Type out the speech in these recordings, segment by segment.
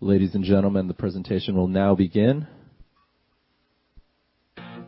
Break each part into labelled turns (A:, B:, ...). A: Ladies and gentlemen, the presentation will now begin.
B: Hey.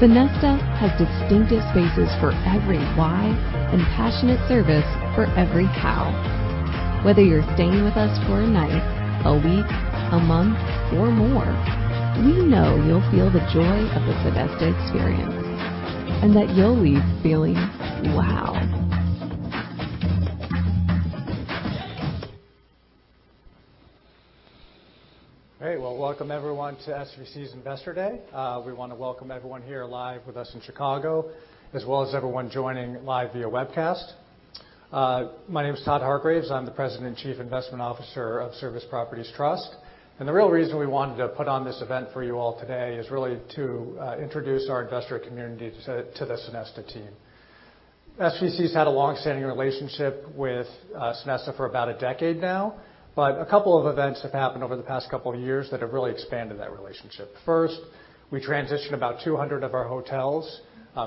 B: Well, welcome everyone to SVC's Investor Day. We wanna welcome everyone here live with us in Chicago, as well as everyone joining live via webcast. My name is Todd Hargreaves. I'm the President and Chief Investment Officer of Service Properties Trust. The real reason we wanted to put on this event for you all today is really to introduce our investor community to the Sonesta team. SVC's had a long-standing relationship with Sonesta for about a decade now, but a couple of events have happened over the past couple of years that have really expanded that relationship. First, we transitioned about 200 of our hotels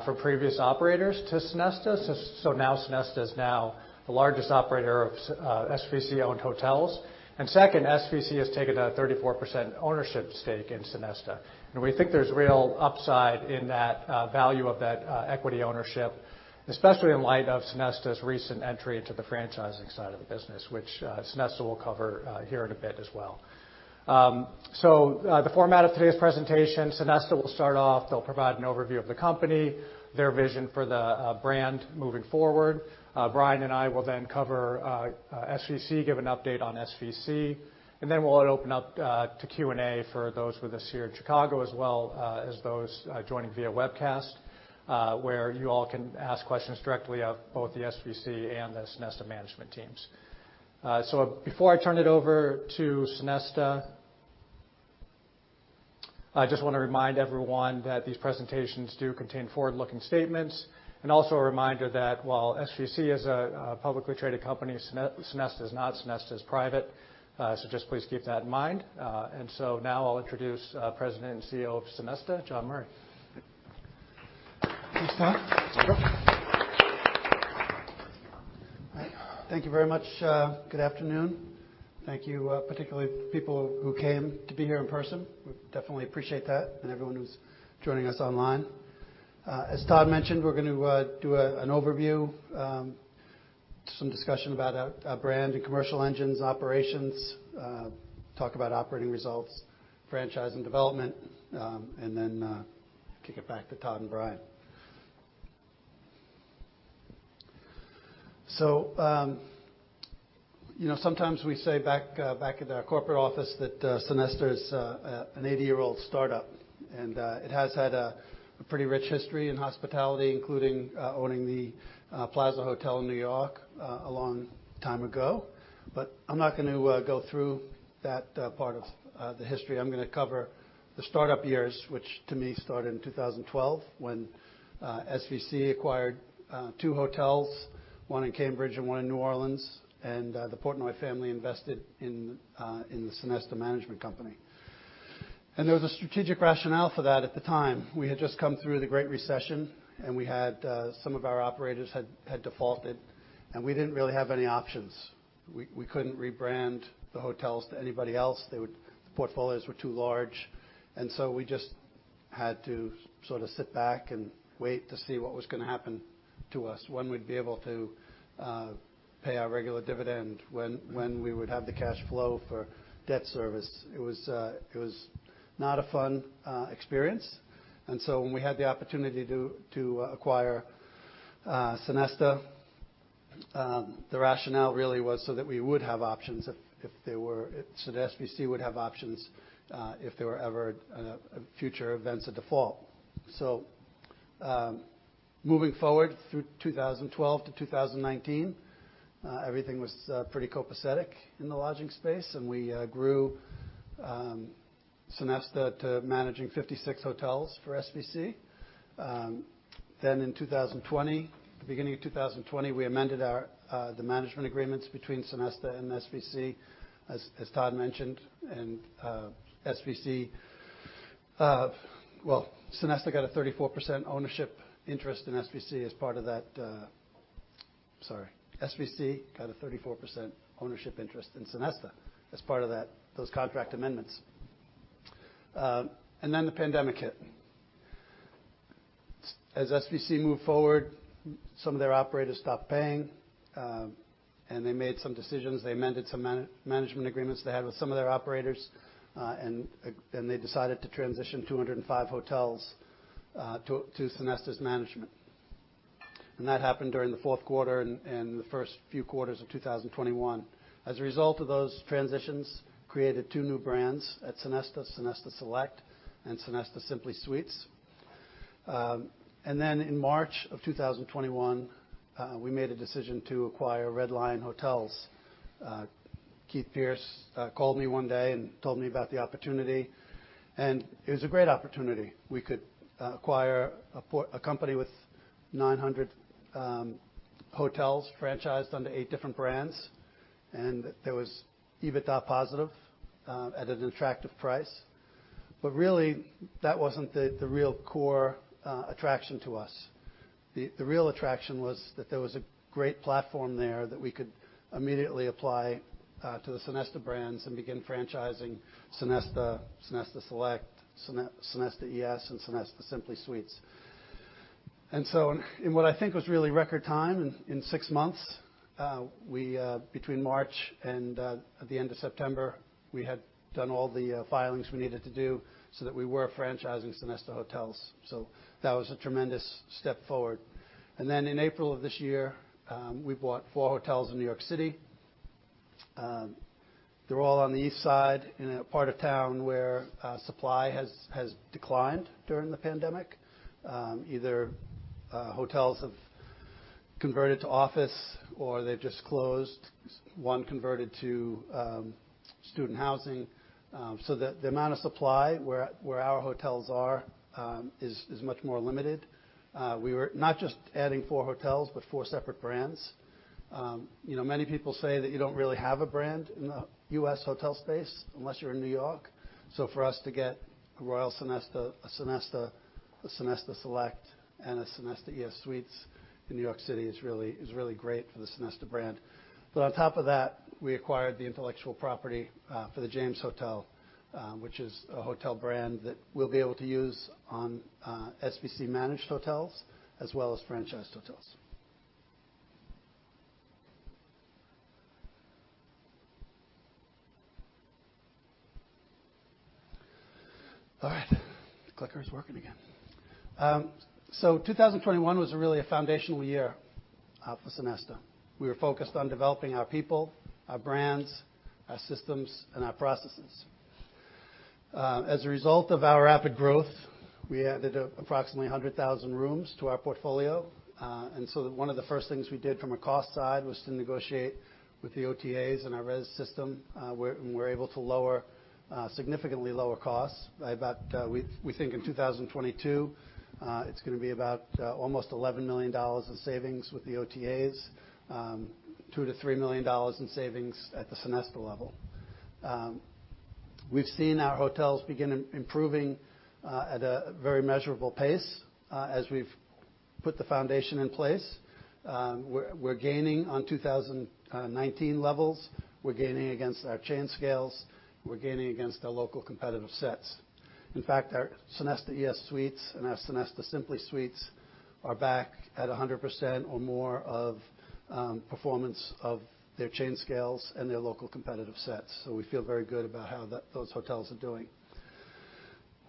B: from previous operators to Sonesta. So now Sonesta is the largest operator of SVC-owned hotels. Second, SVC has taken a 34% ownership stake in Sonesta, and we think there's real upside in that value of that equity ownership, especially in light of Sonesta's recent entry into the franchising side of the business, which Sonesta will cover here in a bit as well. The format of today's presentation, Sonesta will start off. They'll provide an overview of the company, their vision for the brand moving forward. Brian and I will then cover SVC, give an update on SVC, and then we'll open up to Q&A for those with us here in Chicago, as well as those joining via webcast, where you all can ask questions directly of both the SVC and the Sonesta management teams. Before I turn it over to Sonesta, I just wanna remind everyone that these presentations do contain forward-looking statements. A reminder that while SVC is a publicly traded company, Sonesta is not. Sonesta is private. Please just keep that in mind. Now I'll introduce President and CEO of Sonesta, John Murray.
C: Thanks, Todd.
B: Welcome.
C: All right. Thank you very much. Good afternoon. Thank you, particularly people who came to be here in person. We definitely appreciate that, and everyone who's joining us online. As Todd mentioned, we're gonna do an overview, some discussion about our brand and commercial engines, operations, talk about operating results, franchising development, and then kick it back to Todd and Brian. You know, sometimes we say back in our corporate office that Sonesta is an eighty-year-old start-up, and it has had a pretty rich history in hospitality, including owning the Plaza Hotel in New York a long time ago. I'm not gonna go through that part of the history. I'm gonna cover the start-up years, which to me started in 2012 when SVC acquired two hotels, one in Cambridge and one in New Orleans, and the Portnoy family invested in the Sonesta management company. There was a strategic rationale for that at the time. We had just come through the Great Recession, and we had some of our operators had defaulted, and we didn't really have any options. We couldn't rebrand the hotels to anybody else. The portfolios were too large, and so we just had to sort of sit back and wait to see what was gonna happen to us, when we'd be able to pay our regular dividend, when we would have the cash flow for debt service. It was not a fun experience. When we had the opportunity to acquire Sonesta, the rationale really was so that SVC would have options if there were ever future events of default. Moving forward through 2012 to 2019, everything was pretty copacetic in the lodging space, and we grew Sonesta to managing 56 hotels for SVC. Then in 2020, the beginning of 2020, we amended the management agreements between Sonesta and SVC, as Todd mentioned, and SVC. Well, Sonesta got a 34% ownership interest in SVC as part of that. Sorry, SVC got a 34% ownership interest in Sonesta as part of that, those contract amendments. Then the pandemic hit. As SVC moved forward, some of their operators stopped paying. They made some decisions. They amended some management agreements they had with some of their operators, and they decided to transition 205 hotels to Sonesta's management. That happened during the fourth quarter and the first few quarters of 2021. As a result of those transitions, created two new brands at Sonesta Select and Sonesta Simply Suites. In March of 2021, we made a decision to acquire Red Lion Hotels. Keith Pierce called me one day and told me about the opportunity, and it was a great opportunity. We could acquire a company with 900 hotels franchised under eight different brands, and that was EBITDA positive at an attractive price. Really, that wasn't the real core attraction to us. The real attraction was that there was a great platform there that we could immediately apply to the Sonesta brands and begin franchising Sonesta Select, Sonesta ES, and Sonesta Simply Suites. In what I think was really record time, in six months, between March and at the end of September, we had done all the filings we needed to do so that we were franchising Sonesta Hotels. That was a tremendous step forward. In April of this year, we bought four hotels in New York City. They're all on the East Side in a part of town where supply has declined during the pandemic. Either hotels have converted to office or they've just closed. One converted to student housing, so the amount of supply where our hotels are is much more limited. We were not just adding four hotels, but four separate brands. You know, many people say that you don't really have a brand in the U.S. hotel space unless you're in New York. For us to get a Royal Sonesta, a Sonesta, a Sonesta Select, and a Sonesta ES Suites in New York City is really great for the Sonesta brand. On top of that, we acquired the intellectual property for The James, which is a hotel brand that we'll be able to use on SVC-managed hotels as well as franchised hotels. All right. The clicker is working again. 2021 was really a foundational year for Sonesta. We were focused on developing our people, our brands, our systems, and our processes. As a result of our rapid growth, we added approximately 100,000 rooms to our portfolio. One of the first things we did from a cost side was to negotiate with the OTAs and our res system, and we're able to significantly lower costs by about. We think in 2022, it's gonna be about almost $11 million in savings with the OTAs, $2 million-$3 million in savings at the Sonesta level. We've seen our hotels begin improving at a very measurable pace, as we've put the foundation in place. We're gaining on 2019 levels. We're gaining against our chain scales. We're gaining against our local competitive sets. In fact, our Sonesta ES Suites and our Sonesta Simply Suites are back at 100% or more of performance of their chain scales and their local competitive sets. We feel very good about how those hotels are doing.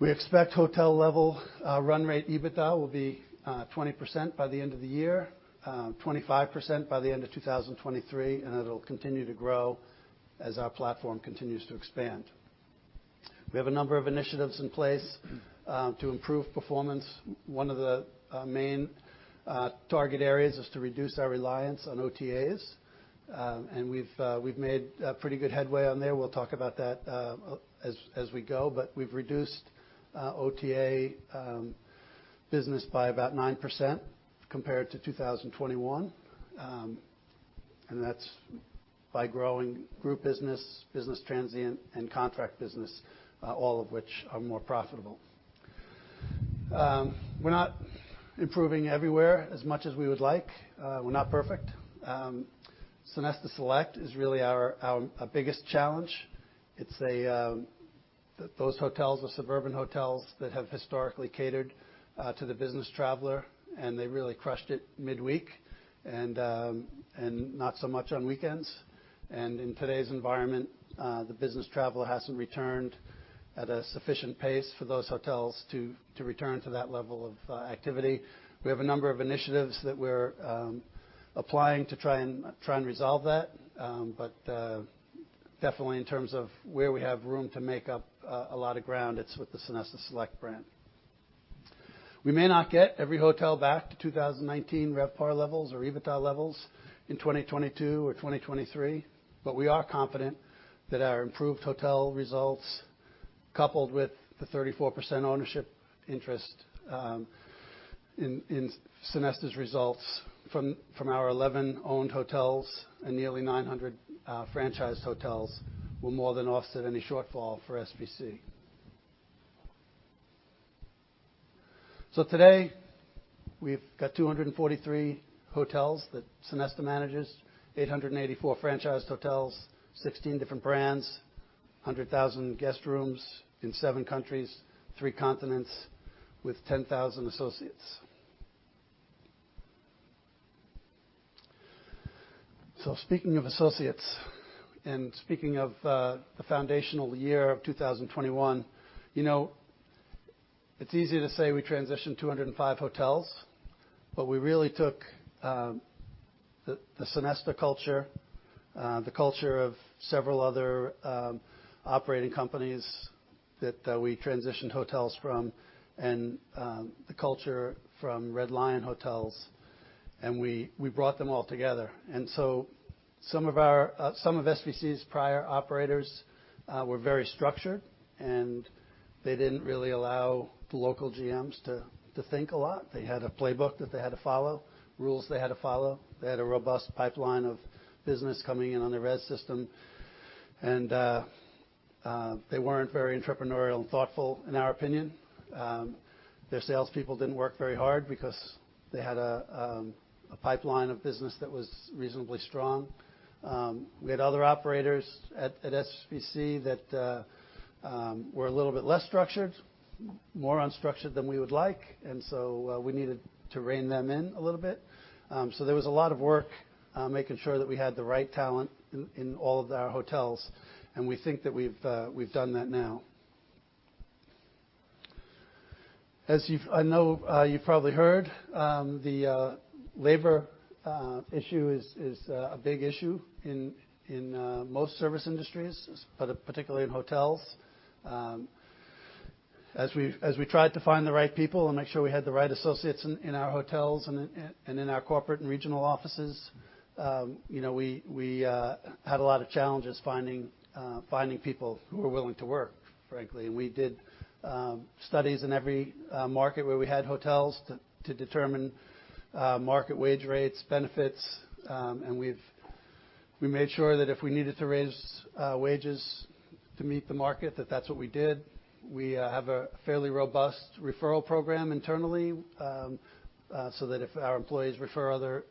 C: We expect hotel level run rate EBITDA will be 20% by the end of the year, 25% by the end of 2023, and it'll continue to grow as our platform continues to expand. We have a number of initiatives in place to improve performance. One of the main target areas is to reduce our reliance on OTAs. We've made pretty good headway on there. We'll talk about that as we go. We've reduced OTA business by about 9% compared to 2021. That's by growing group business transient, and contract business, all of which are more profitable. We're not improving everywhere as much as we would like. We're not perfect. Sonesta Select is really our biggest challenge. It's a... Those hotels are suburban hotels that have historically catered to the business traveler, and they really crushed it midweek and not so much on weekends. In today's environment, the business travel hasn't returned at a sufficient pace for those hotels to return to that level of activity. We have a number of initiatives that we're applying to try and resolve that. Definitely in terms of where we have room to make up a lot of ground, it's with the Sonesta Select brand. We may not get every hotel back to 2019 RevPAR levels or EBITDA levels in 2022 or 2023, but we are confident that our improved hotel results, coupled with the 34% ownership interest in Sonesta's results from our 11 owned hotels and nearly 900 franchised hotels, will more than offset any shortfall for SVC. Today, we've got 243 hotels that Sonesta manages, 884 franchised hotels, 16 different brands, 100,000 guest rooms in seven countries, three continents with 10,000 associates. Speaking of associates and speaking of the foundational year of 2021, you know, it's easy to say we transitioned 205 hotels, but we really took the Sonesta culture, the culture of several other operating companies that we transitioned hotels from and the culture from Red Lion Hotels, and we brought them all together. Some of SVC's prior operators were very structured, and they didn't really allow the local GMs to think a lot. They had a playbook that they had to follow, rules they had to follow. They had a robust pipeline of business coming in on their res system, and they weren't very entrepreneurial and thoughtful, in our opinion. Their salespeople didn't work very hard because they had a pipeline of business that was reasonably strong. We had other operators at SVC that were a little bit less structured, more unstructured than we would like, and so we needed to rein them in a little bit. There was a lot of work making sure that we had the right talent in all of our hotels, and we think that we've done that now. I know you've probably heard the labor issue is a big issue in most service industries, but particularly in hotels. As we tried to find the right people and make sure we had the right associates in our hotels and in our corporate and regional offices, you know, we had a lot of challenges finding people who were willing to work, frankly. We did studies in every market where we had hotels to determine market wage rates, benefits, and we made sure that if we needed to raise wages to meet the market, that's what we did. We have a fairly robust referral program internally, so that if our employees refer other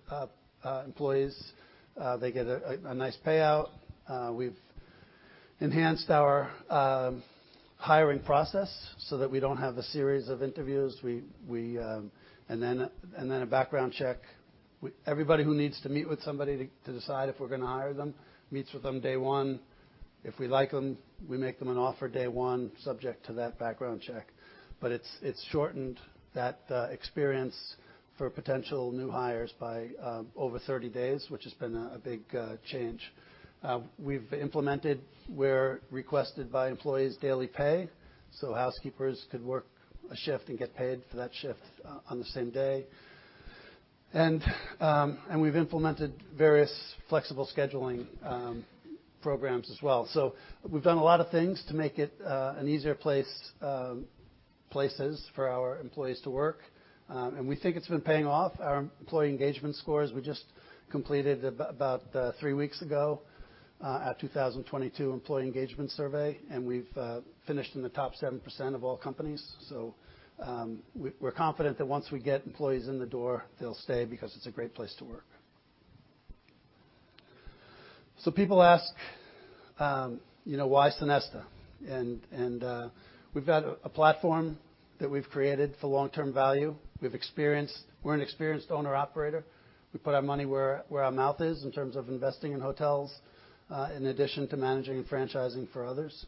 C: employees, they get a nice payout. We've enhanced our hiring process so that we don't have a series of interviews, then a background check. Everybody who needs to meet with somebody to decide if we're gonna hire them meets with them day one. If we like them, we make them an offer day one, subject to that background check. But it's shortened that experience for potential new hires by over 30 days, which has been a big change. We've implemented, where requested by employees, daily pay, so housekeepers could work a shift and get paid for that shift on the same day. We've implemented various flexible scheduling programs as well. We've done a lot of things to make it an easier place for our employees to work. We think it's been paying off. Our employee engagement scores, we just completed about three weeks ago our 2022 employee engagement survey, and we've finished in the top 7% of all companies. We're confident that once we get employees in the door, they'll stay because it's a great place to work. People ask, you know, "Why Sonesta?" We've got a platform that we've created for long-term value. We have experience. We're an experienced owner-operator. We put our money where our mouth is in terms of investing in hotels in addition to managing and franchising for others.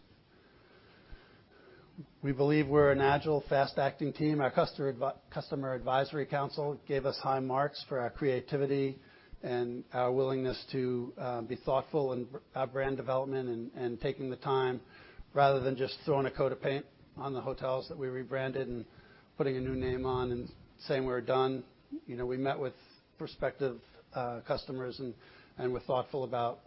C: We believe we're an agile, fast-acting team. Our customer advisory council gave us high marks for our creativity and our willingness to be thoughtful in our brand development and taking the time rather than just throwing a coat of paint on the hotels that we rebranded and putting a new name on and saying we're done. You know, we met with prospective customers and were thoughtful about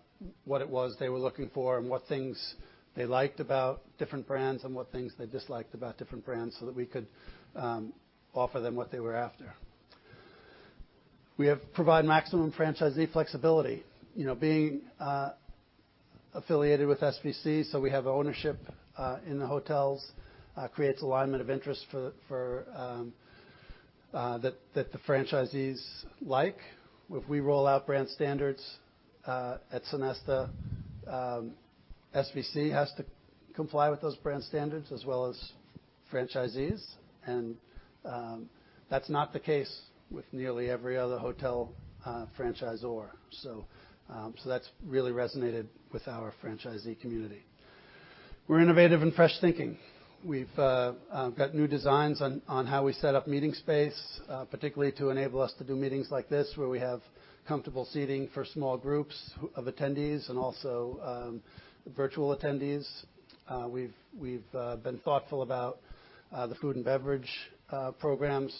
C: what it was they were looking for and what things they liked about different brands and what things they disliked about different brands so that we could offer them what they were after. We have provided maximum franchisee flexibility. You know, being affiliated with SVC, so we have ownership in the hotels creates alignment of interest for that the franchisees like. If we roll out brand standards at Sonesta, SVC has to comply with those brand standards as well as franchisees and that's not the case with nearly every other hotel franchisor. That's really resonated with our franchisee community. We're innovative and fresh thinking. We've got new designs on how we set up meeting space, particularly to enable us to do meetings like this, where we have comfortable seating for small groups of attendees and also virtual attendees. We've been thoughtful about the food and beverage programs,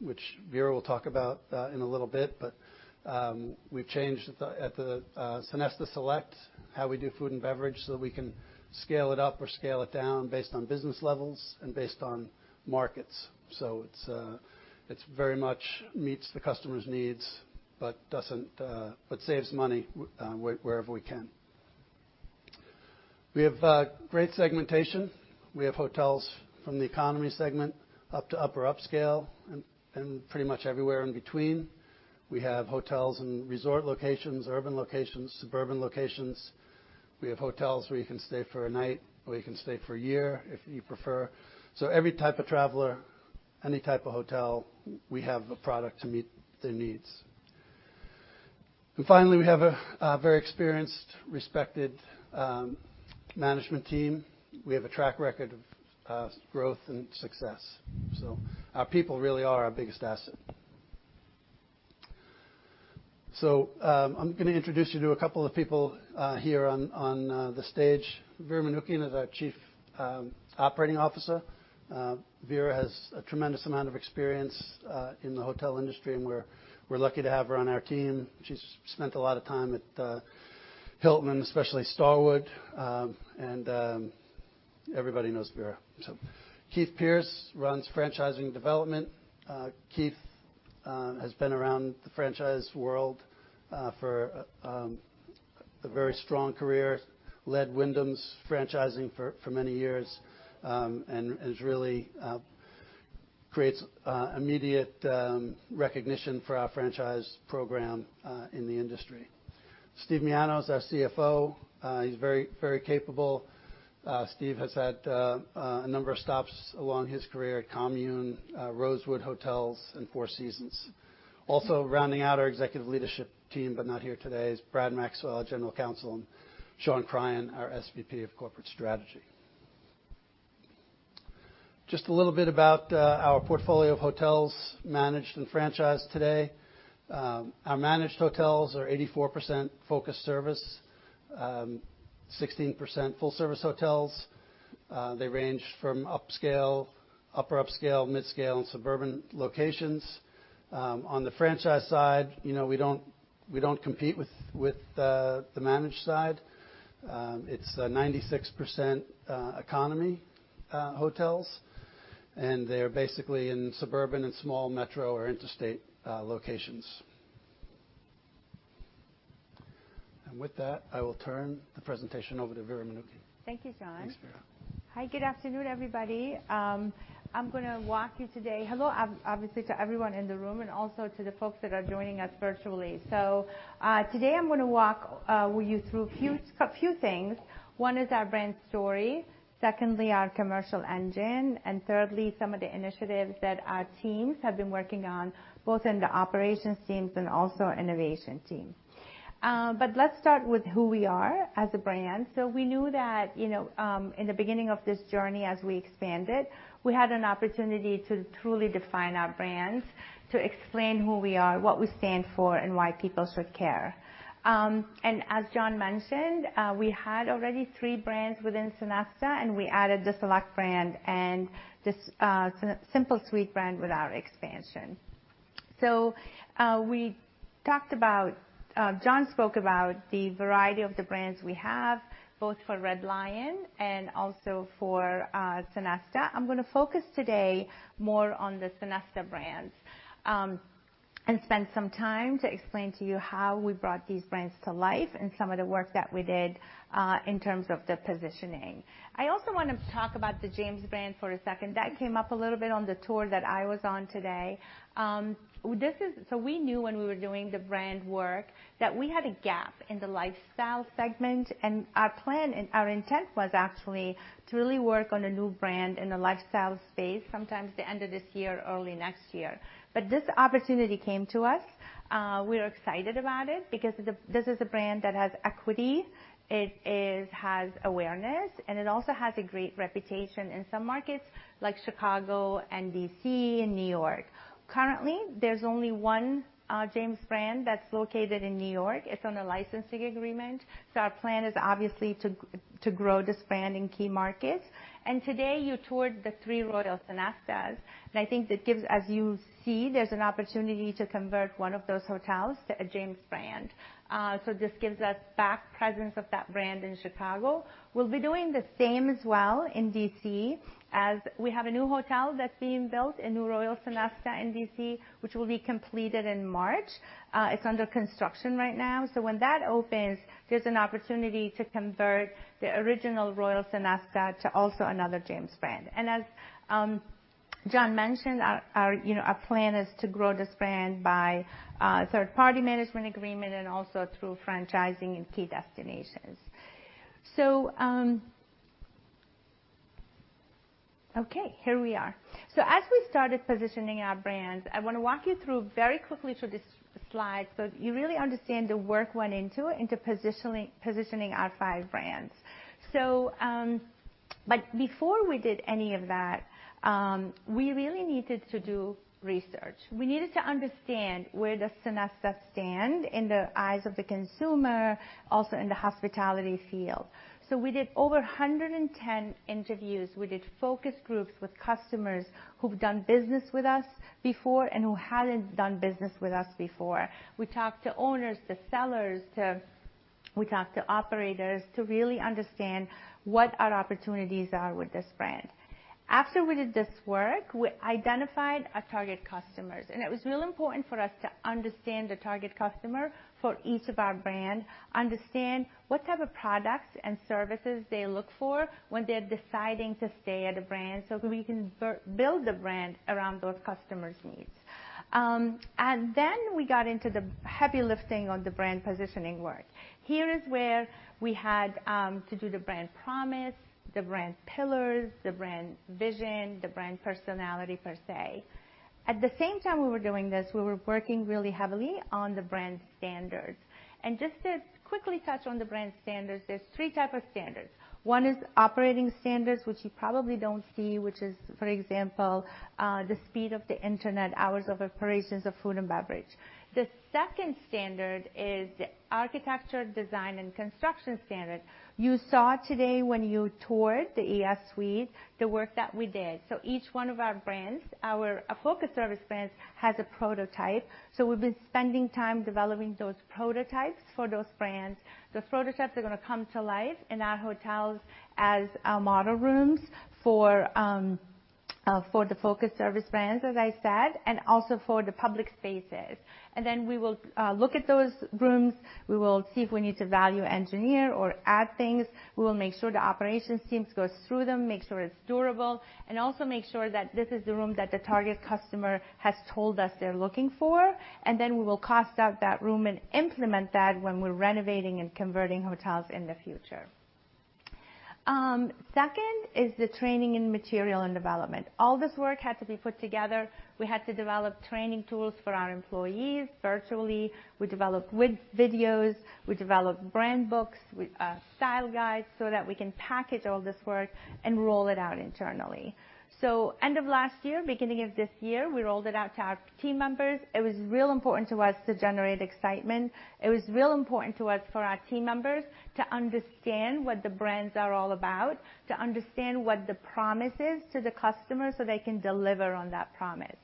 C: which Vera will talk about in a little bit. We've changed at the Sonesta Select how we do food and beverage so that we can scale it up or scale it down based on business levels and based on markets. It very much meets the customer's needs, but doesn't save money wherever we can. We have great segmentation. We have hotels from the economy segment up to upper upscale and pretty much everywhere in between. We have hotels in resort locations, urban locations, suburban locations. We have hotels where you can stay for a night, or you can stay for a year if you prefer. Every type of traveler. Any type of hotel, we have a product to meet their needs. Finally, we have a very experienced, respected management team. We have a track record of growth and success. Our people really are our biggest asset. I'm gonna introduce you to a couple of people here on the stage. Vera Manoukian is our Chief Operating Officer. Vera has a tremendous amount of experience in the hotel industry, and we're lucky to have her on our team. She's spent a lot of time at Hilton, especially Starwood, and everybody knows Vera. Keith Pierce runs franchise and development. Keith has been around the franchise world for a very strong career, led Wyndham's franchising for many years, and has really creates immediate recognition for our franchise program in the industry. Steve Miano is our CFO. He's very capable. Steve has had a number of stops along his career at Commune, Rosewood Hotels and Four Seasons. Also rounding out our executive leadership team, but not here today, is Brad Maxwell, our General Counsel, and Shawn Cryan, our SVP of Corporate Strategy. Just a little bit about our portfolio of hotels managed and franchised today. Our managed hotels are 84% focused-service, 16% full-service hotels. They range from upscale, upper-upscale, midscale and suburban locations. On the franchise side, you know, we don't compete with the managed side. It's 96% economy hotels, and they're basically in suburban and small metro or interstate locations. With that, I will turn the presentation over to Vera Manoukian.
D: Thank you, John.
C: Thanks, Vera.
D: Hi, good afternoon, everybody. Hello, obviously to everyone in the room and also to the folks that are joining us virtually. Today I'm gonna walk you through a few things. One is our brand story, secondly, our commercial engine, and thirdly, some of the initiatives that our teams have been working on, both in the operations teams and also our innovation team. Let's start with who we are as a brand. We knew that, you know, in the beginning of this journey as we expanded, we had an opportunity to truly define our brands, to explain who we are, what we stand for, and why people should care. As John mentioned, we had already three brands within Sonesta, and we added the Select brand and the Simply Suites brand with our expansion. John spoke about the variety of the brands we have, both for Red Lion and also for Sonesta. I'm gonna focus today more on the Sonesta brands, and spend some time to explain to you how we brought these brands to life and some of the work that we did in terms of the positioning. I also wanna talk about The James brand for a second. That came up a little bit on the tour that I was on today. We knew when we were doing the brand work that we had a gap in the lifestyle segment, and our plan and our intent was actually to really work on a new brand in the lifestyle space, sometime at the end of this year or early next year. This opportunity came to us. We're excited about it because this is a brand that has equity. It has awareness, and it also has a great reputation in some markets like Chicago and D.C. and New York. Currently, there's only one James brand that's located in New York. It's on a licensing agreement, so our plan is obviously to grow this brand in key markets. Today, you toured the three Royal Sonestas, and I think that gives, as you see, there's an opportunity to convert one of those hotels to a James brand. This gives us back presence of that brand in Chicago. We'll be doing the same as well in D.C. as we have a new hotel that's being built, a new Royal Sonesta in D.C., which will be completed in March. It's under construction right now. When that opens, there's an opportunity to convert the original Royal Sonesta to also another James brand. As John mentioned, you know, our plan is to grow this brand by third-party management agreement and also through franchising in key destinations. Okay, here we are. As we started positioning our brands, I wanna walk you through very quickly through this slide so you really understand the work went into it, into positioning our five brands. Before we did any of that, we really needed to do research. We needed to understand where does Sonesta stand in the eyes of the consumer, also in the hospitality field. We did over 110 interviews. We did focus groups with customers who've done business with us before and who hadn't done business with us before. We talked to owners, to sellers, to operators to really understand what our opportunities are with this brand. After we did this work, we identified our target customers, and it was real important for us to understand the target customer for each of our brand, understand what type of products and services they look for when they're deciding to stay at a brand so we can build the brand around those customers' needs. Then we got into the heavy lifting on the brand positioning work. Here is where we had to do the brand promise, the brand pillars, the brand vision, the brand personality, per se. At the same time we were doing this, we were working really heavily on the brand standards. Just to quickly touch on the brand standards, there's three type of standards. One is operating standards, which you probably don't see, which is, for example, the speed of the Internet, hours of operations of food and beverage. The second standard is architecture, design, and construction standards. You saw today when you toured the ES Suites, the work that we did. Each one of our brands, our focused-service brands, has a prototype. We've been spending time developing those prototypes for those brands. Those prototypes are gonna come to life in our hotels as model rooms for the focused-service brands, as I said, and also for the public spaces. We will look at those rooms. We will see if we need to value engineer or add things. We will make sure the operations teams goes through them, make sure it's durable, and also make sure that this is the room that the target customer has told us they're looking for. We will cost out that room and implement that when we're renovating and converting hotels in the future. Second is the training and material and development. All this work had to be put together. We had to develop training tools for our employees virtually. We developed videos, we developed brand books with style guides so that we can package all this work and roll it out internally. End of last year, beginning of this year, we rolled it out to our team members. It was real important to us to generate excitement. It was real important to us for our team members to understand what the brands are all about, to understand what the promise is to the customer, so they can deliver on that promise.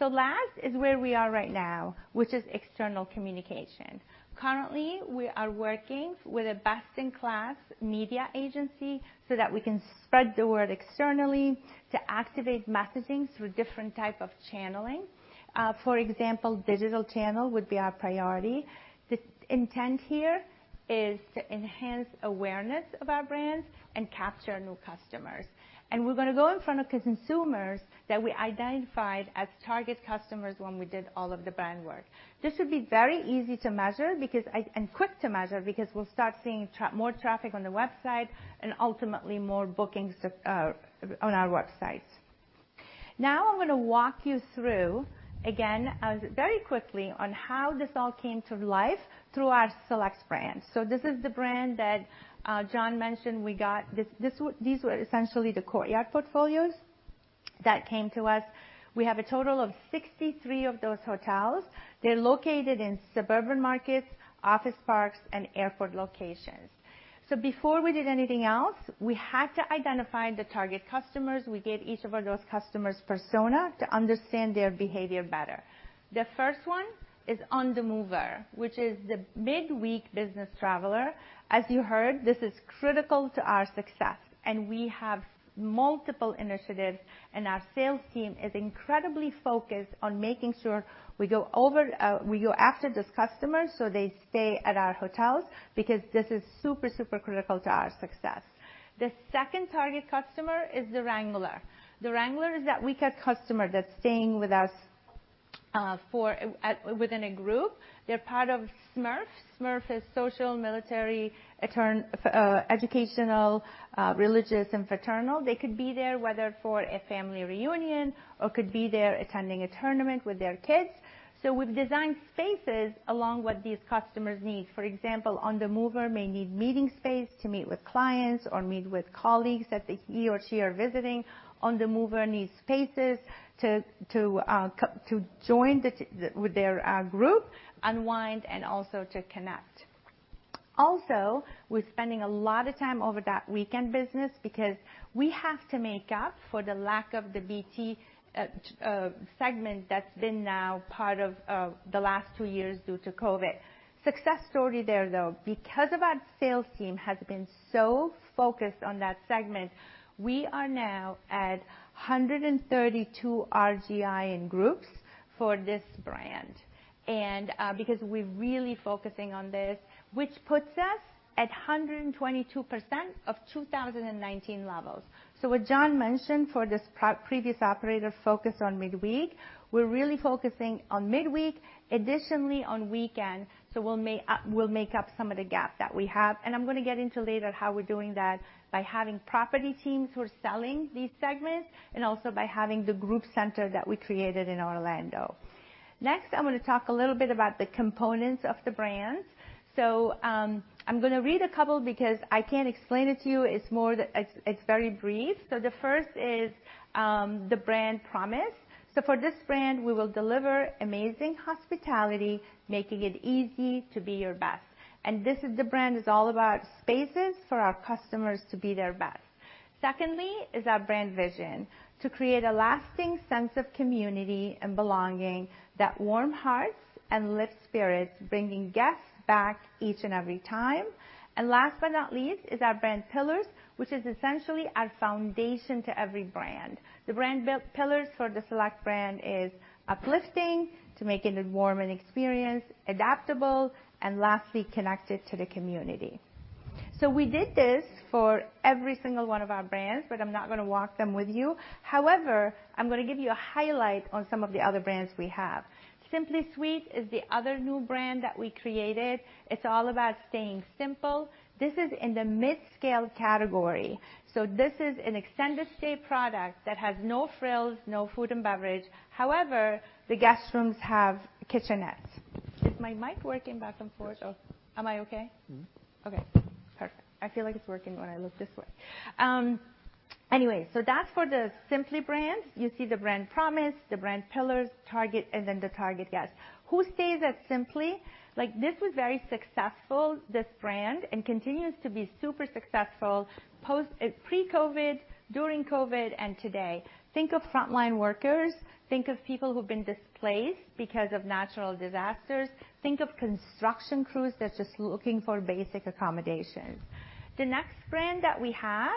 D: Last is where we are right now, which is external communication. Currently, we are working with a best-in-class media agency so that we can spread the word externally to activate messaging through different type of channeling. For example, digital channel would be our priority. The intent here is to enhance awareness of our brands and capture new customers. We're gonna go in front of consumers that we identified as target customers when we did all of the brand work. This should be very easy to measure and quick to measure because we'll start seeing more traffic on the website and ultimately more bookings on our websites. Now I'm gonna walk you through, again, very quickly on how this all came to life through our Select brand. This is the brand that John mentioned. These were essentially the Courtyard portfolios that came to us. We have a total of 63 of those hotels. They're located in suburban markets, office parks, and airport locations. Before we did anything else, we had to identify the target customers. We gave each of those customers persona to understand their behavior better. The first one is On the Mover, which is the midweek business traveler. As you heard, this is critical to our success, and we have multiple initiatives, and our sales team is incredibly focused on making sure we go after this customer, so they stay at our hotels because this is super critical to our success. The second target customer is the Wrangler. The Wrangler is that weekend customer that's staying with us within a group. They're part of SMERF. SMERF is social, military, educational, religious, and fraternal. They could be there, whether for a family reunion or could be there attending a tournament with their kids. We've designed spaces along with what these customers need. For example, the On the Mover may need meeting space to meet with clients or meet with colleagues that he or she are visiting. The On the Mover needs spaces to join with their group, unwind, and also to connect. Also, we're spending a lot of time over that weekend business because we have to make up for the lack of the BT segment that's been no part of the last two years due to COVID. Success story there, though. Because of our sales team has been so focused on that segment, we are now at 132 RGI in groups for this brand. Because we're really focusing on this, which puts us at 122% of 2019 levels. What John mentioned for this previous operator focus on midweek, we're really focusing on midweek, additionally on weekend, so we'll make up some of the gap that we have. I'm gonna get into later how we're doing that by having property teams who are selling these segments and also by having the group center that we created in Orlando. Next, I'm gonna talk a little bit about the components of the brands. I'm gonna read a couple because I can't explain it to you. It's very brief. The first is the brand promise. For this brand, we will deliver amazing hospitality, making it easy to be your best. This is the brand. It's all about spaces for our customers to be their best. Secondly is our brand vision: to create a lasting sense of community and belonging that warm hearts and lift spirits, bringing guests back each and every time. Last but not least is our brand pillars, which is essentially our foundation to every brand. The brand pillars for the Select brand is uplifting, to make it a warm experience, adaptable, and lastly, connected to the community. We did this for every single one of our brands, but I'm not gonna walk you through them. However, I'm gonna give you a highlight on some of the other brands we have. Simply Suites is the other new brand that we created. It's all about staying simple. This is in the mid-scale category. This is an extended stay product that has no frills, no food and beverage. However, the guest rooms have kitchenettes. Is my mic working back and forth or am I okay?
C: Mm-hmm.
D: Okay, perfect. I feel like it's working when I look this way. Anyway, that's for the Simply brand. You see the brand promise, the brand pillars, target, and then the target guest. Who stays at Simply? Like, this was very successful, this brand, and continues to be super successful pre-COVID, and today. Think of frontline workers, think of people who've been displaced because of natural disasters, think of construction crews that's just looking for basic accommodations. The next brand that we have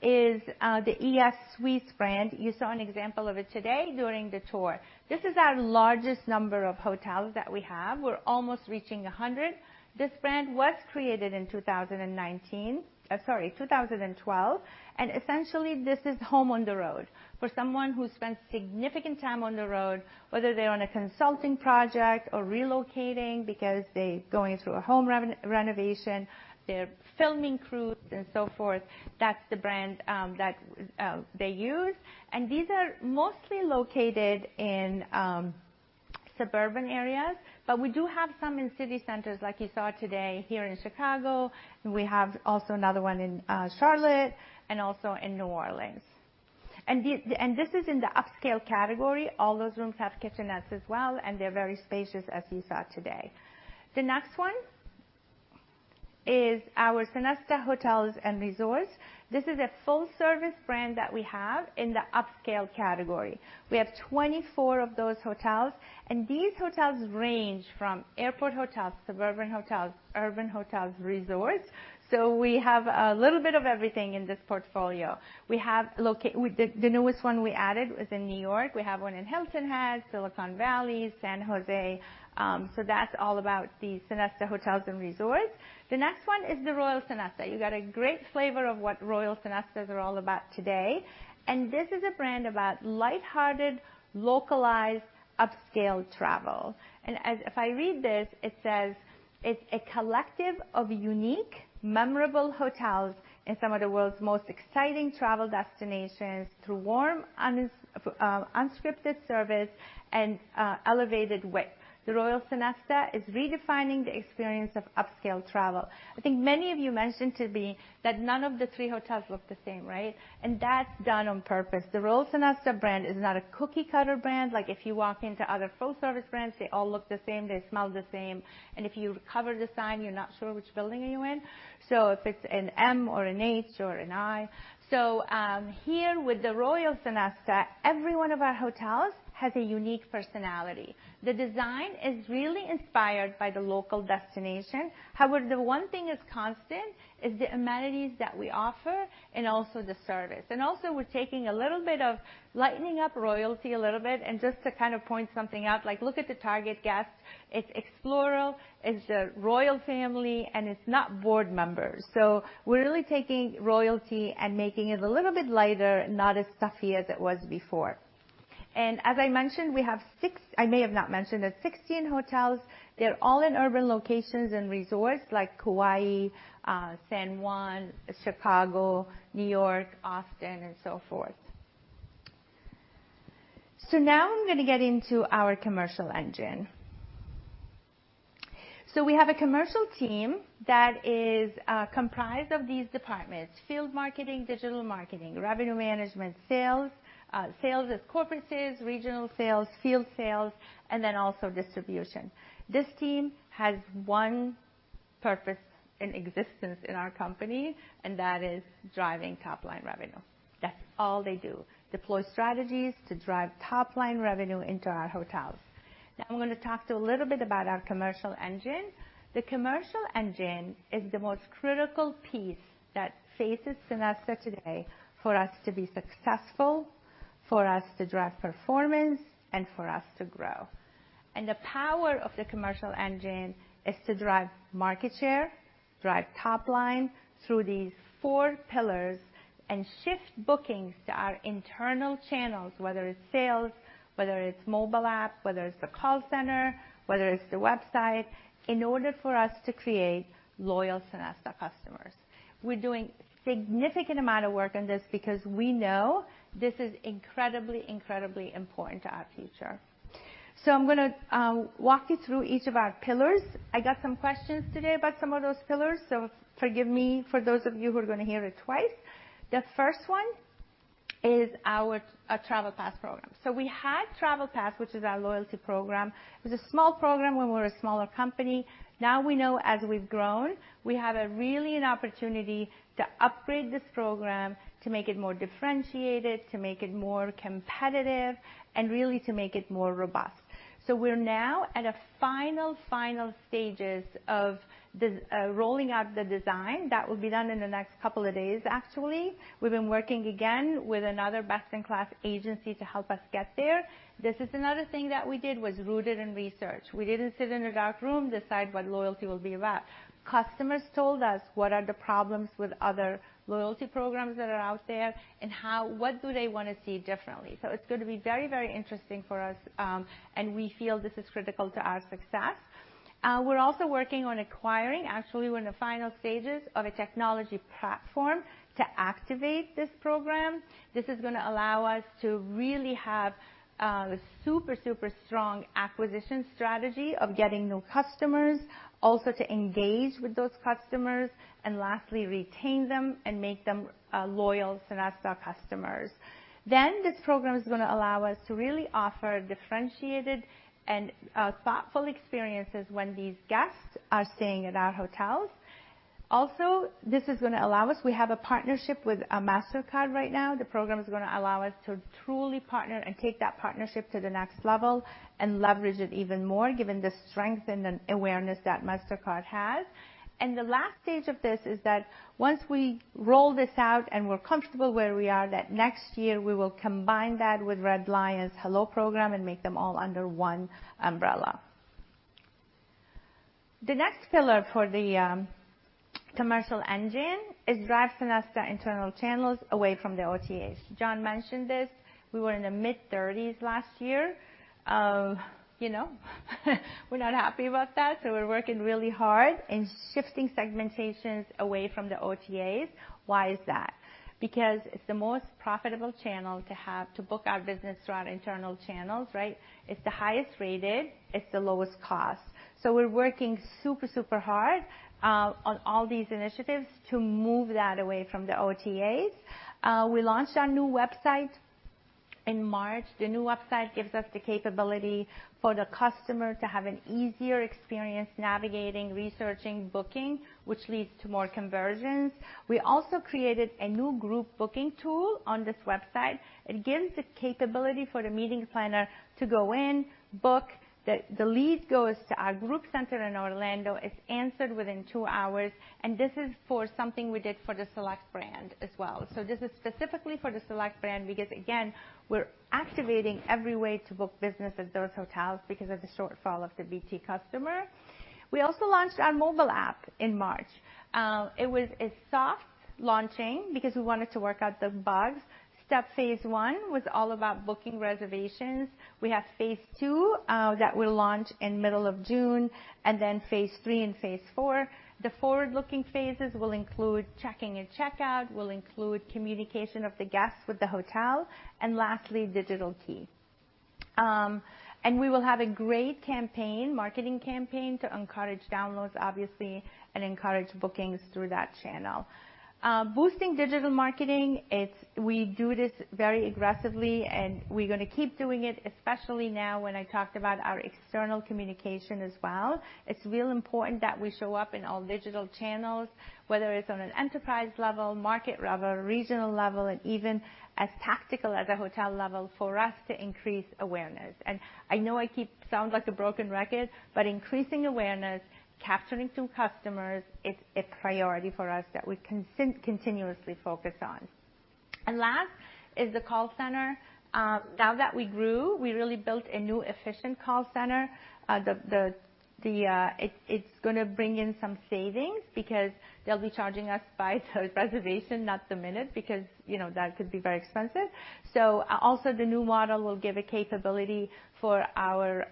D: is the ES Suites brand. You saw an example of it today during the tour. This is our largest number of hotels that we have. We're almost reaching 100. This brand was created in 2012. Essentially, this is home on the road. For someone who spends significant time on the road, whether they're on a consulting project or relocating because they're going through a home renovation, they're filming crews and so forth, that's the brand that they use. These are mostly located in suburban areas, but we do have some in city centers like you saw today here in Chicago, and we have also another one in Charlotte and also in New Orleans. This is in the upscale category. All those rooms have kitchenettes as well, and they're very spacious as you saw today. The next one is our Sonesta Hotels & Resorts. This is a full-service brand that we have in the upscale category. We have 24 of those hotels, and these hotels range from airport hotels, suburban hotels, urban hotels, resorts. We have a little bit of everything in this portfolio. The newest one we added was in New York. We have one in Hilton Head, Silicon Valley, San Jose. So that's all about the Sonesta Hotels and Resorts. The next one is the Royal Sonesta. You got a great flavor of what Royal Sonestas are all about today. This is a brand about lighthearted, localized, upscale travel. If I read this, it says, "It's a collective of unique, memorable hotels in some of the world's most exciting travel destinations through warm, unscripted service and elevated wit. The Royal Sonesta is redefining the experience of upscale travel." I think many of you mentioned to me that none of the three hotels look the same, right? That's done on purpose. The Royal Sonesta brand is not a cookie cutter brand. Like, if you walk into other full service brands, they all look the same, they smell the same. If you cover the sign, you're not sure which building are you in. If it's an M or an H or an I. Here with the Royal Sonesta, every one of our hotels has a unique personality. The design is really inspired by the local destination. However, the one thing that's constant is the amenities that we offer and also the service. Also we're taking a little bit of lightening up royalty a little bit and just to kind of point something out, like look at the target guests. It's explorers, it's a royal family, and it's not board members. We're really taking royalty and making it a little bit lighter, not as stuffy as it was before. As I mentioned, I may have not mentioned it, we have 16 hotels. They're all in urban locations and resorts like Kauai, San Juan, Chicago, New York, Austin, and so forth. Now I'm gonna get into our commercial engine. We have a commercial team that is comprised of these departments, field marketing, digital marketing, revenue management, sales is corporate sales, regional sales, field sales, and then also distribution. This team has one purpose in existence in our company, and that is driving top-line revenue. That's all they do, deploy strategies to drive top-line revenue into our hotels. Now, I'm gonna talk to you a little bit about our commercial engine. The commercial engine is the most critical piece that faces Sonesta today for us to be successful, for us to drive performance, and for us to grow. The power of the commercial engine is to drive market share, drive top line through these four pillars and shift bookings to our internal channels, whether it's sales, whether it's mobile app, whether it's the call center, whether it's the website, in order for us to create loyal Sonesta customers. We're doing significant amount of work on this because we know this is incredibly important to our future. I'm gonna walk you through each of our pillars. I got some questions today about some of those pillars, so forgive me for those of you who are gonna hear it twice. The first one is our Travel Pass program. We had Travel Pass, which is our loyalty program. It was a small program when we were a smaller company. Now we know as we've grown, we have a really an opportunity to upgrade this program, to make it more differentiated, to make it more competitive, and really to make it more robust. We're now at a final stages of rolling out the design. That will be done in the next couple of days, actually. We've been working again with another best-in-class agency to help us get there. This is another thing that we did, was rooted in research. We didn't sit in a dark room, decide what loyalty will be about. Customers told us what are the problems with other loyalty programs that are out there and what do they wanna see differently. It's gonna be very interesting for us, and we feel this is critical to our success. We're also working on acquiring. Actually, we're in the final stages of a technology platform to activate this program. This is gonna allow us to really have super strong acquisition strategy of getting new customers, also to engage with those customers, and lastly, retain them and make them loyal Sonesta customers. This program is gonna allow us to really offer differentiated and thoughtful experiences when these guests are staying at our hotels. We have a partnership with Mastercard right now. The program is gonna allow us to truly partner and take that partnership to the next level and leverage it even more given the strength and then awareness that Mastercard has. The last stage of this is that once we roll this out and we're comfortable where we are, that next year we will combine that with Red Lion's Hello program and make them all under one umbrella. The next pillar for the commercial engine is drive Sonesta internal channels away from the OTAs. John mentioned this. We were in the mid-30s% last year. You know, we're not happy about that, so we're working really hard in shifting segmentations away from the OTAs. Why is that? Because it's the most profitable channel to have to book our business through our internal channels, right? It's the highest rated, it's the lowest cost. We're working super hard on all these initiatives to move that away from the OTAs. We launched our new website in March. The new website gives us the capability for the customer to have an easier experience navigating, researching, booking, which leads to more conversions. We also created a new group booking tool on this website. It gives the capability for the meeting planner to go in, book. The lead goes to our group center in Orlando. It's answered within two hours, and this is for something we did for the Select brand as well. This is specifically for the Select brand because, again, we're activating every way to book business at those hotels because of the shortfall of the BT customer. We also launched our mobile app in March. It was a soft launching because we wanted to work out the bugs. Step phase one was all about booking reservations. We have phase two that we'll launch in middle of June, and then phase three and phase four. The forward-looking phases will include check-in and checkout, will include communication of the guests with the hotel, and lastly, digital key. We will have a great campaign, marketing campaign to encourage downloads, obviously, and encourage bookings through that channel. Boosting digital marketing, we do this very aggressively, and we're gonna keep doing it, especially now when I talked about our external communication as well. It's real important that we show up in all digital channels, whether it's on an enterprise level, market level, regional level, and even as tactical as a hotel level for us to increase awareness. I know I keep sounding like a broken record, but increasing awareness, capturing some customers, it's a priority for us that we continuously focus on. Last is the call center. Now that we grew, we really built a new efficient call center. It's gonna bring in some savings because they'll be charging us by reservation, not the minute, because, you know, that could be very expensive. Also the new model will give a capability for our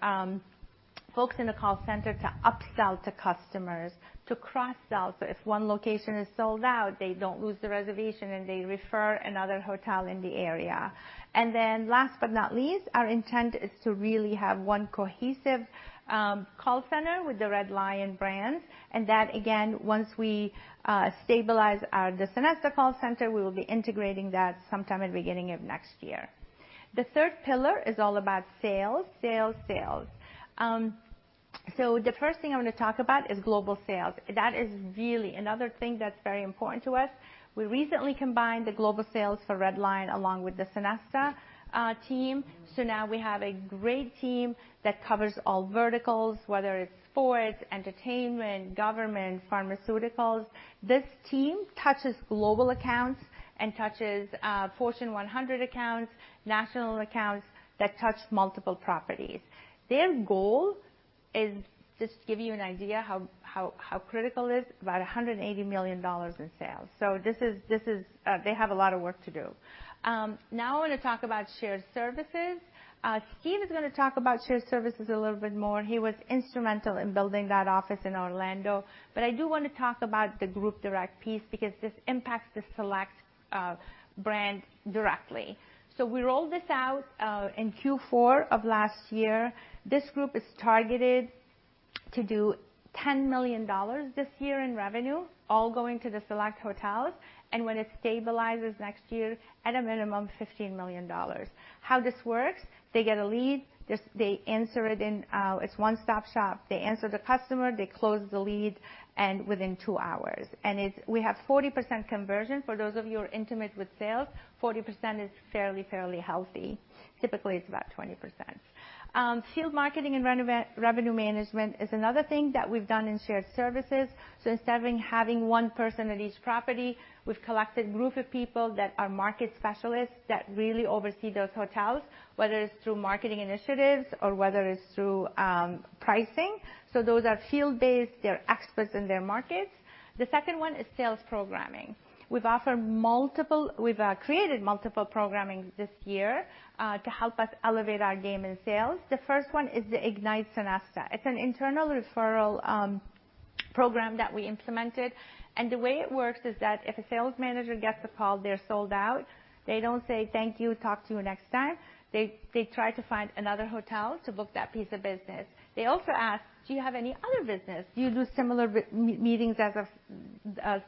D: folks in the call center to upsell to customers, to cross-sell. If one location is sold out, they don't lose the reservation, and they refer another hotel in the area. Last but not least, our intent is to really have one cohesive call center with the Red Lion brands. That, again, once we stabilize the Sonesta call center, we will be integrating that sometime in the beginning of next year. The third pillar is all about sales, sales. The first thing I'm gonna talk about is global sales. That is really another thing that's very important to us. We recently combined the global sales for Red Lion along with the Sonesta team. Now we have a great team that covers all verticals, whether it's sports, entertainment, government, pharmaceuticals. This team touches global accounts and touches Fortune 100 accounts, national accounts that touch multiple properties. Their goal is, just to give you an idea how critical it is, about $180 million in sales. This is. They have a lot of work to do. Now I wanna talk about shared services. Steve is gonna talk about shared services a little bit more. He was instrumental in building that office in Orlando. I do wanna talk about the group direct piece because this impacts the Select brand directly. We rolled this out in Q4 of last year. This group is targeted to do $10 million this year in revenue, all going to the Select hotels, and when it stabilizes next year, at a minimum, $15 million. How this works, they get a lead, just they answer it in. It's one-stop shop. They answer the customer, they close the lead, and within two hours. We have 40% conversion. For those of you who are intimate with sales, 40% is fairly healthy. Typically, it's about 20%. Field marketing and revenue management is another thing that we've done in shared services. Instead of having one person at each property, we've collected group of people that are market specialists that really oversee those hotels, whether it's through marketing initiatives or whether it's through pricing. Those are field-based. They're experts in their markets. The second one is sales programming. We've created multiple programming this year to help us elevate our game in sales. The first one is the Ignite Sonesta. It's an internal referral program that we implemented. The way it works is that if a sales manager gets a call, they're sold out, they don't say, "Thank you, talk to you next time." They try to find another hotel to book that piece of business. They also ask, "Do you have any other business? Do you do similar meetings as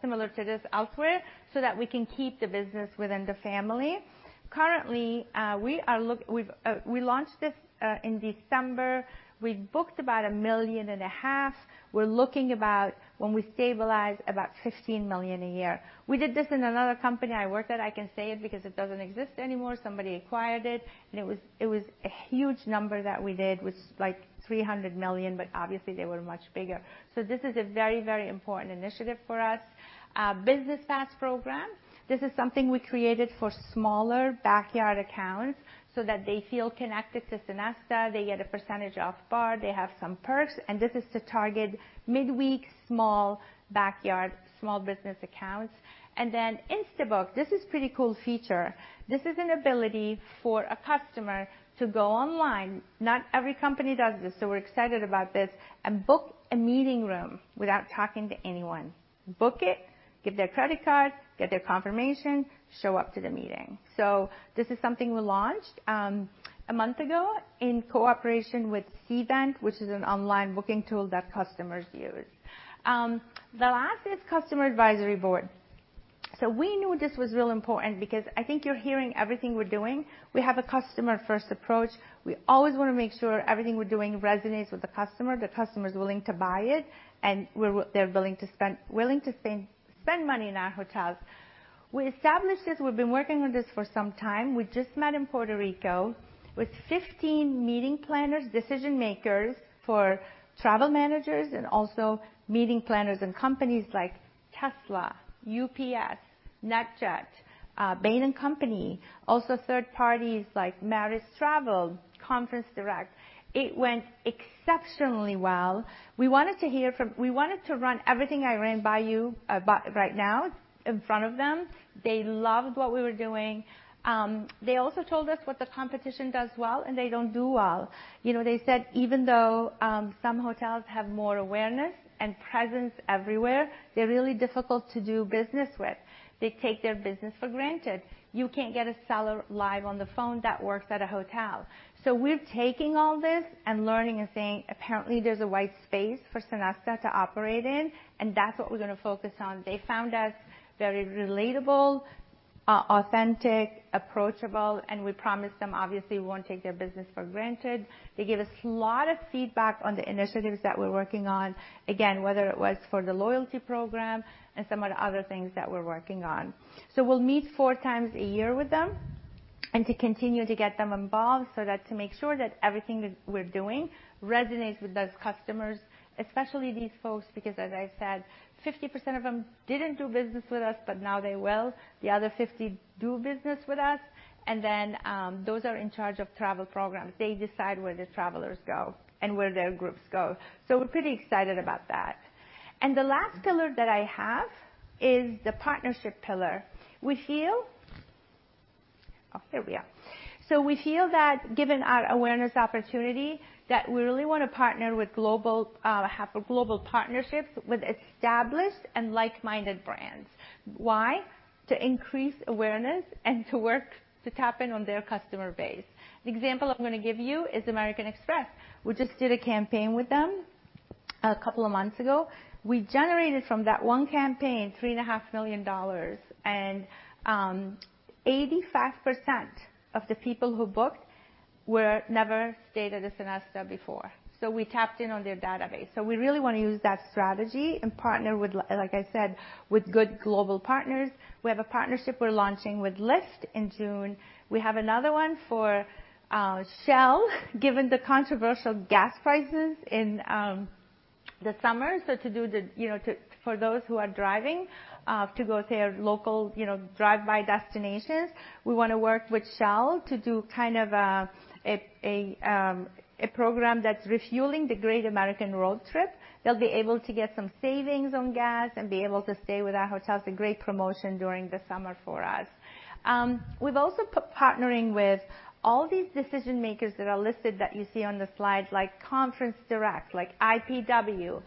D: similar to this elsewhere so that we can keep the business within the family?" Currently, we launched this in December. We've booked about $1.5 million. We're looking, when we stabilize, about $15 million a year. We did this in another company I worked at. I can say it because it doesn't exist anymore. Somebody acquired it, and it was a huge number that we did, was like $300 million, but obviously they were much bigger. This is a very, very important initiative for us. Business Pass program. This is something we created for smaller backyard accounts so that they feel connected to Sonesta. They get a percentage off bar, they have some perks, and this is to target midweek, small backyard, small business accounts. Instant Book. This is a pretty cool feature. This is an ability for a customer to go online, not every company does this, so we're excited about this, and book a meeting room without talking to anyone. Book it, give their credit card, get their confirmation, show up to the meeting. This is something we launched a month ago in cooperation with Cvent, which is an online booking tool that customers use. The last is Customer Advisory Board. We knew this was real important because I think you're hearing everything we're doing. We have a customer first approach. We always wanna make sure everything we're doing resonates with the customer, the customer's willing to buy it, and they're willing to spend money in our hotels. We established this. We've been working on this for some time. We just met in Puerto Rico with 15 meeting planners, decision makers for travel managers and also meeting planners and companies like Tesla, UPS, NetJets, Bain & Company, also third parties like Maritz Travel, ConferenceDirect. It went exceptionally well. We wanted to run everything I ran by you right now in front of them. They loved what we were doing. They also told us what the competition does well and they don't do well. You know, they said even though some hotels have more awareness and presence everywhere, they're really difficult to do business with. They take their business for granted. You can't get a seller live on the phone that works at a hotel. We're taking all this and learning and saying, apparently, there's a wide space for Sonesta to operate in, and that's what we're gonna focus on. They found us very relatable, authentic, approachable, and we promised them, obviously, we won't take their business for granted. They gave us a lot of feedback on the initiatives that we're working on, again, whether it was for the loyalty program and some of the other things that we're working on. We'll meet four times a year with them and to continue to get them involved so that to make sure that everything we're doing resonates with those customers, especially these folks, because as I said, 50% of them didn't do business with us, but now they will. The other 50 do business with us, and then those are in charge of travel programs. They decide where the travelers go and where their groups go. We're pretty excited about that. The last pillar that I have is the partnership pillar. We feel that given our awareness opportunity, that we really wanna partner globally, have a global partnerships with established and like-minded brands. Why? To increase awareness and to work to tap in on their customer base. The example I'm gonna give you is American Express. We just did a campaign with them a couple of months ago. We generated from that one campaign $3.5 million, and 85% of the people who booked were never stayed at a Sonesta before. We tapped in on their database. We really wanna use that strategy and partner with, like I said, with good global partners. We have a partnership we're launching with Lyft in June. We have another one for Shell, given the controversial gas prices in the summer. For those who are driving to go to their local, you know, drive-by destinations, we wanna work with Shell to do kind of a program that's refueling the great American road trip. They'll be able to get some savings on gas and be able to stay with our hotels, a great promotion during the summer for us. We've also partnering with all these decision makers that are listed that you see on the slide, like ConferenceDirect, like IPW,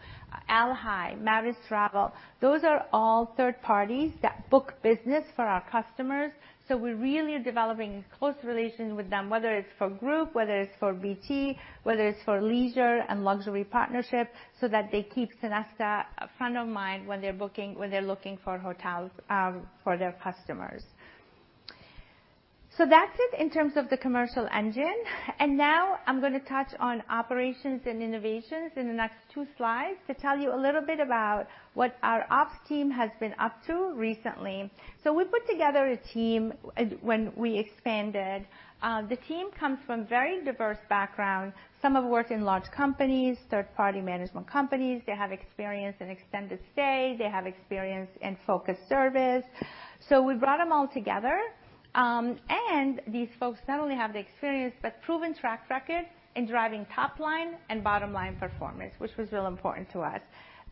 D: AHLA, Maritz Travel. Those are all third parties that book business for our customers. We really are developing close relations with them, whether it's for group, whether it's for BT, whether it's for leisure and luxury partnership, so that they keep Sonesta front of mind when they're looking for hotels for their customers. That's it in terms of the commercial engine. Now I'm gonna touch on operations and innovations in the next two slides to tell you a little bit about what our ops team has been up to recently. We put together a team when we expanded. The team comes from very diverse backgrounds. Some have worked in large companies, third-party management companies. They have experience in extended stay. They have experience in focus service. We brought them all together. These folks not only have the experience, but proven track record in driving top line and bottom line performance, which was real important to us.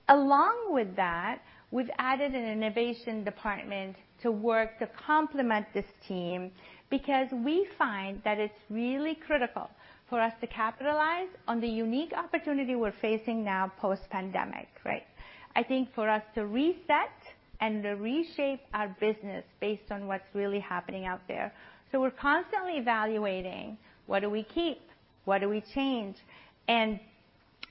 D: Along with that, we've added an innovation department to work to complement this team because we find that it's really critical for us to capitalize on the unique opportunity we're facing now post-pandemic, right? I think for us to reset and to reshape our business based on what's really happening out there. We're constantly evaluating what do we keep, what do we change, and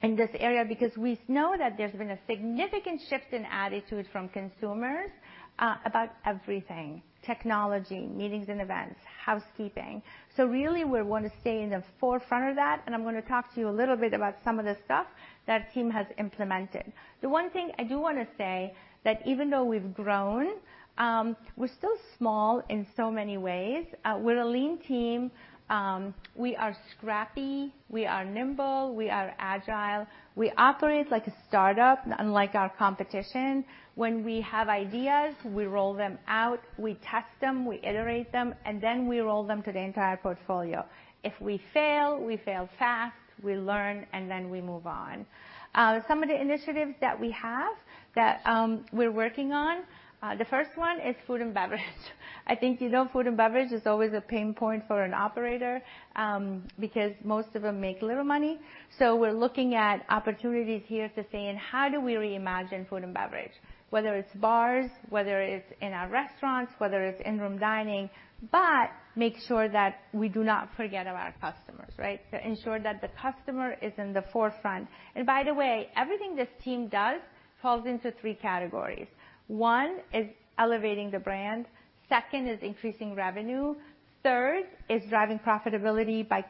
D: in this area, because we know that there's been a significant shift in attitude from consumers about everything, technology, meetings and events, housekeeping. Really, we want to stay in the forefront of that, and I'm gonna talk to you a little bit about some of the stuff that our team has implemented. The one thing I do wanna say that even though we've grown, we're still small in so many ways. We're a lean team. We are scrappy, we are nimble, we are agile. We operate like a startup, unlike our competition. When we have ideas, we roll them out, we test them, we iterate them, and then we roll them to the entire portfolio. If we fail, we fail fast, we learn, and then we move on. Some of the initiatives that we have that we're working on, the first one is food and beverage. I think you know food and beverage is always a pain point for an operator, because most of them make little money. We're looking at opportunities here to say, and how do we reimagine food and beverage, whether it's bars, whether it's in our restaurants, whether it's in-room dining, but make sure that we do not forget about our customers, right? To ensure that the customer is in the forefront. By the way, everything this team does falls into three categories. One is elevating the brand, second is increasing revenue, third is driving profitability by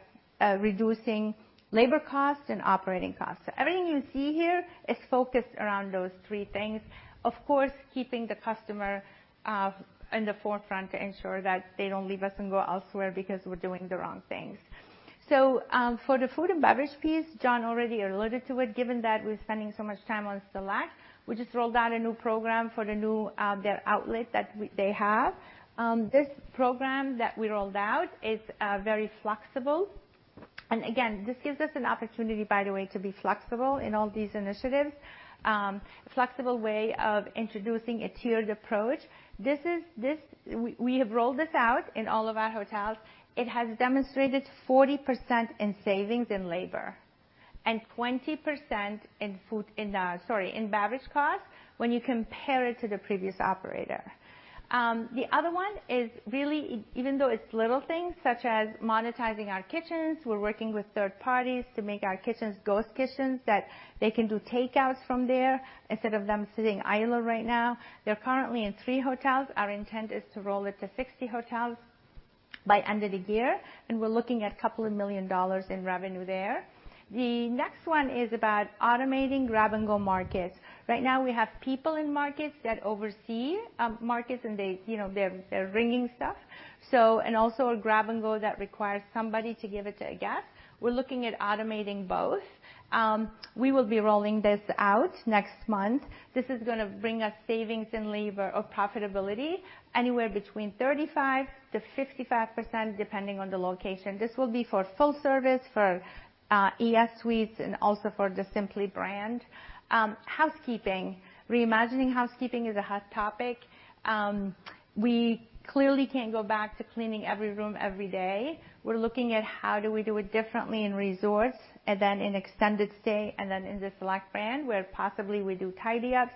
D: reducing labor costs and operating costs. Everything you see here is focused around those three things. Of course, keeping the customer in the forefront to ensure that they don't leave us and go elsewhere because we're doing the wrong things. For the food and beverage piece, John already alluded to it, given that we're spending so much time on Select. We just rolled out a new program for the new their outlet that they have. This program that we rolled out is very flexible. And again, this gives us an opportunity, by the way, to be flexible in all these initiatives, flexible way of introducing a tiered approach. We have rolled this out in all of our hotels. It has demonstrated 40% in savings in labor and 20% in beverage costs when you compare it to the previous operator. The other one is really even though it's little things such as monetizing our kitchens, we're working with third parties to make our kitchens ghost kitchens that they can do takeouts from there instead of them sitting idle right now. They're currently in three hotels. Our intent is to roll it to 60 hotels by end of the year, and we're looking at couple million in revenue there. The next one is about automating grab-and-go markets. Right now we have people in markets that oversee markets, and they, you know, they're ringing stuff. Also a grab-and-go that requires somebody to give it to a guest. We're looking at automating both. We will be rolling this out next month. This is gonna bring us savings in labor or profitability anywhere between 35%-55%, depending on the location. This will be for full service, for ES Suites, and also for the Simply brand. Housekeeping. Reimagining housekeeping is a hot topic. We clearly can't go back to cleaning every room every day. We're looking at how do we do it differently in resorts, and then in extended stay, and then in the Select brand, where possibly we do tidy ups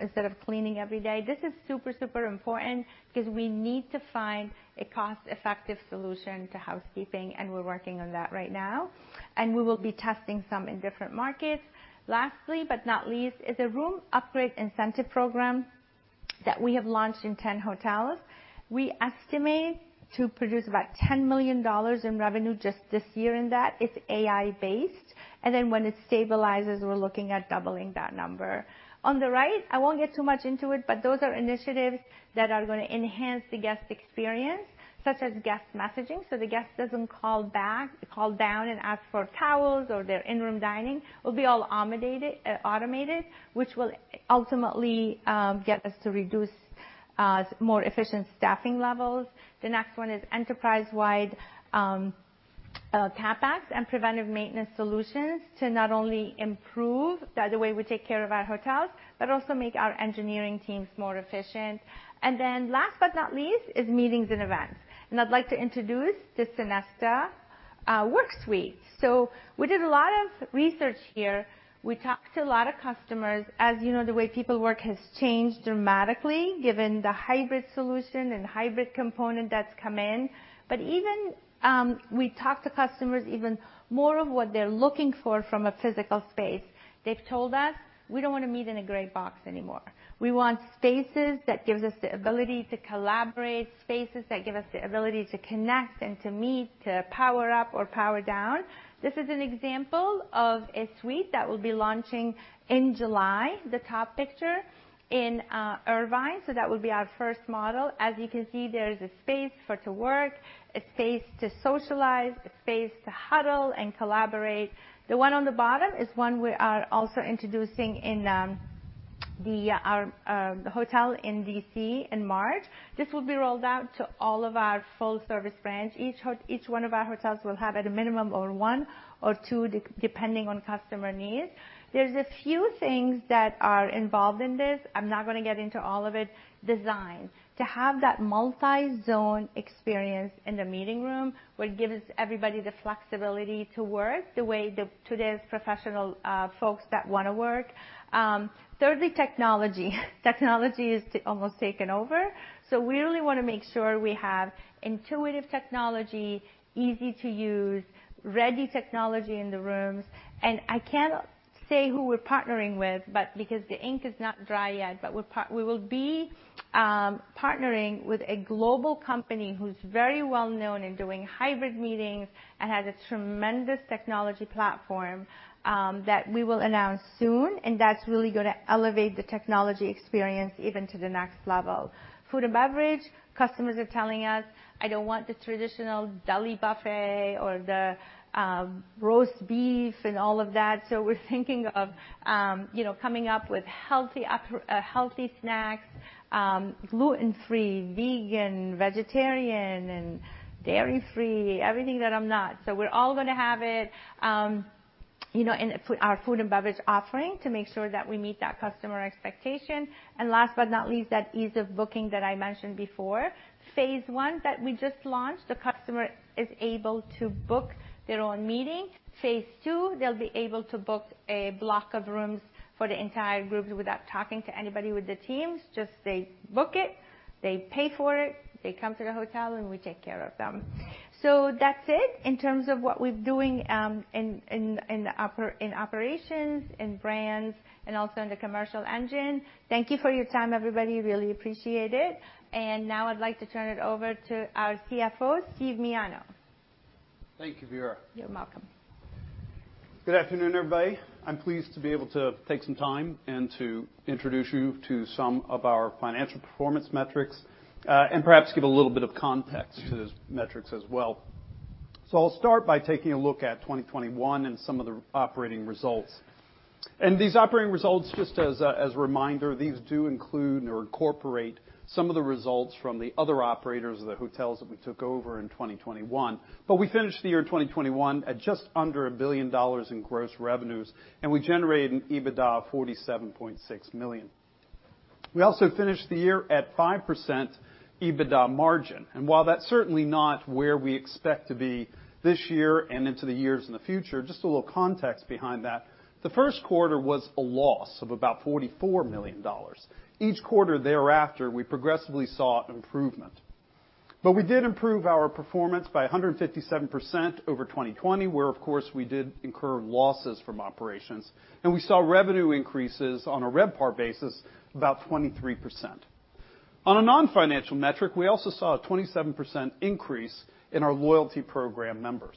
D: instead of cleaning every day. This is super important because we need to find a cost-effective solution to housekeeping, and we're working on that right now. We will be testing some in different markets. Lastly but not least is a room upgrade incentive program that we have launched in 10 hotels. We estimate to produce about $10 million in revenue just this year in that. It's AI based. When it stabilizes, we're looking at doubling that number. On the right, I won't get too much into it, but those are initiatives that are gonna enhance the guest experience, such as guest messaging, so the guest doesn't call down and ask for towels or their in-room dining. It'll be all automated, which will ultimately get us to more efficient staffing levels. The next one is enterprise-wide tap backs and preventive maintenance solutions to not only improve the way we take care of our hotels, but also make our engineering teams more efficient. Then last but not least is meetings and events. I'd like to introduce the Sonesta Work Suite. We did a lot of research here. We talked to a lot of customers. As you know, the way people work has changed dramatically given the hybrid solution and hybrid component that's come in. Even we talked to customers even more of what they're looking for from a physical space. They've told us, "We don't wanna meet in a gray box anymore. We want spaces that gives us the ability to collaborate, spaces that give us the ability to connect and to meet, to power up or power down." This is an example of a suite that we'll be launching in July, the top picture, in Irvine. That will be our first model. As you can see, there is a space for to work, a space to socialize, a space to huddle and collaborate. The one on the bottom is one we are also introducing in the hotel in DC in March. This will be rolled out to all of our full service brands. Each one of our hotels will have at a minimum of one or two depending on customer needs. There's a few things that are involved in this. I'm not gonna get into all of it. Design. To have that multi-zone experience in the meeting room would give everybody the flexibility to work the way today's professional folks that wanna work. Thirdly, technology. Technology is almost taken over. So we really wanna make sure we have intuitive technology, easy to use, ready technology in the rooms. I can't say who we're partnering with, but because the ink is not dry yet, but we will be partnering with a global company who's very well-known in doing hybrid meetings and has a tremendous technology platform that we will announce soon, and that's really gonna elevate the technology experience even to the next level. Food and beverage, customers are telling us, "I don't want the traditional deli buffet or the roast beef and all of that." We're thinking of, you know, coming up with healthy snacks, gluten-free, vegan, vegetarian and dairy-free, everything that I'm not. We're all gonna have it, you know, in our food and beverage offering to make sure that we meet that customer expectation. Last but not least, that ease of booking that I mentioned before. Phase one that we just launched, the customer is able to book their own meeting. Phase two, they'll be able to book a block of rooms for the entire group without talking to anybody with the teams, just they book it, they pay for it, they come to the hotel, and we take care of them. That's it in terms of what we're doing in operations, in brands, and also in the commercial engine. Thank you for your time, everybody. Really appreciate it. Now I'd like to turn it over to our CFO, Steve Miano.
E: Thank you, Vera.
D: You're welcome.
E: Good afternoon, everybody. I'm pleased to be able to take some time and to introduce you to some of our financial performance metrics, and perhaps give a little bit of context to those metrics as well. I'll start by taking a look at 2021 and some of the operating results. These operating results, just as a reminder, these do include or incorporate some of the results from the other operators of the hotels that we took over in 2021. We finished the year in 2021 at just under $1 billion in gross revenues, and we generated an EBITDA of $47.6 million. We also finished the year at 5% EBITDA margin. While that's certainly not where we expect to be this year and into the years in the future, just a little context behind that, the first quarter was a loss of about $44 million. Each quarter thereafter, we progressively saw improvement. We did improve our performance by 157% over 2020, where, of course, we did incur losses from operations, and we saw revenue increases on a RevPAR basis about 23%. On a non-financial metric, we also saw a 27% increase in our loyalty program members.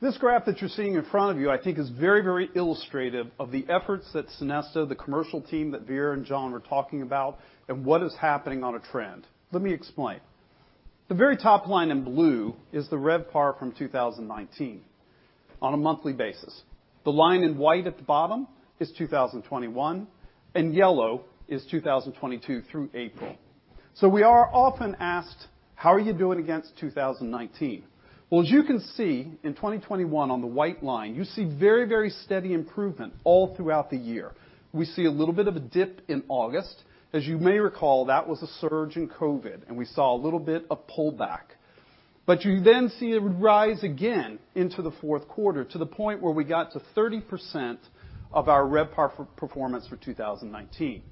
E: This graph that you're seeing in front of you, I think is very, very illustrative of the efforts that Sonesta, the commercial team that Vera and John were talking about, and what is happening on a trend. Let me explain. The very top line in blue is the RevPAR from 2019 on a monthly basis. The line in white at the bottom is 2021, and yellow is 2022 through April. We are often asked, "How are you doing against 2019?" Well, as you can see, in 2021 on the white line, you see very, very steady improvement all throughout the year. We see a little bit of a dip in August. As you may recall, that was a surge in COVID, and we saw a little bit of pullback. You then see it rise again into the fourth quarter to the point where we got to 30% of our RevPAR for performance for 2019.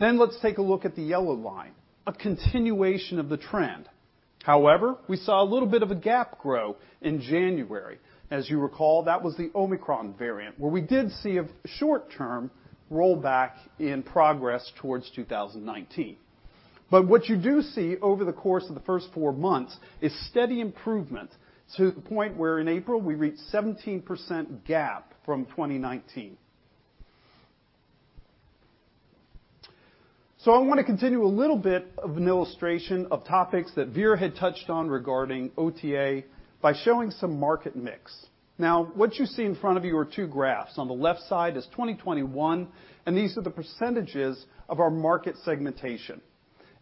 E: Let's take a look at the yellow line, a continuation of the trend. However, we saw a little bit of a gap grow in January. As you recall, that was the Omicron variant, where we did see a short-term rollback in progress towards 2019. What you do see over the course of the first four months is steady improvement to the point where in April, we reached 17% gap from 2019. I wanna continue a little bit of an illustration of topics that Vera had touched on regarding OTA by showing some market mix. Now, what you see in front of you are two graphs. On the left side is 2021, and these are the percentages of our market segmentation.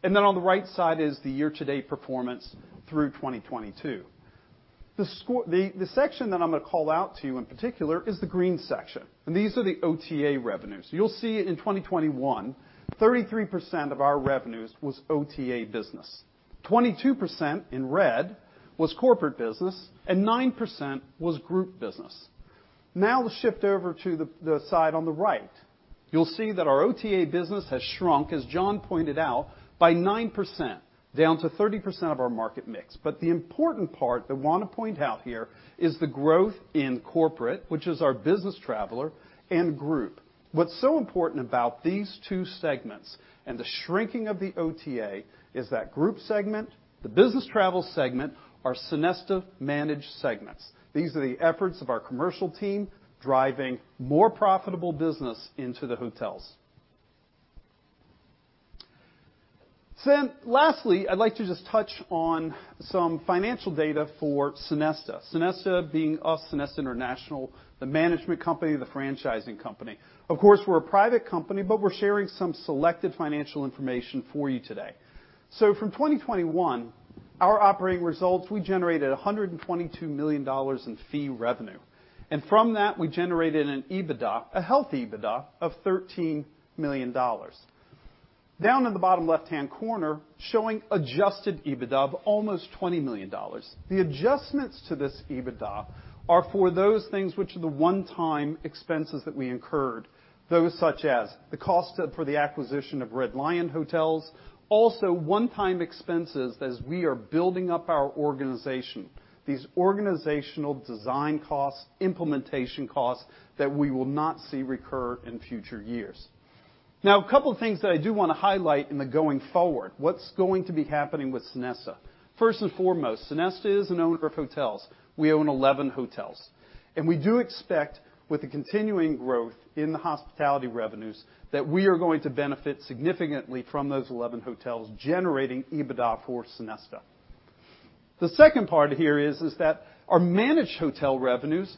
E: On the right side is the year-to-date performance through 2022. The section that I'm gonna call out to you in particular is the green section, and these are the OTA revenues. You'll see in 2021, 33% of our revenues was OTA business, 22% in red was corporate business, and 9% was group business. Now the shift over to the side on the right. You'll see that our OTA business has shrunk, as John pointed out, by 9%, down to 30% of our market mix. The important part that I wanna point out here is the growth in corporate, which is our business traveler, and group. What's so important about these two segments and the shrinking of the OTA is that group segment, the business travel segment are Sonesta managed segments. These are the efforts of our commercial team driving more profitable business into the hotels. Lastly, I'd like to just touch on some financial data for Sonesta. Sonesta being us, Sonesta International, the management company, the franchising company. Of course, we're a private company, but we're sharing some selected financial information for you today. From 2021, our operating results, we generated $122 million in fee revenue. From that, we generated an EBITDA, a healthy EBITDA, of $13 million. Down in the bottom left-hand corner, showing Adjusted EBITDA of almost $20 million. The adjustments to this EBITDA are for those things which are the one-time expenses that we incurred, those such as the cost of the acquisition of Red Lion Hotels. Also one-time expenses as we are building up our organization, these organizational design costs, implementation costs that we will not see recur in future years. Now, a couple of things that I do wanna highlight in the going forward, what's going to be happening with Sonesta. First and foremost, Sonesta is an owner of hotels. We own 11 hotels. We do expect with the continuing growth in the hospitality revenues that we are going to benefit significantly from those 11 hotels generating EBITDA for Sonesta. The second part here is that our managed hotel revenues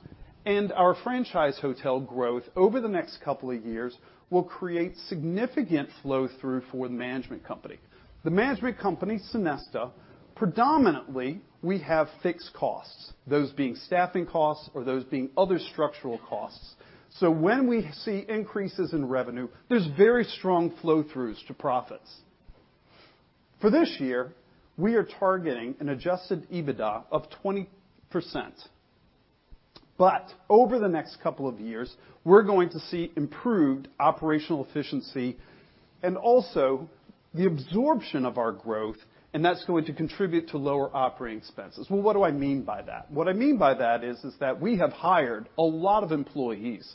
E: and our franchise hotel growth over the next couple of years will create significant flow-through for the management company. The management company, Sonesta, predominantly, we have fixed costs, those being staffing costs or those being other structural costs. So when we see increases in revenue, there's very strong flow-throughs to profits. For this year, we are targeting an Adjusted EBITDA of 20%. Over the next couple of years, we're going to see improved operational efficiency and also the absorption of our growth, and that's going to contribute to lower operating expenses. Well, what do I mean by that? What I mean by that is that we have hired a lot of employees,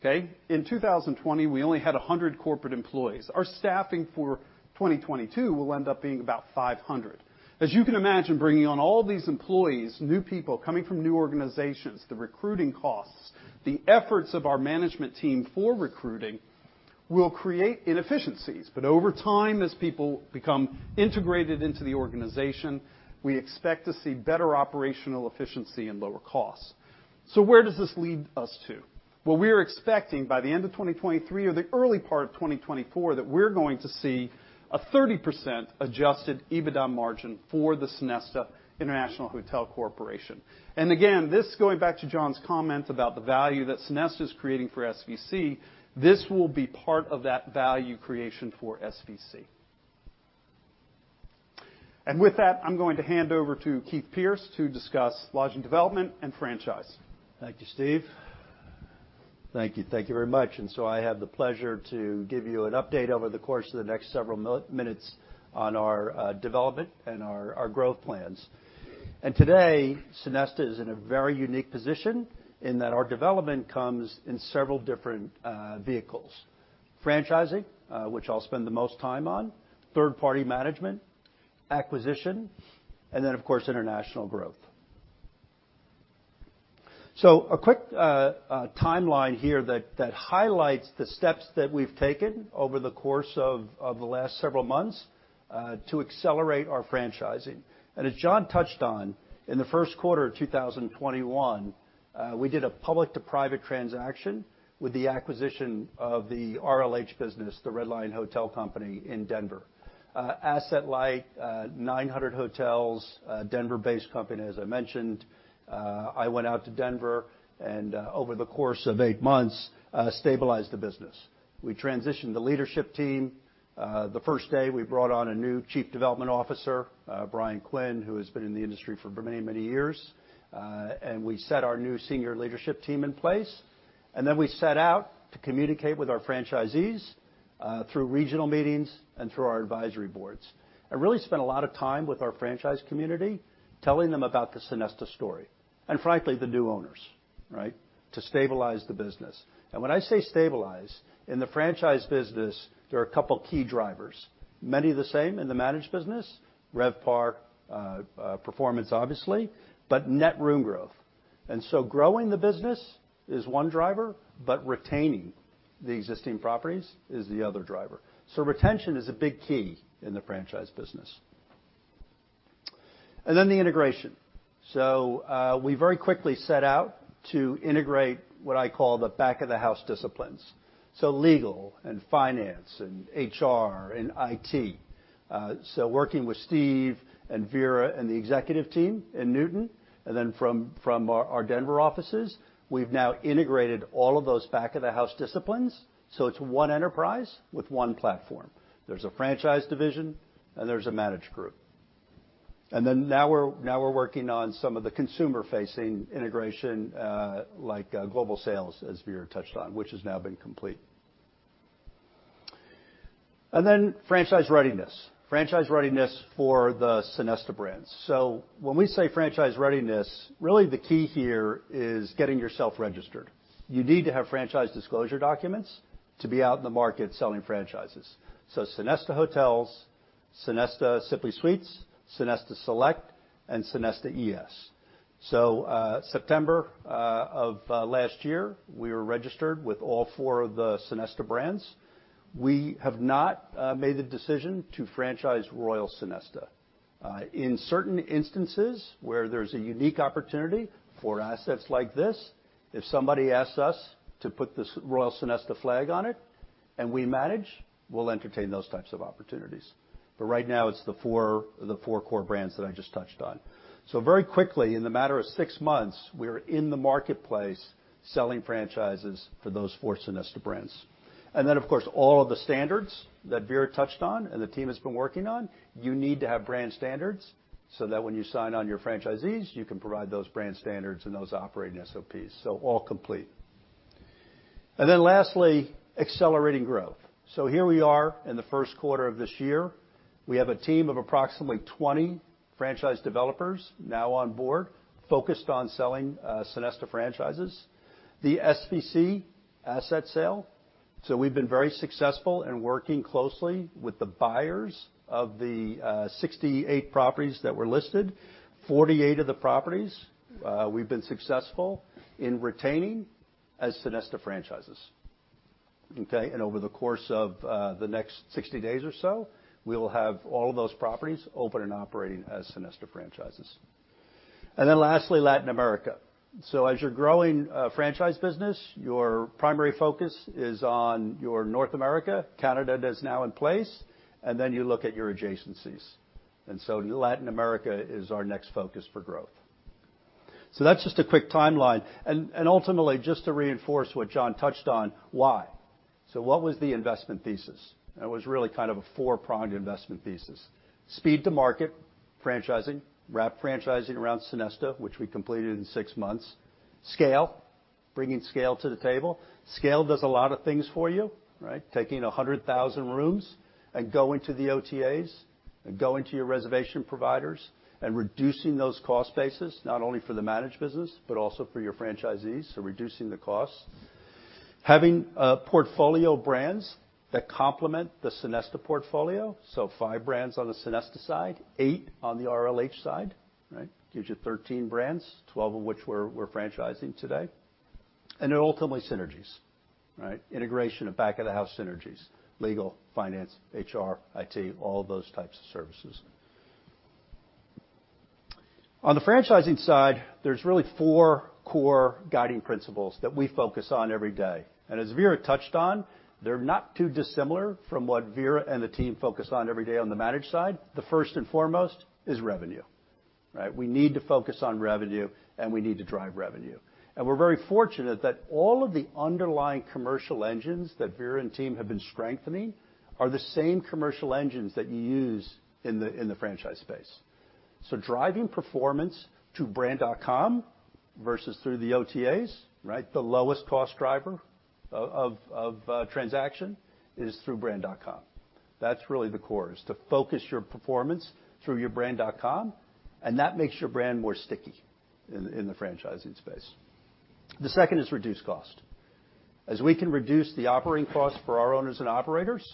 E: okay? In 2020, we only had 100 corporate employees. Our staffing for 2022 will end up being about 500. As you can imagine, bringing on all these employees, new people coming from new organizations, the recruiting costs, the efforts of our management team for recruiting will create inefficiencies. Over time, as people become integrated into the organization, we expect to see better operational efficiency and lower costs. Where does this lead us to? What we're expecting by the end of 2023 or the early part of 2024, that we're going to see a 30% Adjusted EBITDA margin for the Sonesta International Hotels Corporation. Again, this is going back to John's comment about the value that Sonesta is creating for SVC. This will be part of that value creation for SVC. With that, I'm going to hand over to Keith Pierce to discuss lodging development and franchise.
F: Thank you very much. I have the pleasure to give you an update over the course of the next several minutes on our development and our growth plans. Today, Sonesta is in a very unique position in that our development comes in several different vehicles, franchising, which I'll spend the most time on, third-party management, acquisition, and then, of course, international growth. A quick timeline here that highlights the steps that we've taken over the course of the last several months to accelerate our franchising. As John touched on, in the first quarter of 2021, we did a public to private transaction with the acquisition of the RLH business, the Red Lion Hotels Corporation in Denver. Asset light, 900 hotels, Denver-based company, as I mentioned. I went out to Denver and, over the course of eight months, stabilized the business. We transitioned the leadership team. The first day, we brought on a new Chief Development Officer, Brian Quinn, who has been in the industry for many, many years. We set our new senior leadership team in place. Then we set out to communicate with our franchisees, through regional meetings and through our advisory boards, and really spent a lot of time with our franchise community telling them about the Sonesta story, and frankly, the new owners, right? To stabilize the business. When I say stabilize, in the franchise business, there are a couple of key drivers, many of the same in the managed business, RevPAR, performance, obviously, but net room growth. Growing the business is one driver, but retaining the existing properties is the other driver. Retention is a big key in the franchise business. Then the integration. We very quickly set out to integrate what I call the back of the house disciplines, so legal and finance and HR and IT. Working with Steve and Vera and the executive team in Newton, and then from our Denver offices, we've now integrated all of those back of the house disciplines, so it's one enterprise with one platform. There's a franchise division, and there's a managed group. Now we're working on some of the consumer-facing integration, like global sales, as Vera touched on, which has now been completed. Franchise readiness. Franchise readiness for the Sonesta brands. When we say franchise readiness, really the key here is getting yourself registered. You need to have franchise disclosure documents to be out in the market selling franchises. Sonesta Hotels, Sonesta Simply Suites, Sonesta Select, and Sonesta ES Suites. September of last year, we were registered with all four of the Sonesta brands. We have not made the decision to franchise Royal Sonesta. In certain instances, where there's a unique opportunity for assets like this, if somebody asks us to put the Royal Sonesta flag on it, and we manage, we'll entertain those types of opportunities. Right now it's the four core brands that I just touched on. Very quickly, in the matter of six months, we're in the marketplace selling franchises for those four Sonesta brands. Of course, all of the standards that Vera touched on and the team has been working on, you need to have brand standards so that when you sign on your franchisees, you can provide those brand standards and those operating SOPs. All complete. Lastly, accelerating growth. Here we are in the first quarter of this year. We have a team of approximately 20 franchise developers now on board focused on selling Sonesta franchises. The SVC asset sale, so we've been very successful in working closely with the buyers of the 68 properties that were listed. 48 of the properties, we've been successful in retaining as Sonesta franchises. Over the course of the next 60 days or so, we will have all of those properties open and operating as Sonesta franchises. Then lastly, Latin America. As you're growing a franchise business, your primary focus is on your North America, Canada that's now in place, and then you look at your adjacencies. Latin America is our next focus for growth. That's just a quick timeline. Ultimately, just to reinforce what John touched on, why? What was the investment thesis? It was really kind of a four-pronged investment thesis. Speed to market, franchising, wrap franchising around Sonesta, which we completed in six months. Scale, bringing scale to the table. Scale does a lot of things for you, right? Taking 100,000 rooms and going to the OTAs and going to your reservation providers and reducing those cost bases, not only for the managed business, but also for your franchisees, so reducing the costs. Having portfolio brands that complement the Sonesta portfolio, so five brands on the Sonesta side, eight on the RLH side, right? Gives you 13 brands, 12 of which we're franchising today. Ultimately synergies, right? Integration of back-of-the-house synergies, legal, finance, HR, IT, all of those types of services. On the franchising side, there's really four core guiding principles that we focus on every day. As Vera touched on, they're not too dissimilar from what Vera and the team focus on every day on the managed side. The first and foremost is revenue, right? We need to focus on revenue, and we need to drive revenue. We're very fortunate that all of the underlying commercial engines that Vera and team have been strengthening are the same commercial engines that you use in the franchise space. Driving performance to brand.com versus through the OTAs, right? The lowest cost driver of transaction is through brand.com. That's really the core, is to focus your performance through your brand.com, and that makes your brand more sticky in the franchising space. The second is reduced cost. As we can reduce the operating costs for our owners and operators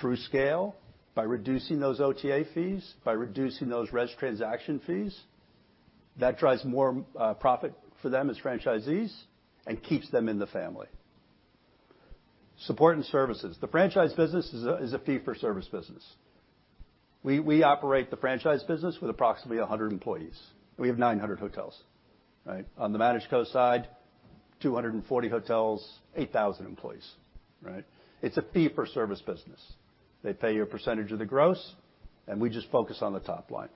F: through scale, by reducing those OTA fees, by reducing those reservation transaction fees, that drives more profit for them as franchisees and keeps them in the family. Support and services. The franchise business is a fee-for-service business. We operate the franchise business with approximately 100 employees. We have 900 hotels, right? On the managed co side, 240 hotels, 8,000 employees, right? It's a fee-for-service business. They pay you a percentage of the gross, and we just focus on the top line.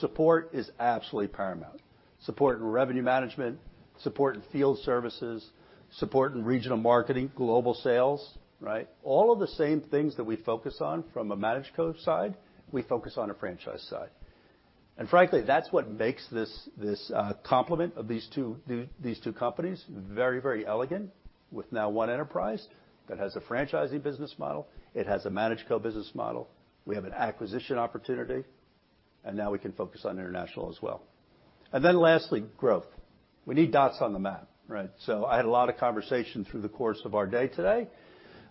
F: Support is absolutely paramount. Support in revenue management, support in field services, support in regional marketing, global sales, right? All of the same things that we focus on from a managed co side, we focus on a franchise side. Frankly, that's what makes this complement of these two companies very elegant with now one enterprise that has a franchising business model, it has a managed co business model, we have an acquisition opportunity, and now we can focus on international as well. Lastly, growth. We need dots on the map, right? I had a lot of conversation through the course of our day today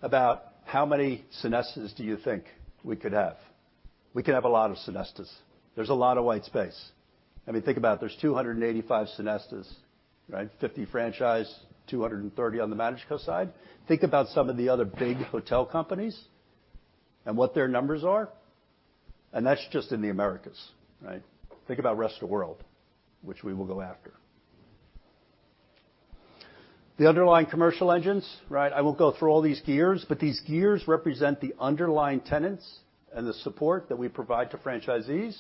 F: about how many Sonestas do you think we could have. We could have a lot of Sonestas. There's a lot of white space. I mean, think about it. There's 285 Sonestas, right? 50 franchise, 230 on the managed co side. Think about some of the other big hotel companies and what their numbers are, and that's just in the Americas, right? Think about rest of the world, which we will go after. The underlying commercial engines, right? I won't go through all these gears, but these gears represent the underlying tenants and the support that we provide to franchisees.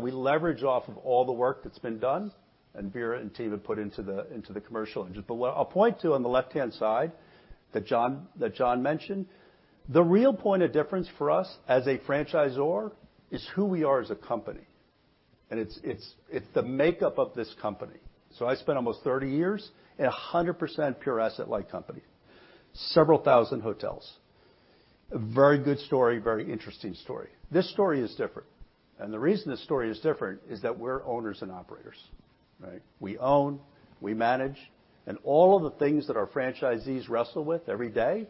F: We leverage off of all the work that's been done and Vera and team have put into the, into the commercial engines. What I'll point to on the left-hand side that John mentioned, the real point of difference for us as a franchisor is who we are as a company. It's the makeup of this company. I spent almost 30 years in a 100% pure asset-light company, several thousand hotels. A very good story, very interesting story. This story is different. The reason this story is different is that we're owners and operators, right? We own, we manage, and all of the things that our franchisees wrestle with every day,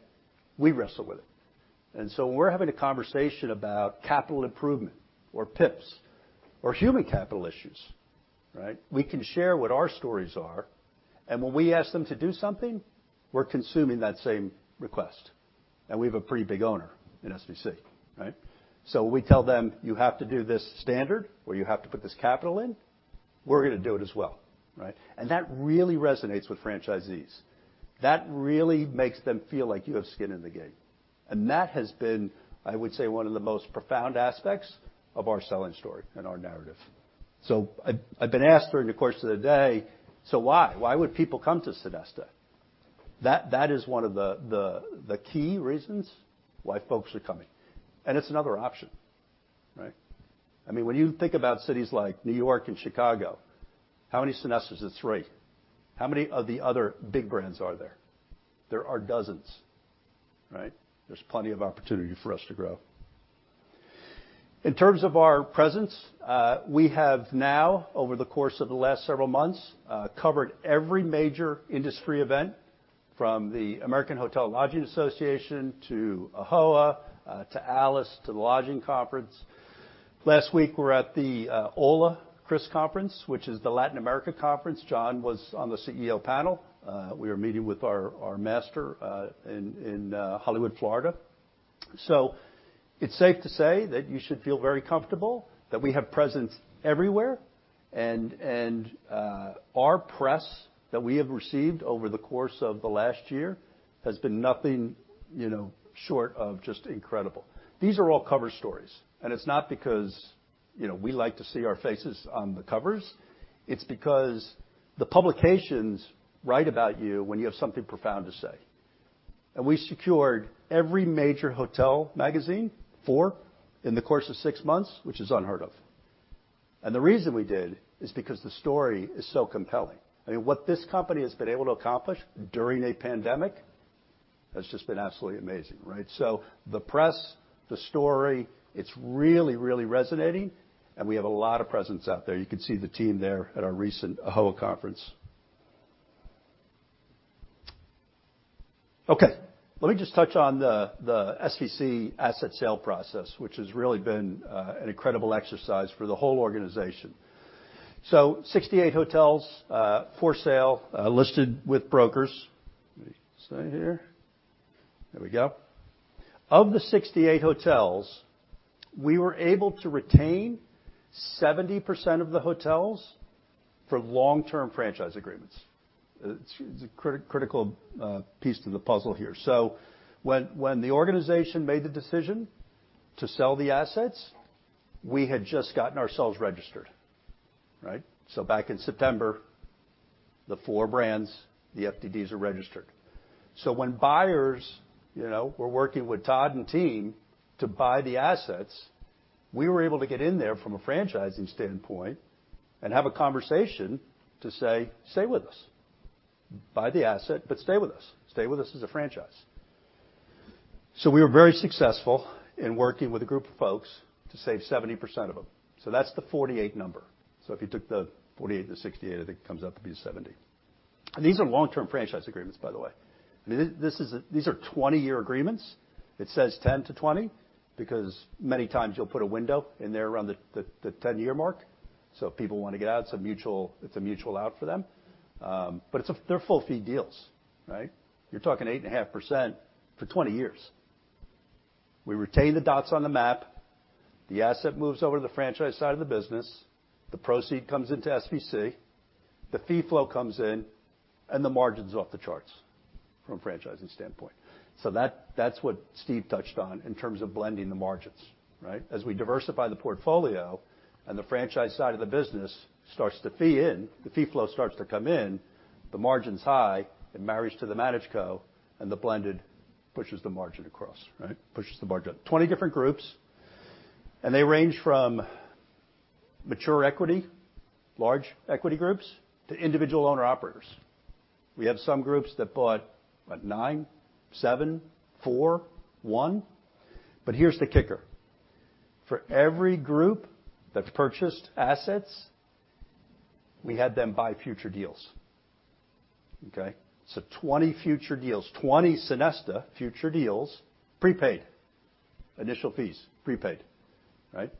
F: we wrestle with it. When we're having a conversation about capital improvement or PIPs or human capital issues, right? We can share what our stories are, and when we ask them to do something, we're consuming that same request. We have a pretty big owner in SVC, right? When we tell them, "You have to do this standard," or, "You have to put this capital in," we're gonna do it as well, right? That really resonates with franchisees. That really makes them feel like you have skin in the game. That has been, I would say, one of the most profound aspects of our selling story and our narrative. I've been asked during the course of the day, "So why? Why would people come to Sonesta?" That is one of the key reasons why folks are coming. It's another option, right? I mean, when you think about cities like New York and Chicago, how many Sonestas is three? How many of the other big brands are there? There are dozens, right? There's plenty of opportunity for us to grow. In terms of our presence, we have now over the course of the last several months, covered every major industry event from the American Hotel & Lodging Association to AHLA, to ALIS, to the Lodging Conference. Last week, we were at the HOLA and CHRIS conferences, which is the Latin America conference. John was on the CEO panel. We were meeting with our master in Hollywood, Florida. It's safe to say that you should feel very comfortable that we have presence everywhere, and our press that we have received over the course of the last year has been nothing, you know, short of just incredible. These are all cover stories, and it's not because, you know, we like to see our faces on the covers. It's because the publications write about you when you have something profound to say. We secured every major hotel magazine, four in the course of six months, which is unheard of. The reason we did is because the story is so compelling. I mean, what this company has been able to accomplish during a pandemic has just been absolutely amazing, right? The press, the story, it's really, really resonating, and we have a lot of presence out there. You could see the team there at our recent AHLA conference. Okay. Let me just touch on the SVC asset sale process, which has really been an incredible exercise for the whole organization. 68 hotels for sale, listed with brokers. Let me see here. There we go. Of the 68 hotels, we were able to retain 70% of the hotels for long-term franchise agreements. It's a critical piece to the puzzle here. When the organization made the decision to sell the assets, we had just gotten ourselves registered, right? Back in September, the four brands, the FDDs are registered. When buyers, you know, were working with Todd and team to buy the assets, we were able to get in there from a franchising standpoint and have a conversation to say, "Stay with us. Buy the asset, but stay with us. Stay with us as a franchise." We were very successful in working with a group of folks to save 70% of them. That's the 48 number. If you took the 48% to 68%, I think it comes up to be 70%. These are long-term franchise agreements, by the way. I mean, these are 20-year agreements. It says 10-20 because many times you'll put a window in there around the 10-year mark. If people wanna get out, it's a mutual out for them. They're full-fee deals, right? You're talking 8.5% for 20 years. We retain the dots on the map, the asset moves over to the franchise side of the business, the proceeds come into SVC, the fee flow comes in, and the margin's off the charts from a franchising standpoint. That's what Steve touched on in terms of blending the margins, right? As we diversify the portfolio and the franchise side of the business starts to fee in, the fee flow starts to come in, the margin's high, it marries to the management co, and the blended pushes the margin across, right? 20 different groups, and they range from mature equity, large equity groups, to individual owner-operators. We have some groups that bought what? Nine, seven, four, one. Here's the kicker. For every group that's purchased assets, we had them buy future deals, okay? 20 future deals. 20 Sonesta future deals, prepaid. Initial fees, prepaid, right?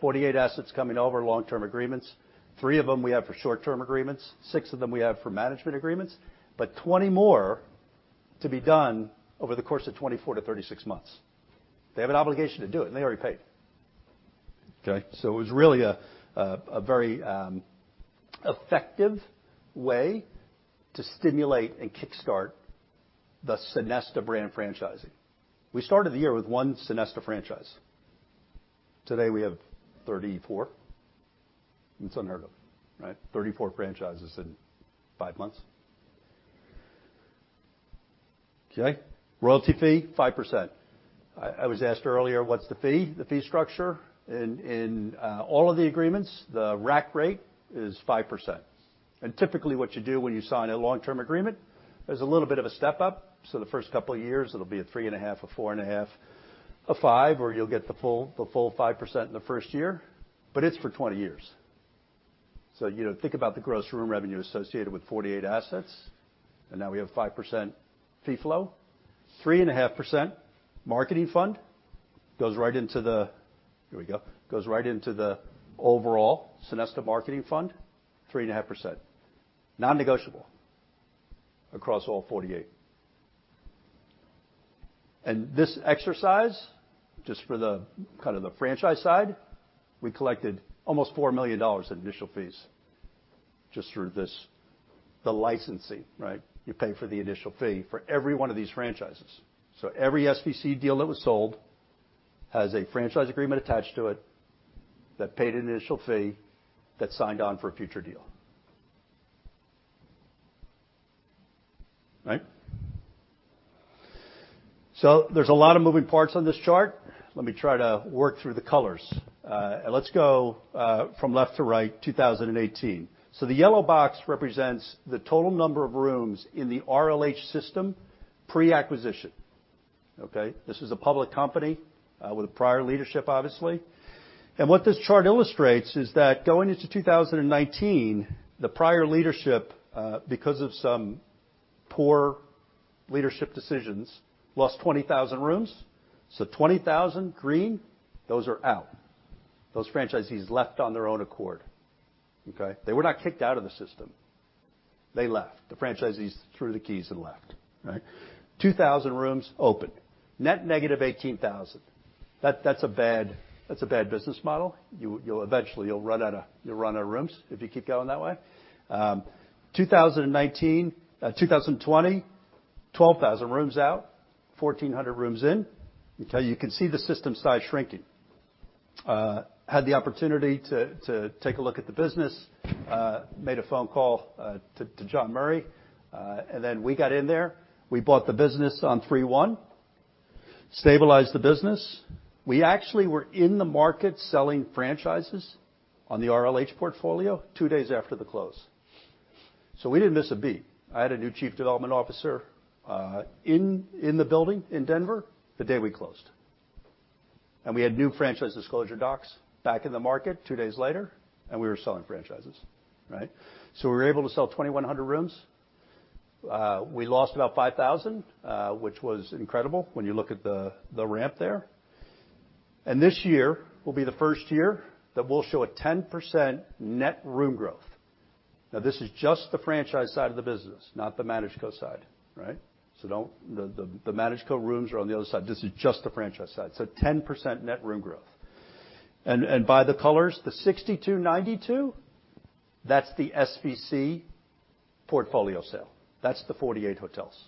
F: 48 assets coming over, long-term agreements. three of them we have for short-term agreements, six of them we have for management agreements, but 20 more to be done over the course of 24-36 months. They have an obligation to do it, and they already paid, okay? It was really a very effective way to stimulate and kickstart the Sonesta brand franchising. We started the year with 1 Sonesta franchise. Today, we have 34. It's unheard of, right? 34 franchises in five months. Okay. Royalty fee, 5%. I was asked earlier, what's the fee structure? In all of the agreements, the rack rate is 5%. Typically, what you do when you sign a long-term agreement, there's a little bit of a step-up, so the first couple of years it'll be a 3.5%, a 4.5%, a 5%, or you'll get the full 5% in the first year, but it's for 20 years. You know, think about the gross room revenue associated with 48 assets, and now we have 5% fee flow, 3.5% marketing fund goes right into the overall Sonesta marketing fund, 3.5%, non-negotiable across all 48. This exercise, just for the kind of the franchise side, we collected almost $4 million in initial fees just through this, the licensing, right? You pay for the initial fee for every one of these franchises. Every SVC deal that was sold has a franchise agreement attached to it that paid an initial fee that signed on for a future deal. Right? There's a lot of moving parts on this chart. Let me try to work through the colors. Let's go from left to right, 2018. The yellow box represents the total number of rooms in the RLH system pre-acquisition. Okay? This is a public company with prior leadership, obviously. What this chart illustrates is that going into 2019, the prior leadership, because of some poor leadership decisions, lost 20,000 rooms. 20,000 green, those are out. Those franchisees left on their own accord, okay? They were not kicked out of the system. They left. The franchisees threw the keys and left, right? 2,000 rooms open. Net negative 18,000. That's a bad business model. You'll eventually run out of rooms if you keep going that way. 2019, 2020, 12,000 rooms out, 1,400 rooms in. Okay, you can see the system started shrinking. Had the opportunity to take a look at the business, made a phone call to John Murray. Then we got in there. We bought the business on 3/1, stabilized the business. We actually were in the market selling franchises on the RLH portfolio two days after the close. We didn't miss a beat. I had a new chief development officer in the building in Denver the day we closed. We had new franchise disclosure docs back in the market two days later, and we were selling franchises, right? We were able to sell 2,100 rooms. We lost about 5,000, which was incredible when you look at the ramp there. This year will be the first year that we'll show 10% net room growth. Now, this is just the franchise side of the business, not the managed co-side, right? The managed co-rooms are on the other side. This is just the franchise side. 10% net room growth. By the colors, the 62-92, that's the SVC portfolio sale. That's the 48 hotels,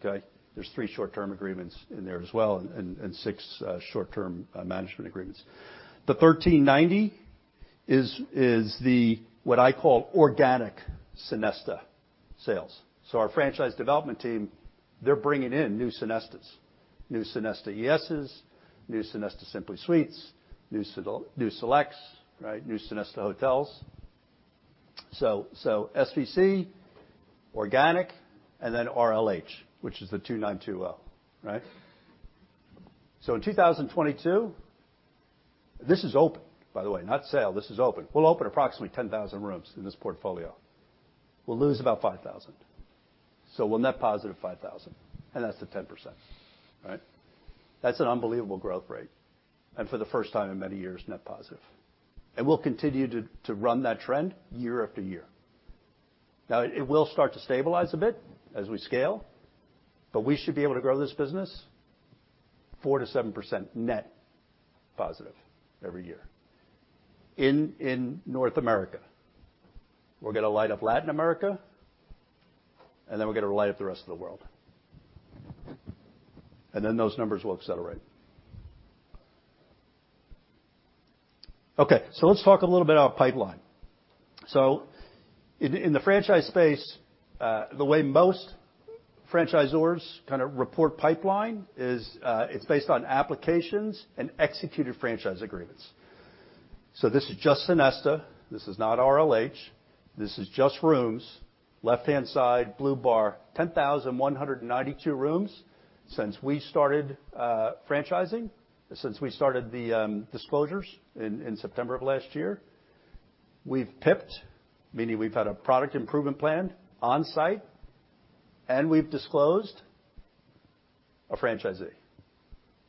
F: okay? There's three short-term agreements in there as well and six short-term management agreements. The 1,390 is what I call organic Sonesta sales. Our franchise development team, they're bringing in new Sonestas, new Sonesta ESs, new Sonesta Simply Suites, new Sonesta Selects, right? New Sonesta hotels. SVC, organic, and then RLH, which is the 2,920, right? In 2022, this is open, by the way, not sale. This is open. We'll open approximately 10,000 rooms in this portfolio. We'll lose about 5,000. We'll net positive 5,000, and that's the 10%, right? That's an unbelievable growth rate. For the first time in many years, net positive. We'll continue to run that trend year after year. It will start to stabilize a bit as we scale, but we should be able to grow this business 4%-7% net positive every year in North America. We're gonna light up Latin America, and then we're gonna light up the rest of the world. Those numbers will accelerate. Okay, let's talk a little bit about pipeline. In the franchise space, the way most franchisors kinda report pipeline is, it's based on applications and executed franchise agreements. This is just Sonesta. This is not RLH. This is just rooms. Left-hand side, blue bar, 10,192 rooms since we started franchising, since we started the disclosures in September of last year. We've PIP'd, meaning we've had a product improvement plan on-site, and we've disclosed a franchisee,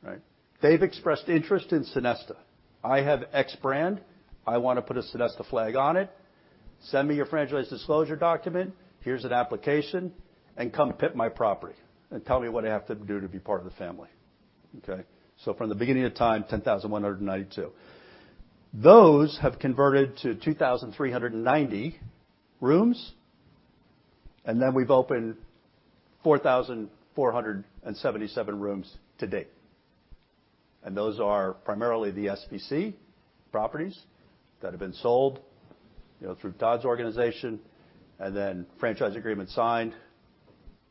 F: right? They've expressed interest in Sonesta. I have X brand. I wanna put a Sonesta flag on it. Send me your franchise disclosure document, here's an application, and come PIP my property and tell me what I have to do to be part of the family, okay? From the beginning of time, 10,192. Those have converted to 2,390 rooms, and then we've opened 4,477 rooms to date. Those are primarily the SVC properties that have been sold, you know, through Todd's organization, and then franchise agreement signed,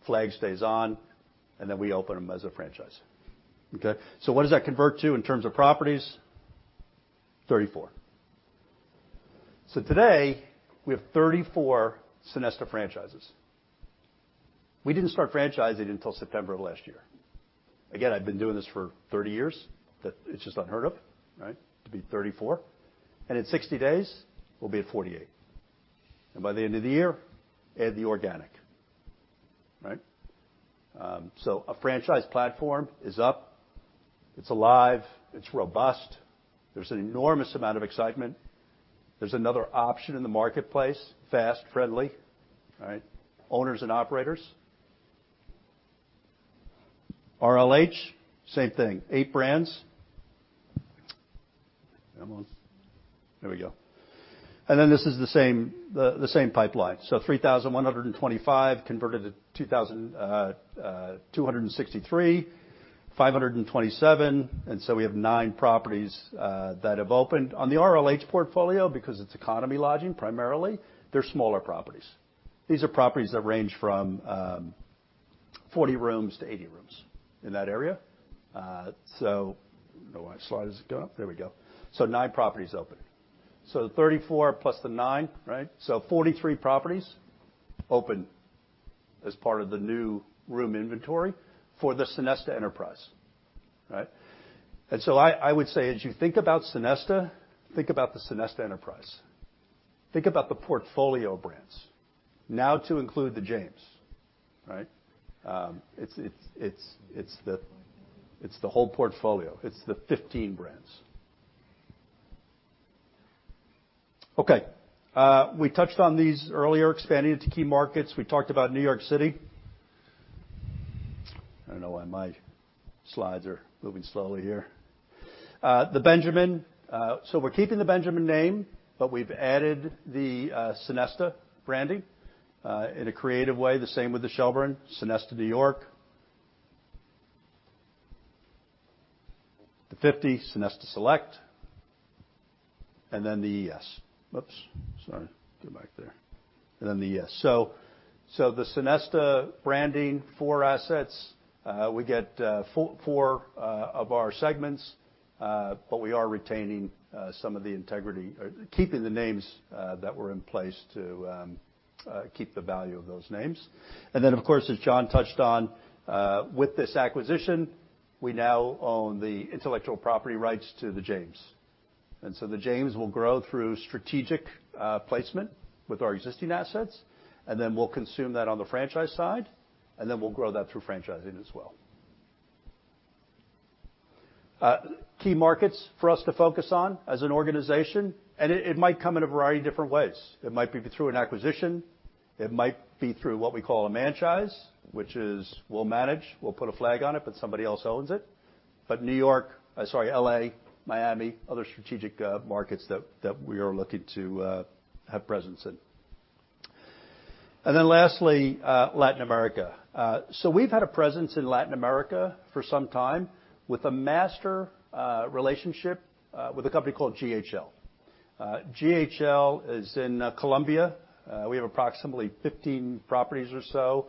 F: flag stays on, and then we open them as a franchise. Okay? What does that convert to in terms of properties? 34. Today we have 34 Sonesta franchises. We didn't start franchising until September of last year. Again, I've been doing this for 30 years, that it's just unheard of, right? To be 34. In 60 days we'll be at 48. By the end of the year, add the organic, right? A franchise platform is up, it's alive, it's robust. There's an enormous amount of excitement. There's another option in the marketplace, fast, friendly, right? Owners and operators. RLH, same thing, eight brands. This is the same pipeline. 3,125 converted to 2,263, 527, and we have nine properties that have opened. On the RLH portfolio, because it's economy lodging primarily, they're smaller properties. These are properties that range from 40-80 rooms, in that area. I don't know why slide isn't going up. There we go. Nine properties opened. The 34+9, right?43 properties opened as part of the new room inventory for the Sonesta enterprise, right? I would say as you think about Sonesta, think about the Sonesta enterprise. Think about the portfolio brands now to include The James, right? It's the whole portfolio. It's the 15 brands. Okay. We touched on these earlier, expanding into key markets. We talked about New York City. I don't know why my slides are moving slowly here. The Benjamin, so we're keeping The Benjamin name, but we've added the Sonesta branding in a creative way, the same with The Shelburne, Sonesta New York. The 50, Sonesta Select, and then the ES. Whoops, sorry. Get back there. The ES. The Sonesta branding for four assets, we get four of our segments, but we are retaining some of the integrity or keeping the names that were in place to keep the value of those names. Of course, as John touched on, with this acquisition, we now own the intellectual property rights to The James. The James will grow through strategic placement with our existing assets, and then we'll consume that on the franchise side, and then we'll grow that through franchising as well. Key markets for us to focus on as an organization, and it might come in a variety of different ways. It might be through an acquisition, it might be through what we call a manchise, which is we'll manage, we'll put a flag on it, but somebody else owns it. New York, sorry, L.A., Miami, other strategic markets that we are looking to have presence in. Then lastly, Latin America. So we've had a presence in Latin America for some time with a master relationship with a company called GHL. GHL is in Colombia. We have approximately 15 properties or so.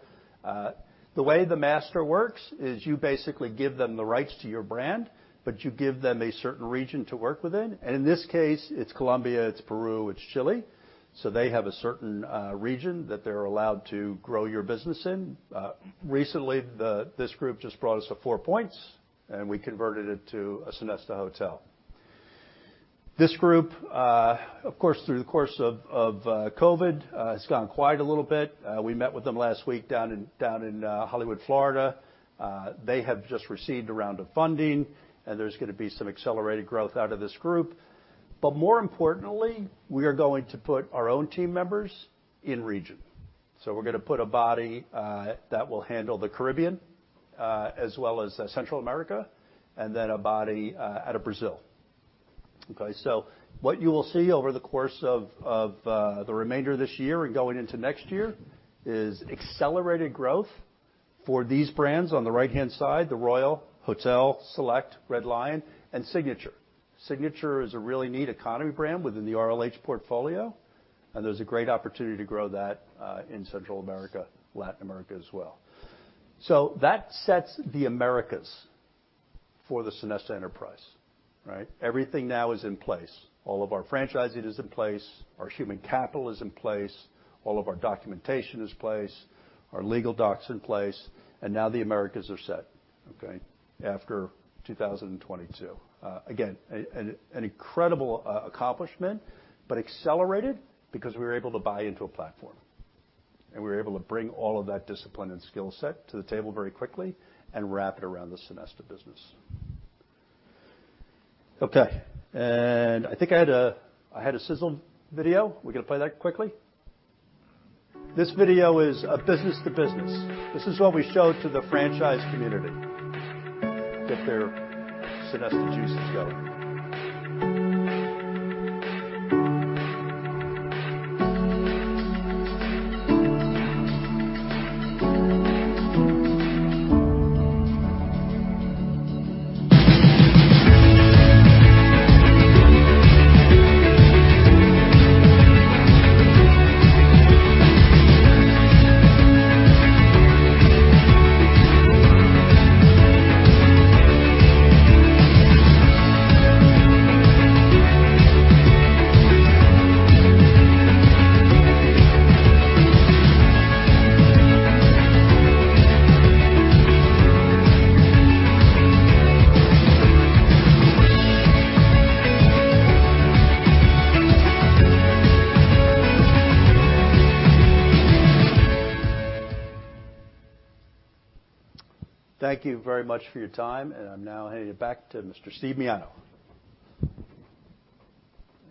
F: The way the master works is you basically give them the rights to your brand, but you give them a certain region to work within. In this case, it's Colombia, it's Peru, it's Chile, so they have a certain region that they're allowed to grow your business in. Recently, this group just brought us a Four Points, and we converted it to a Sonesta hotel. This group, of course, through the course of COVID, has gone quiet a little bit. We met with them last week down in Hollywood, Florida. They have just received a round of funding, and there's gonna be some accelerated growth out of this group. More importantly, we are going to put our own team members in region. We're gonna put a body that will handle the Caribbean, as well as Central America, and then a body out of Brazil. Okay? What you will see over the course of the remainder of this year and going into next year is accelerated growth for these brands on the right-hand side, the Royal Sonesta Hotels & Resorts, Sonesta Select, Red Lion, and Signature Inn. Signature Inn is a really neat economy brand within the RLH portfolio, and there's a great opportunity to grow that in Central America, Latin America as well. That sets the Americas for the Sonesta enterprise, right? Everything now is in place. All of our franchising is in place, our human capital is in place, all of our documentation is placed, our legal docs in place, and now the Americas are set, okay, after 2022. Again, an incredible accomplishment, but accelerated because we were able to buy into a platform, and we were able to bring all of that discipline and skill set to the table very quickly and wrap it around the Sonesta business. Okay. I think I had a sizzle video. We're gonna play that quickly. This video is a business to business. This is what we show to the franchise community to get their Sonesta juices going. Thank you very much for your time, and I'm now handing it back to Mr. Steve Miano. There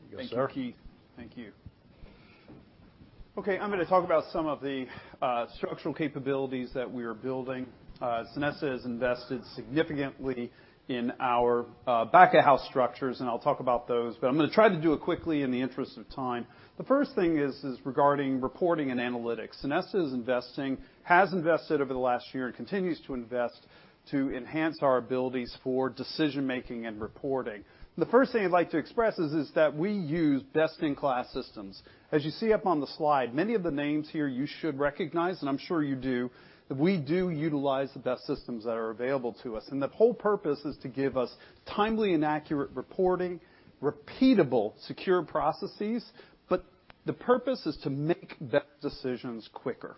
F: you go, sir.
E: Thank you, Keith. Thank you. Okay, I'm gonna talk about some of the structural capabilities that we are building. Sonesta has invested significantly in our back-of-house structures, and I'll talk about those, but I'm gonna try to do it quickly in the interest of time. The first thing is regarding reporting and analytics. Sonesta is investing, has invested over the last year and continues to invest to enhance our abilities for decision-making and reporting. The first thing I'd like to express is that we use best-in-class systems. As you see up on the slide, many of the names here you should recognize, and I'm sure you do, that we do utilize the best systems that are available to us, and the whole purpose is to give us timely and accurate reporting, repeatable, secure processes, but the purpose is to make better decisions quicker.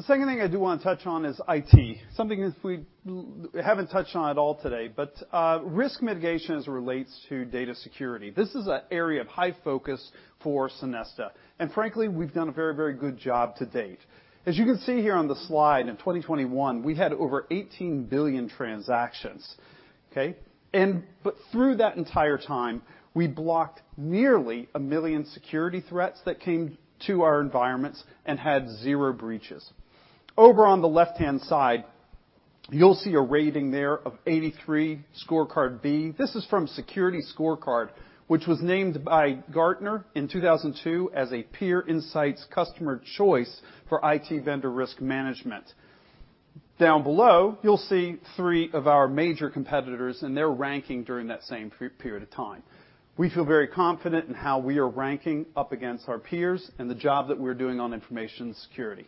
E: The second thing I do wanna touch on is IT, something that we haven't touched on at all today, but risk mitigation as it relates to data security. This is an area of high focus for Sonesta, and frankly, we've done a very, very good job to date. As you can see here on the slide, in 2021, we had over 18 billion transactions, okay? But through that entire time, we blocked nearly 1 million security threats that came to our environments and had zero breaches. Over on the left-hand side, you'll see a rating there of 83, Scorecard B. This is from SecurityScorecard, which was named by Gartner in 2002 as a Peer Insights customer choice for IT vendor risk management. Down below, you'll see three of our major competitors and their ranking during that same period of time. We feel very confident in how we are ranking up against our peers and the job that we're doing on information security.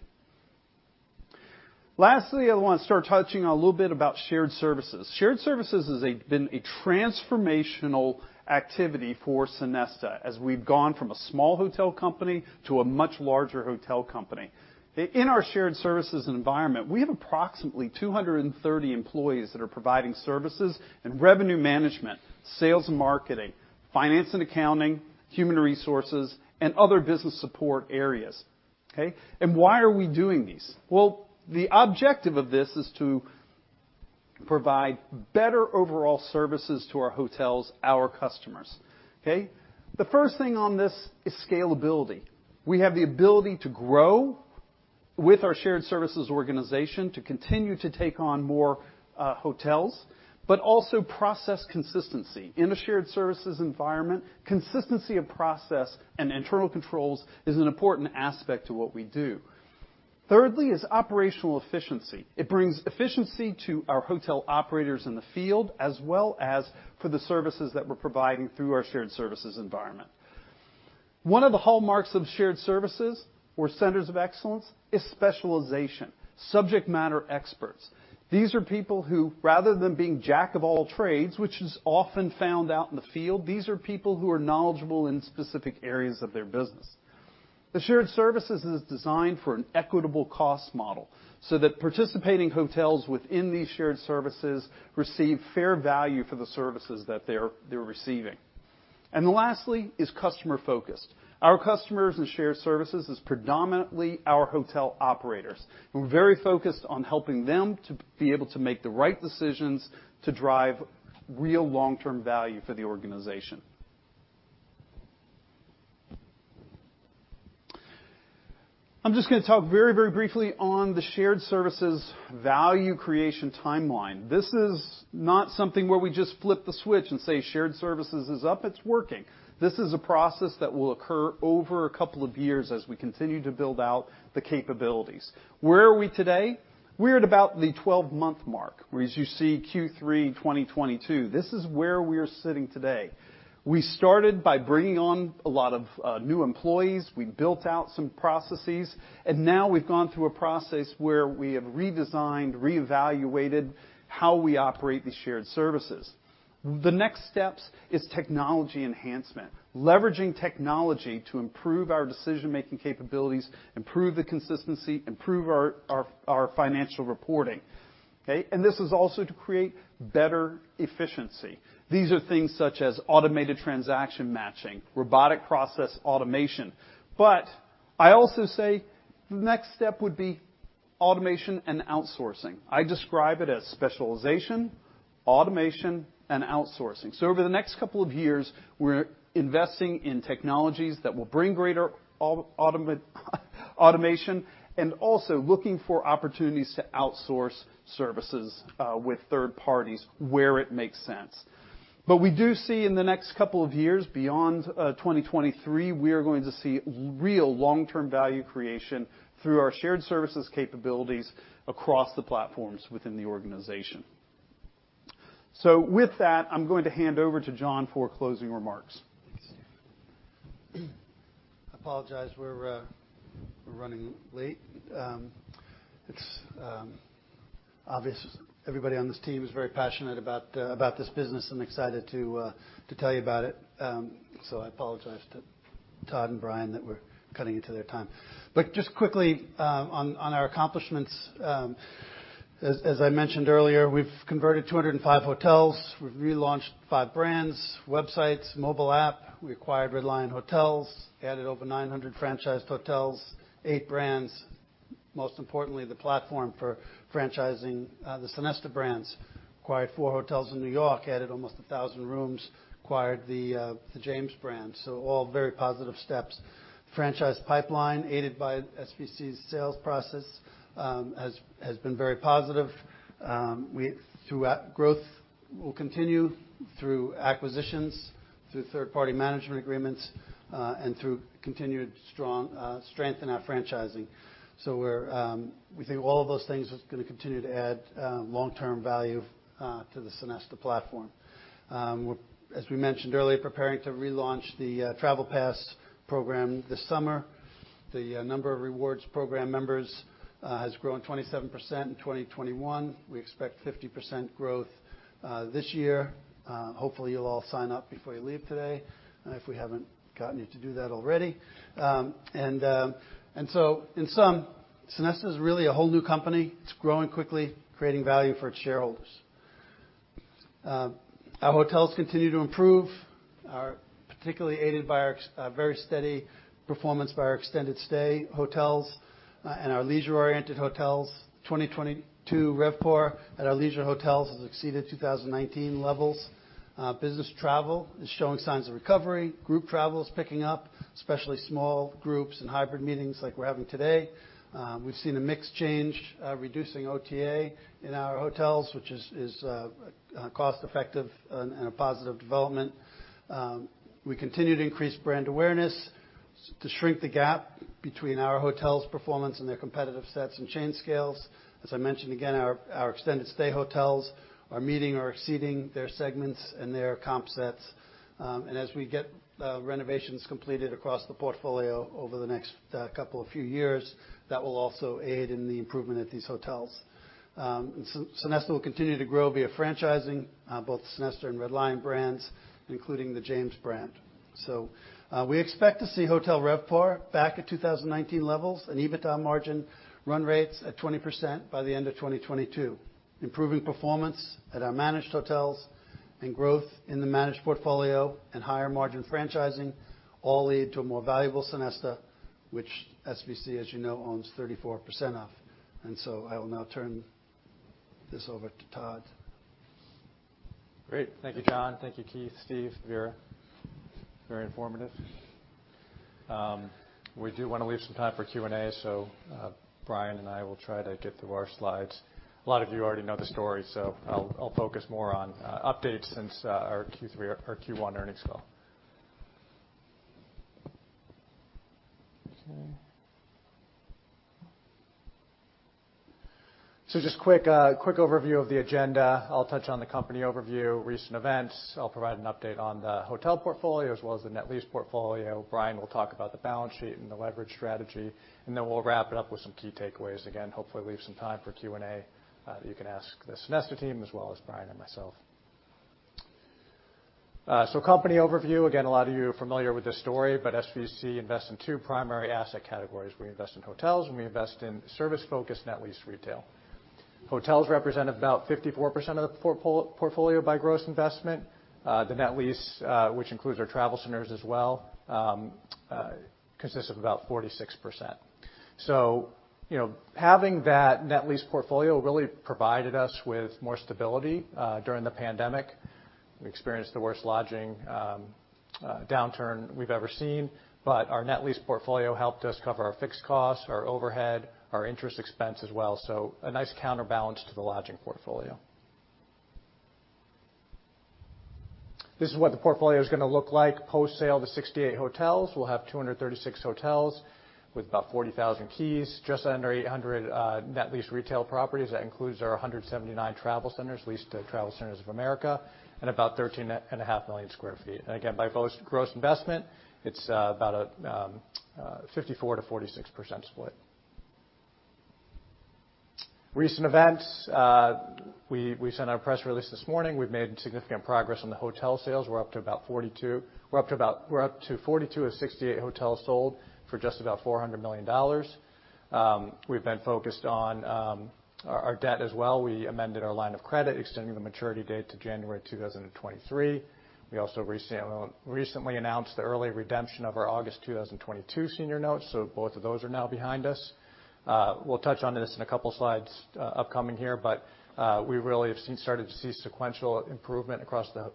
E: Lastly, I wanna start touching a little bit about shared services. Shared services has been a transformational activity for Sonesta as we've gone from a small hotel company to a much larger hotel company. In our shared services environment, we have approximately 230 employees that are providing services in revenue management, sales and marketing, finance and accounting, human resources, and other business support areas, okay? Why are we doing these? Well, the objective of this is to provide better overall services to our hotels, our customers, okay? The first thing on this is scalability. We have the ability to grow with our shared services organization to continue to take on more hotels, but also process consistency. In a shared services environment, consistency of process and internal controls is an important aspect to what we do. Thirdly is operational efficiency. It brings efficiency to our hotel operators in the field as well as for the services that we're providing through our shared services environment. One of the hallmarks of shared services or centers of excellence is specialization, subject matter experts. These are people who, rather than being jack of all trades, which is often found out in the field, these are people who are knowledgeable in specific areas of their business. The shared services is designed for an equitable cost model, so that participating hotels within these shared services receive fair value for the services that they're receiving. Lastly is customer-focused. Our customers in shared services is predominantly our hotel operators. We're very focused on helping them to be able to make the right decisions to drive real long-term value for the organization. I'm just gonna talk very, very briefly on the shared services value creation timeline. This is not something where we just flip the switch and say, "Shared services is up, it's working." This is a process that will occur over a couple of years as we continue to build out the capabilities. Where are we today? We're at about the 12-month mark, where, as you see, Q3 2022. This is where we're sitting today. We started by bringing on a lot of new employees, we built out some processes, and now we've gone through a process where we have redesigned, reevaluated how we operate the shared services. The next steps is technology enhancement, leveraging technology to improve our decision-making capabilities, improve the consistency, improve our financial reporting, okay? This is also to create better efficiency. These are things such as automated transaction matching, robotic process automation. I also say the next step would be automation and outsourcing. I describe it as specialization, automation, and outsourcing. Over the next couple of years, we're investing in technologies that will bring greater automation, and also looking for opportunities to outsource services with third parties where it makes sense. We do see in the next couple of years, beyond 2023, we are going to see real long-term value creation through our shared services capabilities across the platforms within the organization. With that, I'm going to hand over to John for closing remarks.
C: I apologize, we're running late. It's obvious everybody on this team is very passionate about this business and excited to tell you about it. I apologize to Todd and Brian that we're cutting into their time. Just quickly, on our accomplishments, as I mentioned earlier, we've converted 205 hotels. We've relaunched five brands, websites, mobile app. We acquired Red Lion Hotels, added over 900 franchised hotels, eight brands, most importantly, the platform for franchising, the Sonesta brands. Acquired four hotels in New York, added almost 1,000 rooms. Acquired The James brand. All very positive steps. Franchise pipeline, aided by SVC's sales process, has been very positive. Growth will continue through acquisitions, through third-party management agreements, and through continued strong strength in our franchising. We think all of those things is gonna continue to add long-term value to the Sonesta platform. We're, as we mentioned earlier, preparing to relaunch the TravelPass program this summer. The number of rewards program members has grown 27% in 2021. We expect 50% growth this year. Hopefully, you'll all sign up before you leave today, if we haven't gotten you to do that already. In sum, Sonesta is really a whole new company. It's growing quickly, creating value for its shareholders. Our hotels continue to improve, are particularly aided by our very steady performance by our extended stay hotels, and our leisure-oriented hotels. 2022 RevPAR at our leisure hotels has exceeded 2019 levels. Business travel is showing signs of recovery. Group travel is picking up, especially small groups and hybrid meetings like we're having today. We've seen a mix change, reducing OTA in our hotels, which is cost-effective and a positive development. We continue to increase brand awareness to shrink the gap between our hotel's performance and their competitive sets and chain scales. As I mentioned again, our extended stay hotels are meeting or exceeding their segments and their comp sets. As we get renovations completed across the portfolio over the next few years, that will also aid in the improvement at these hotels. Sonesta will continue to grow via franchising both Sonesta and Red Lion brands, including The James brand. We expect to see hotel RevPAR back at 2019 levels and EBITDA margin run rates at 20% by the end of 2022. Improving performance at our managed hotels and growth in the managed portfolio and higher margin franchising all lead to a more valuable Sonesta, which SVC, as you know, owns 34% of. I will now turn this over to Todd.
B: Great. Thank you, John. Thank you, Keith, Steve, Vera. Very informative. We do wanna leave some time for Q&A, so Brian and I will try to get through our slides. A lot of you already know the story, so I'll focus more on updates since our Q3 or Q1 earnings call. Okay. Just quick overview of the agenda. I'll touch on the company overview, recent events. I'll provide an update on the hotel portfolio as well as the net lease portfolio. Brian will talk about the balance sheet and the leverage strategy, and then we'll wrap it up with some key takeaways. Again, hopefully leave some time for Q&A that you can ask the Sonesta team as well as Brian and myself. Company overview. Again, a lot of you are familiar with this story, but SVC invests in two primary asset categories. We invest in hotels, and we invest in service-focused net lease retail. Hotels represent about 54% of the portfolio by gross investment. The net lease, which includes our travel centers as well, consists of about 46%. You know, having that net lease portfolio really provided us with more stability during the pandemic. We experienced the worst lodging downturn we've ever seen, but our net lease portfolio helped us cover our fixed costs, our overhead, our interest expense as well, so a nice counterbalance to the lodging portfolio. This is what the portfolio is gonna look like post-sale to 68 hotels. We'll have 236 hotels with about 40,000 keys, just under 800 net lease retail properties. That includes our 179 travel centers leased to TravelCenters of America and about 13.5 million sq ft. By gross investment, it's about a 54%-46% split. Recent events, we sent our press release this morning. We've made significant progress on the hotel sales. We're up to 42 of 68 hotels sold for just about $400 million. We've been focused on our debt as well. We amended our line of credit, extending the maturity date to January 2023. We also recently announced the early redemption of our August 2022 senior notes, so both of those are now behind us. We'll touch on this in a couple slides upcoming here, but we really have started to see sequential improvement across the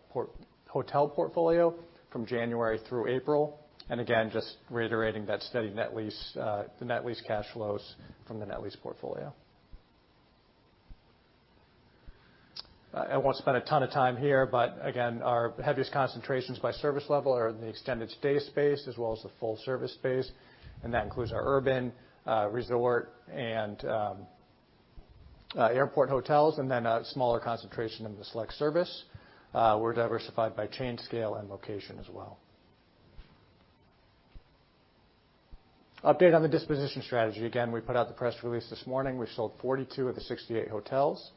B: hotel portfolio from January through April. Again, just reiterating that steady net lease, the net lease cash flows from the net lease portfolio. I won't spend a ton of time here, but again, our heaviest concentrations by service level are in the extended stay space as well as the full service space, and that includes our urban resort and airport hotels, and then a smaller concentration in the select service. We're diversified by chain scale and location as well. Update on the disposition strategy. Again, we put out the press release this morning. We sold 42 of the 68 hotels.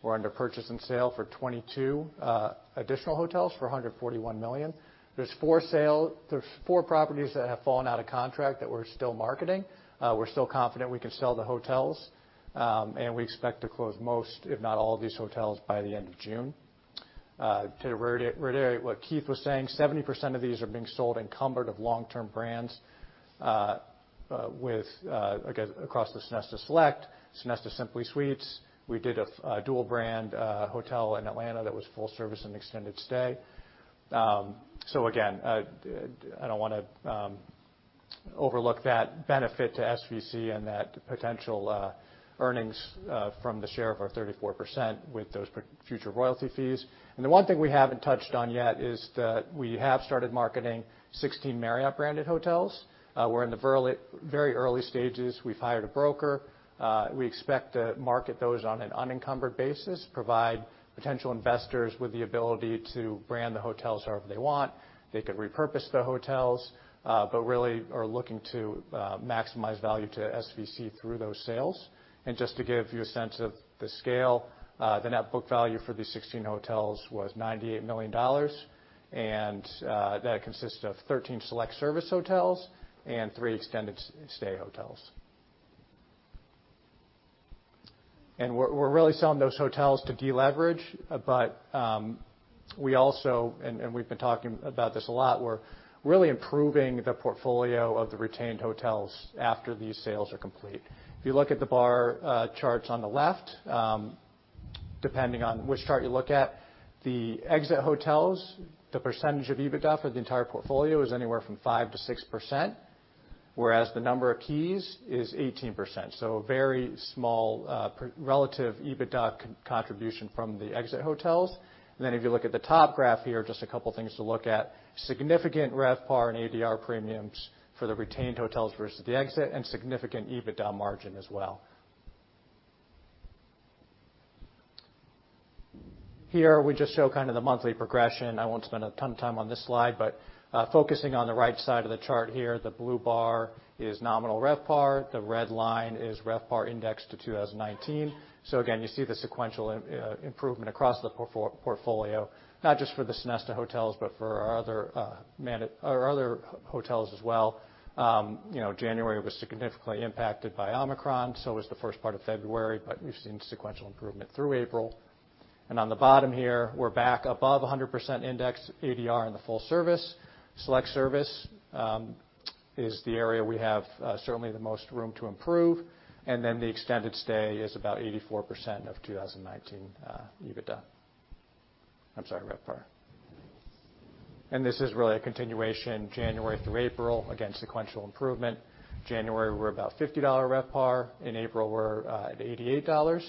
B: We're under purchase and sale for 22 additional hotels for $141 million. There are four properties that have fallen out of contract that we're still marketing. We're still confident we can sell the hotels, and we expect to close most, if not all, of these hotels by the end of June. To reiterate what Keith was saying, 70% of these are being sold encumbered with long-term brands, with, again, across the Sonesta Select, Sonesta Simply Suites. We did a dual brand hotel in Atlanta that was full service and extended stay. So again, I don't wanna overlook that benefit to SVC and that potential earnings from the share of our 34% with those future royalty fees. The one thing we haven't touched on yet is that we have started marketing 16 Marriott branded hotels. We're in the very early stages. We've hired a broker. We expect to market those on an unencumbered basis, provide potential investors with the ability to brand the hotels however they want. They could repurpose the hotels, but really are looking to maximize value to SVC through those sales. Just to give you a sense of the scale, the net book value for these 16 hotels was $98 million, and that consists of 13 select service hotels and three extended-stay hotels. We're really selling those hotels to deleverage, but we also, we've been talking about this a lot, we're really improving the portfolio of the retained hotels after these sales are complete. If you look at the bar charts on the left, depending on which chart you look at, the exit hotels, the percentage of EBITDA for the entire portfolio is anywhere from 5%-6%, whereas the number of keys is 18%. A very small relative EBITDA contribution from the exit hotels. Then if you look at the top graph here, just a couple things to look at, significant RevPAR and ADR premiums for the retained hotels versus the exit, and significant EBITDA margin as well. Here, we just show kind of the monthly progression. I won't spend a ton of time on this slide, but focusing on the right side of the chart here, the blue bar is nominal RevPAR. The red line is RevPAR indexed to 2019. Again, you see the sequential improvement across the portfolio, not just for the Sonesta hotels, but for our other hotels as well. You know, January was significantly impacted by Omicron, so was the first part of February, but we've seen sequential improvement through April. On the bottom here, we're back above 100% index ADR in the full service. Select service is the area we have certainly the most room to improve. Then the extended stay is about 84% of 2019 RevPAR. This is really a continuation, January through April, again, sequential improvement. January, we're about $50 RevPAR. In April, we're at $88.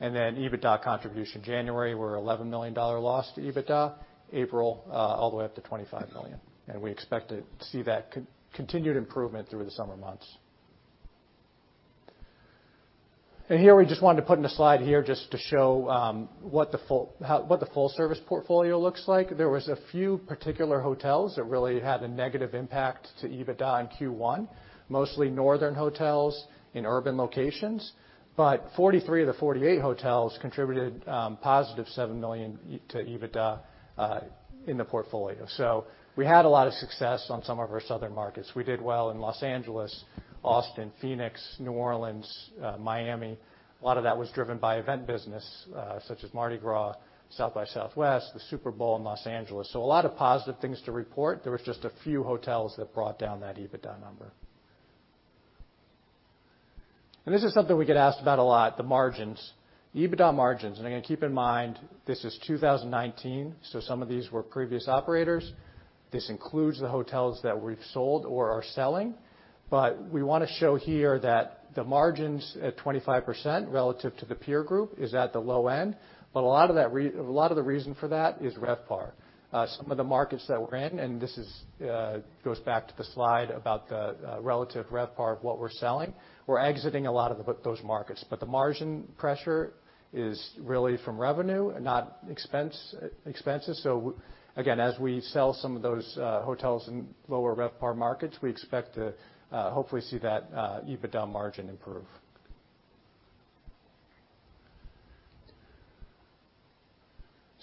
B: Then EBITDA contribution, January, we're $11 million loss to EBITDA. April, all the way up to $25 million. We expect to see that continued improvement through the summer months. Here, we just wanted to put in a slide here just to show what the full service portfolio looks like. There was a few particular hotels that really had a negative impact to EBITDA in Q1, mostly northern hotels in urban locations. 43 of the 48 hotels contributed positive $7 million to EBITDA in the portfolio. We had a lot of success on some of our southern markets. We did well in Los Angeles, Austin, Phoenix, New Orleans, Miami. A lot of that was driven by event business, such as Mardi Gras, South by Southwest, the Super Bowl in Los Angeles. A lot of positive things to report. There was just a few hotels that brought down that EBITDA number. This is something we get asked about a lot, the margins, EBITDA margins. Again, keep in mind, this is 2019, so some of these were previous operators. This includes the hotels that we've sold or are selling. We wanna show here that the margins at 25% relative to the peer group is at the low end, but a lot of the reason for that is RevPAR. Some of the markets that we're in, and this goes back to the slide about the relative RevPAR of what we're selling, we're exiting a lot of those markets. The margin pressure is really from revenue and not expenses. Again, as we sell some of those hotels in lower RevPAR markets, we expect to hopefully see that EBITDA margin improve.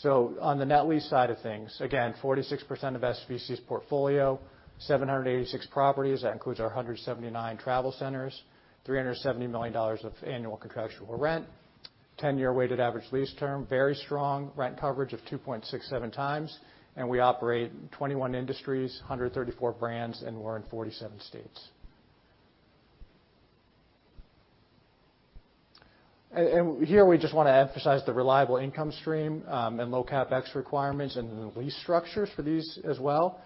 B: On the net lease side of things, again, 46% of SVC's portfolio, 786 properties, that includes our 179 travel centers, $370 million of annual contractual rent, 10-year weighted average lease term, very strong rent coverage of 2.67x, and we operate in 21 industries, 134 brands, and we're in 47 states. Here, we just wanna emphasize the reliable income stream and low CapEx requirements and the lease structures for these as well.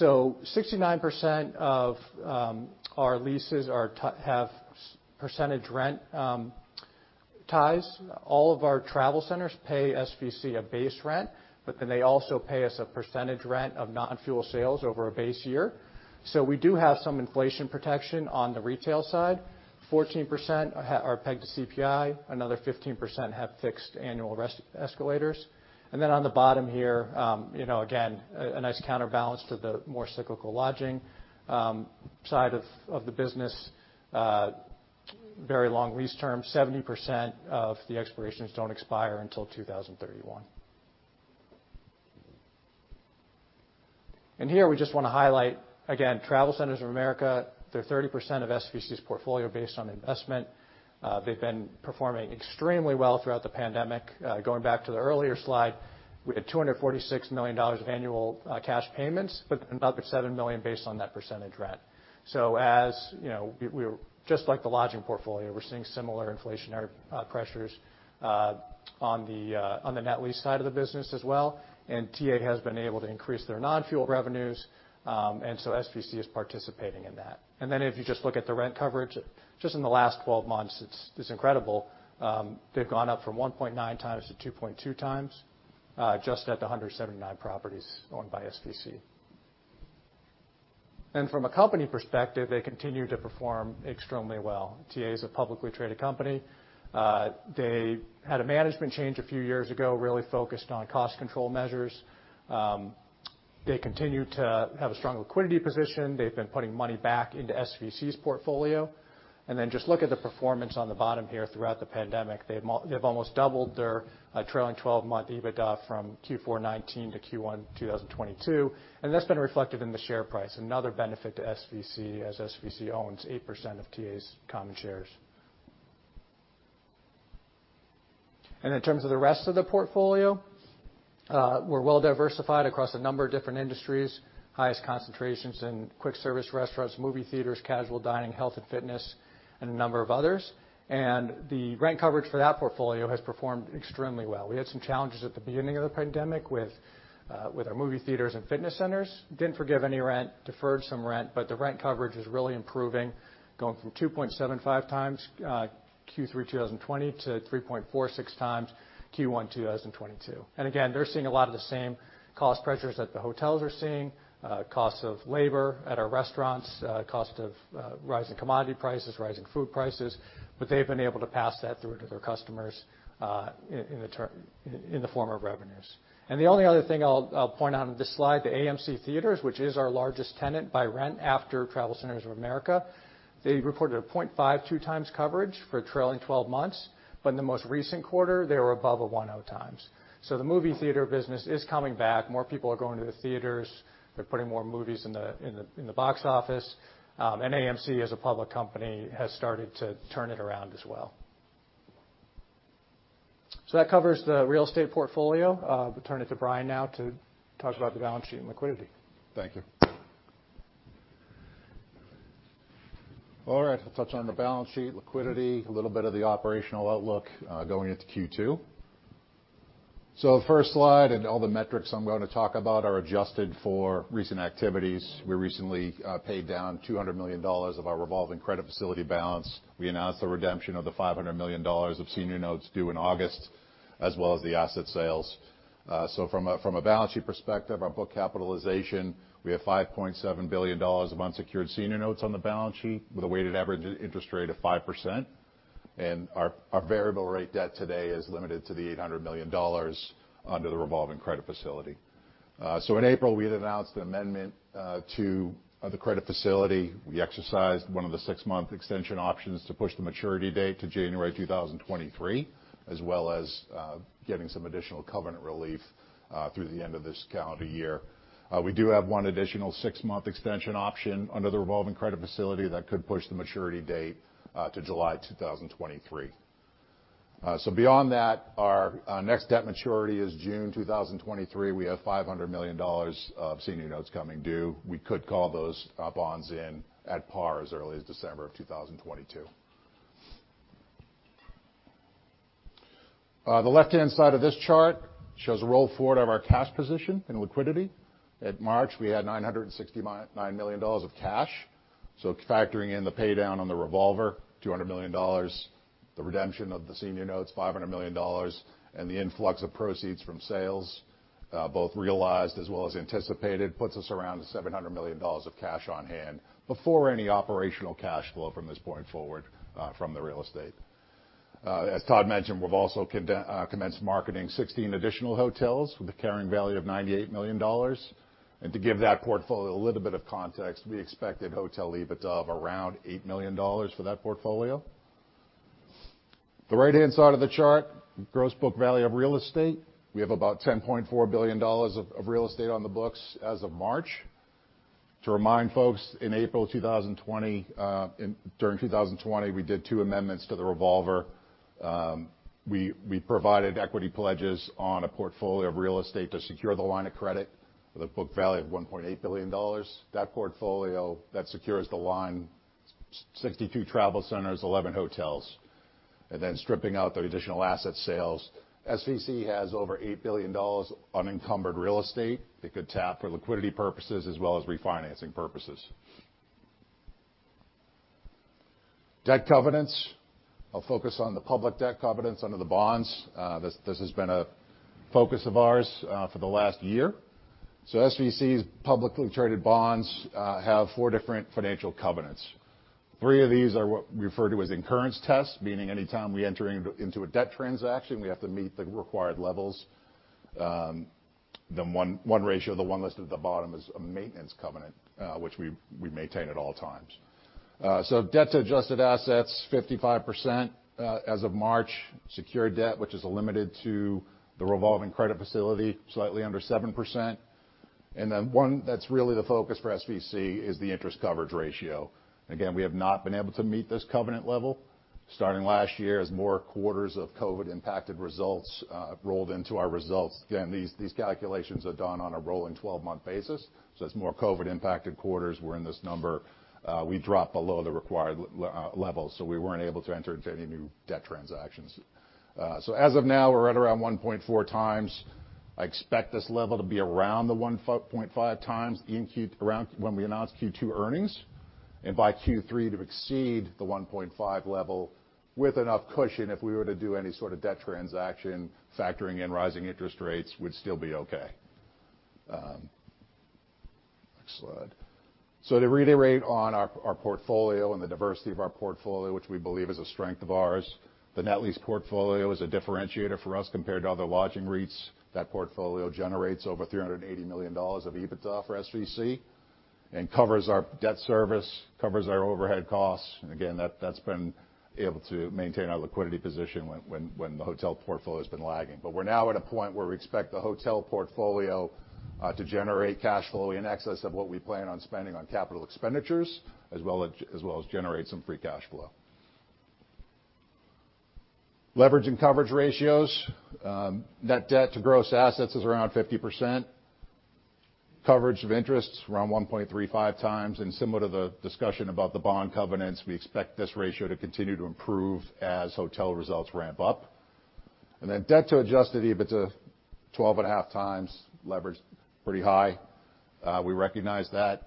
B: 69% of our leases have some percentage rent. All of our travel centers pay SVC a base rent, but then they also pay us a percentage rent of non-fuel sales over a base year. We do have some inflation protection on the retail side. 14% are pegged to CPI, another 15% have fixed annual escalators. On the bottom here, you know, again, a nice counterbalance to the more cyclical lodging side of the business, very long lease term. 70% of the expirations don't expire until 2031. Here, we just wanna highlight, again, TravelCenters of America, they're 30% of SVC's portfolio based on investment. They've been performing extremely well throughout the pandemic. Going back to the earlier slide, we had $246 million of annual cash payments, but another $7 million based on that percentage rent. As you know, we... Just like the lodging portfolio, we're seeing similar inflationary pressures on the net lease side of the business as well, and TA has been able to increase their non-fuel revenues, and so SVC is participating in that. If you just look at the rent coverage, just in the last 12 months, it's incredible. They've gone up from 1.9x to 2.2x just at the 179 properties owned by SVC. From a company perspective, they continue to perform extremely well. TA is a publicly traded company. They had a management change a few years ago, really focused on cost control measures. They continue to have a strong liquidity position. They've been putting money back into SVC's portfolio. Just look at the performance on the bottom here throughout the pandemic. They've almost doubled their trailing 12-month EBITDA from Q4 2019 to Q1 2022, and that's been reflected in the share price, another benefit to SVC as SVC owns 8% of TA's common shares. In terms of the rest of the portfolio, we're well diversified across a number of different industries, highest concentrations in quick service restaurants, movie theaters, casual dining, health and fitness, and a number of others. The rent coverage for that portfolio has performed extremely well. We had some challenges at the beginning of the pandemic with our movie theaters and fitness centers. Didn't forgive any rent, deferred some rent, but the rent coverage is really improving, going from 2.75x Q3 2020 to 3.46x Q1 2022. Again, they're seeing a lot of the same cost pressures that the hotels are seeing, costs of labor at our restaurants, cost of rising commodity prices, rising food prices, but they've been able to pass that through to their customers in the form of revenues. The only other thing I'll point out on this slide, the AMC Theatres, which is our largest tenant by rent after TravelCenters of America, they reported a 0.52x coverage for trailing 12 months, but in the most recent quarter, they were above a 1.0x. The movie theater business is coming back. More people are going to the theaters. They're putting more movies in the box office. AMC, as a public company, has started to turn it around as well. That covers the real estate portfolio. I'll turn it to Brian now to talk about the balance sheet and liquidity.
G: Thank you. All right, I'll touch on the balance sheet, liquidity, a little bit of the operational outlook, going into Q2. The first slide and all the metrics I'm going to talk about are adjusted for recent activities. We recently paid down $200 million of our revolving credit facility balance. We announced the redemption of the $500 million of senior notes due in August, as well as the asset sales. From a balance sheet perspective, our book capitalization, we have $5.7 billion of unsecured senior notes on the balance sheet with a weighted average interest rate of 5%. Our variable rate debt today is limited to the $800 million under the revolving credit facility. In April, we had announced an amendment to the credit facility. We exercised one of the six-month extension options to push the maturity date to January 2023, as well as getting some additional covenant relief through the end of this calendar year. We do have one additional six-month extension option under the revolving credit facility that could push the maturity date to July 2023. Beyond that, our next debt maturity is June 2023. We have $500 million of senior notes coming due. We could call those bonds in at par as early as December 2022. The left-hand side of this chart shows a roll forward of our cash position and liquidity. At March, we had $969 million of cash. Factoring in the paydown on the revolver, $200 million, the redemption of the senior notes, $500 million, and the influx of proceeds from sales, both realized as well as anticipated, puts us around $700 million of cash on hand before any operational cash flow from this point forward, from the real estate. As Todd mentioned, we've also commenced marketing 16 additional hotels with a carrying value of $98 million. To give that portfolio a little bit of context, we expect a hotel EBITDA of around $8 million for that portfolio. The right-hand side of the chart, gross book value of real estate. We have about $10.4 billion of real estate on the books as of March. To remind folks, in April 2020, during 2020, we did two amendments to the revolver. We provided equity pledges on a portfolio of real estate to secure the line of credit with a book value of $1.8 billion. That portfolio, that secures the line, 62 travel centers, 11 hotels. Stripping out the additional asset sales, SVC has over $8 billion unencumbered real estate that could tap for liquidity purposes as well as refinancing purposes. Debt covenants. I'll focus on the public debt covenants under the bonds. This has been a focus of ours for the last year. SVC's publicly traded bonds have four different financial covenants. Three of these are what we refer to as incurrence tests, meaning anytime we enter into a debt transaction, we have to meet the required levels. One ratio, the one listed at the bottom is a maintenance covenant, which we maintain at all times. Debt to adjusted assets, 55%, as of March. Secured debt, which is limited to the revolving credit facility, slightly under 7%. One that's really the focus for SVC is the interest coverage ratio. Again, we have not been able to meet this covenant level starting last year as more quarters of COVID-impacted results rolled into our results. Again, these calculations are done on a rolling 12-month basis. As more COVID-impacted quarters were in this number, we dropped below the required levels, so we weren't able to enter into any new debt transactions. As of now, we're right around 1.4x. I expect this level to be around the 1.5x in Q2 around when we announce Q2 earnings, and by Q3 to exceed the 1.5x level with enough cushion if we were to do any sort of debt transaction, factoring in rising interest rates, we'd still be okay. Next slide. To reiterate on our portfolio and the diversity of our portfolio, which we believe is a strength of ours, the net lease portfolio is a differentiator for us compared to other lodging REITs. That portfolio generates over $380 million of EBITDA for SVC and covers our debt service, covers our overhead costs. Again, that's been able to maintain our liquidity position when the hotel portfolio's been lagging. We're now at a point where we expect the hotel portfolio to generate cash flow in excess of what we plan on spending on capital expenditures as well as generate some free cash flow. Leverage and coverage ratios. Net debt to gross assets is around 50%. Coverage of interest is around 1.35x, and similar to the discussion about the bond covenants, we expect this ratio to continue to improve as hotel results ramp up. Then debt to adjusted EBITDA, 12.5x. Leverage, pretty high. We recognize that.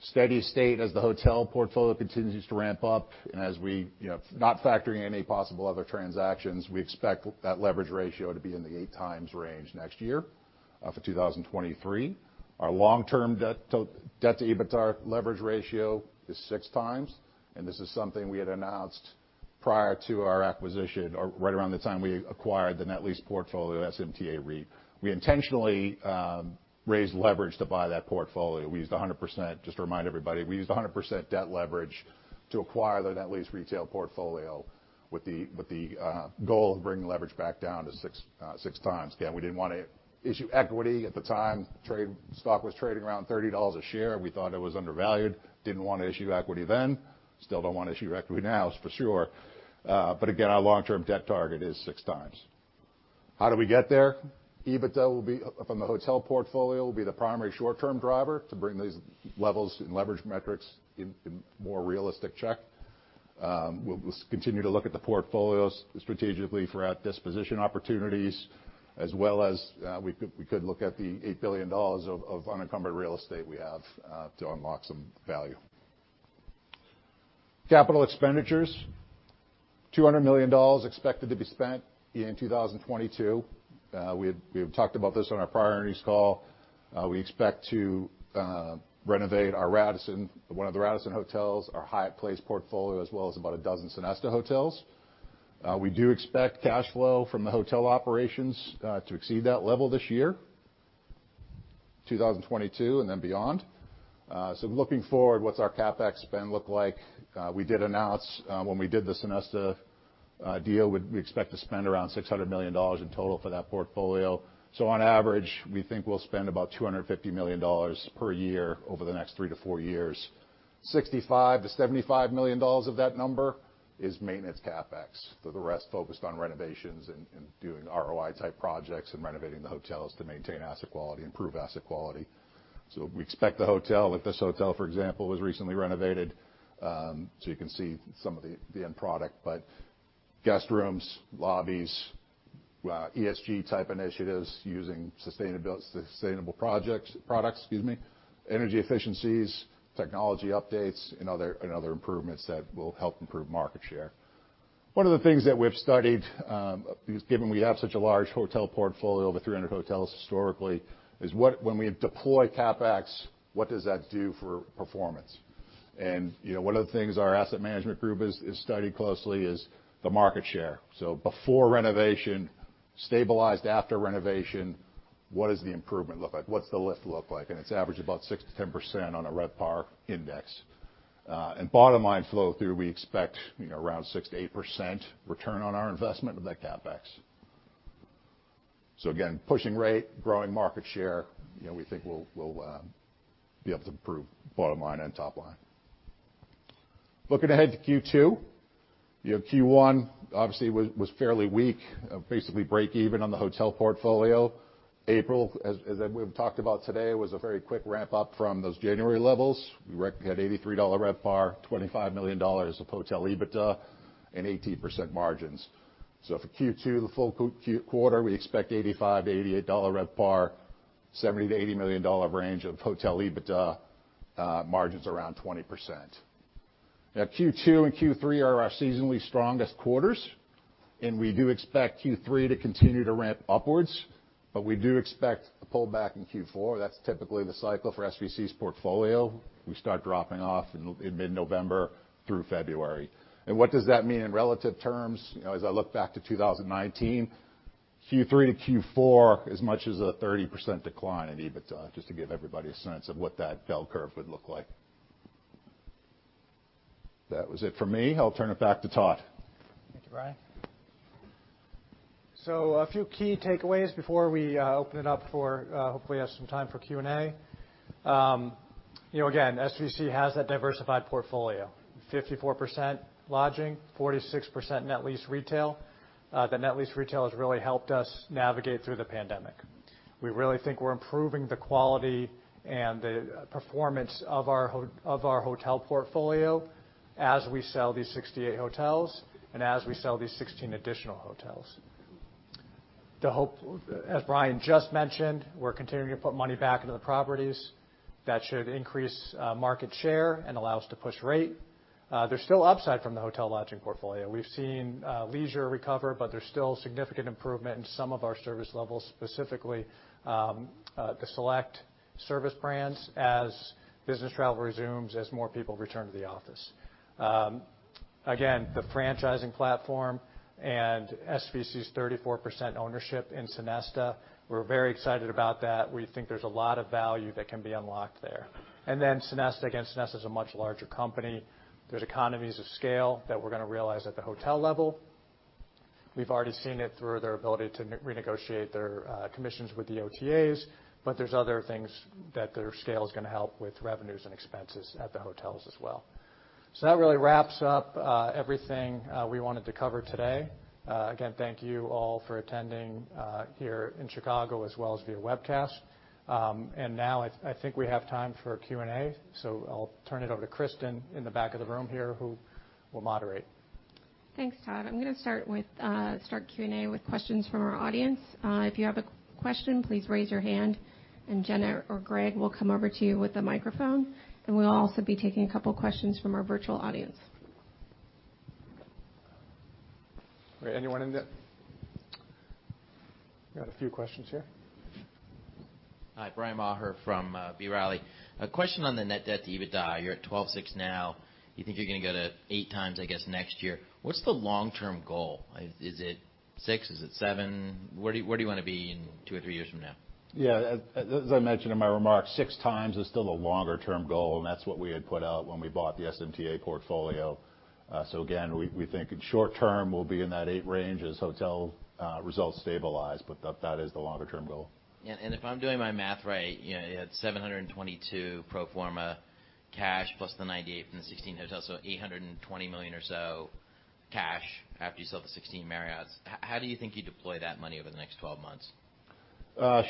G: Steady state as the hotel portfolio continues to ramp up and as we, you know, not factoring any possible other transactions, we expect that leverage ratio to be in the 8x range next year, for 2023. Our long-term debt to EBITDA leverage ratio is 6x, and this is something we had announced prior to our acquisition or right around the time we acquired the net lease portfolio, SMTA REIT. We intentionally raised leverage to buy that portfolio. We used 100%. Just to remind everybody, we used 100% debt leverage to acquire the net lease retail portfolio with the goal of bringing leverage back down to 6x. Again, we didn't wanna issue equity at the time. The stock was trading around $30 a share. We thought it was undervalued. Didn't wanna issue equity then. Still don't wanna issue equity now, for sure. But again, our long-term debt target is 6x. How do we get there? EBITDA will be from the hotel portfolio, will be the primary short-term driver to bring these levels and leverage metrics in more realistic check. We'll continue to look at the portfolios strategically for disposition opportunities as well as we could look at the $8 billion of unencumbered real estate we have to unlock some value. Capital expenditures, $200 million expected to be spent in 2022. We have talked about this on our priorities call. We expect to renovate our Radisson, one of the Radisson hotels, our Hyatt Place portfolio as well as about a dozen Sonesta hotels. We do expect cash flow from the hotel operations to exceed that level this year, 2022, and then beyond. Looking forward, what's our CapEx spend look like? We did announce when we did the Sonesta deal, we expect to spend around $600 million in total for that portfolio. On average, we think we'll spend about $250 million per year over the next 3-4 years. $65 million-$75 million of that number is maintenance CapEx, with the rest focused on renovations and doing ROI-type projects and renovating the hotels to maintain asset quality, improve asset quality. Like this hotel, for example, was recently renovated. You can see some of the end product. Guest rooms, lobbies, ESG-type initiatives using sustainable projects, products, excuse me, energy efficiencies, technology updates, and other improvements that will help improve market share. One of the things that we've studied, given we have such a large hotel portfolio, over 300 hotels historically, is what when we deploy CapEx, what does that do for performance? You know, one of the things our asset management group has studied closely is the market share. Before renovation, stabilized after renovation, what does the improvement look like? What's the lift look like? It averages about 6%-10% on a RevPAR index. Bottom line flow through, we expect, you know, around 6%-8% return on our investment of that CapEx. Again, pushing rate, growing market share, you know, we think we'll be able to improve bottom line and top line. Looking ahead to Q2. You know, Q1 obviously was fairly weak. Basically break even on the hotel portfolio. April, as like we've talked about today, was a very quick ramp-up from those January levels. We had $83 RevPAR, $25 million of hotel EBITDA, and 18% margins. For Q2, the full Quarter, we expect $85-$88 RevPAR, $70 million-$80 million range of hotel EBITDA, margins around 20%. Now Q2 and Q3 are our seasonally strongest quarters, and we do expect Q3 to continue to ramp upwards, but we do expect a pullback in Q4. That's typically the cycle for SVC's portfolio. We start dropping off in mid-November through February. What does that mean in relative terms? You know, as I look back to 2019, Q3 to Q4, as much as a 30% decline in EBITDA, just to give everybody a sense of what that bell curve would look like. That was it for me. I'll turn it back to Todd.
B: Thank you, Brian. A few key takeaways before we open it up for hopefully have some time for Q&A. You know, again, SVC has that diversified portfolio, 54% lodging, 46% net lease retail. The net lease retail has really helped us navigate through the pandemic. We really think we're improving the quality and the performance of our hotel portfolio as we sell these 68 hotels and as we sell these 16 additional hotels. As Brian just mentioned, we're continuing to put money back into the properties. That should increase market share and allow us to push rate. There's still upside from the hotel lodging portfolio. We've seen leisure recover, but there's still significant improvement in some of our service levels, specifically the select service brands as business travel resumes, as more people return to the office. Again, the franchising platform and SVC's 34% ownership in Sonesta, we're very excited about that. We think there's a lot of value that can be unlocked there. Then Sonesta, again, Sonesta is a much larger company. There's economies of scale that we're gonna realize at the hotel level. We've already seen it through their ability to renegotiate their commissions with the OTAs, but there's other things that their scale is gonna help with revenues and expenses at the hotels as well. That really wraps up everything we wanted to cover today. Again, thank you all for attending here in Chicago as well as via webcast. Now I think we have time for Q&A, so I'll turn it over to Kristin in the back of the room here, who will moderate.
H: Thanks, Todd. I'm gonna start Q&A with questions from our audience. If you have a question, please raise your hand, and Jenna or Greg will come over to you with a microphone. We'll also be taking a couple questions from our virtual audience.
B: Great. Anyone in the
G: We got a few questions here.
I: Hi, Bryan Maher from B. Riley. A question on the net debt to EBITDA. You're at 12.6x now. You think you're gonna go to 8x, I guess, next year. What's the long-term goal? Is it 6x? Is it 7x? Where do you wanna be in two or three years from now?
G: As I mentioned in my remarks, 6x is still a longer term goal, and that's what we had put out when we bought the SMTA portfolio. Again, we think in short term we'll be in that 8x range as hotel results stabilize, but that is the longer term goal.
I: Yeah, if I'm doing my math right, you know, you had $722 million pro forma cash plus the $98 million from the 16 hotels, so $820 million or so cash after you sell the 16 Marriotts. How do you think you deploy that money over the next 12 months?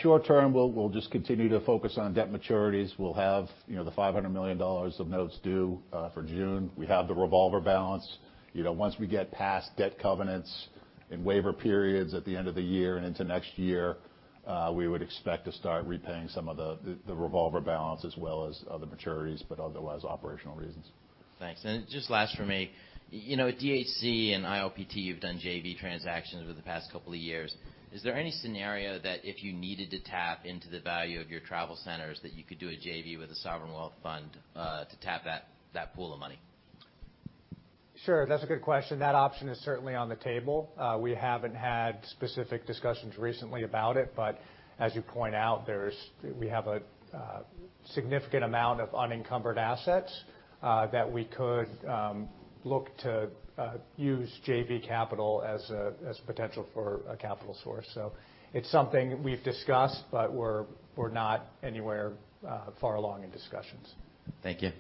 G: Short term, we'll just continue to focus on debt maturities. We'll have, you know, the $500 million of notes due for June. We have the revolver balance. You know, once we get past debt covenants and waiver periods at the end of the year and into next year, we would expect to start repaying some of the revolver balance as well as other maturities, but otherwise operational reasons.
I: Thanks. Just last from me, you know, at DHC and ILPT, you've done JV transactions over the past couple of years. Is there any scenario that if you needed to tap into the value of your travel centers that you could do a JV with a sovereign wealth fund to tap that pool of money?
B: Sure. That's a good question. That option is certainly on the table. We haven't had specific discussions recently about it, but as you point out, there is a significant amount of unencumbered assets that we could look to use JV capital as a potential for a capital source. It's something we've discussed, but we're not anywhere far along in discussions.
I: Thank you.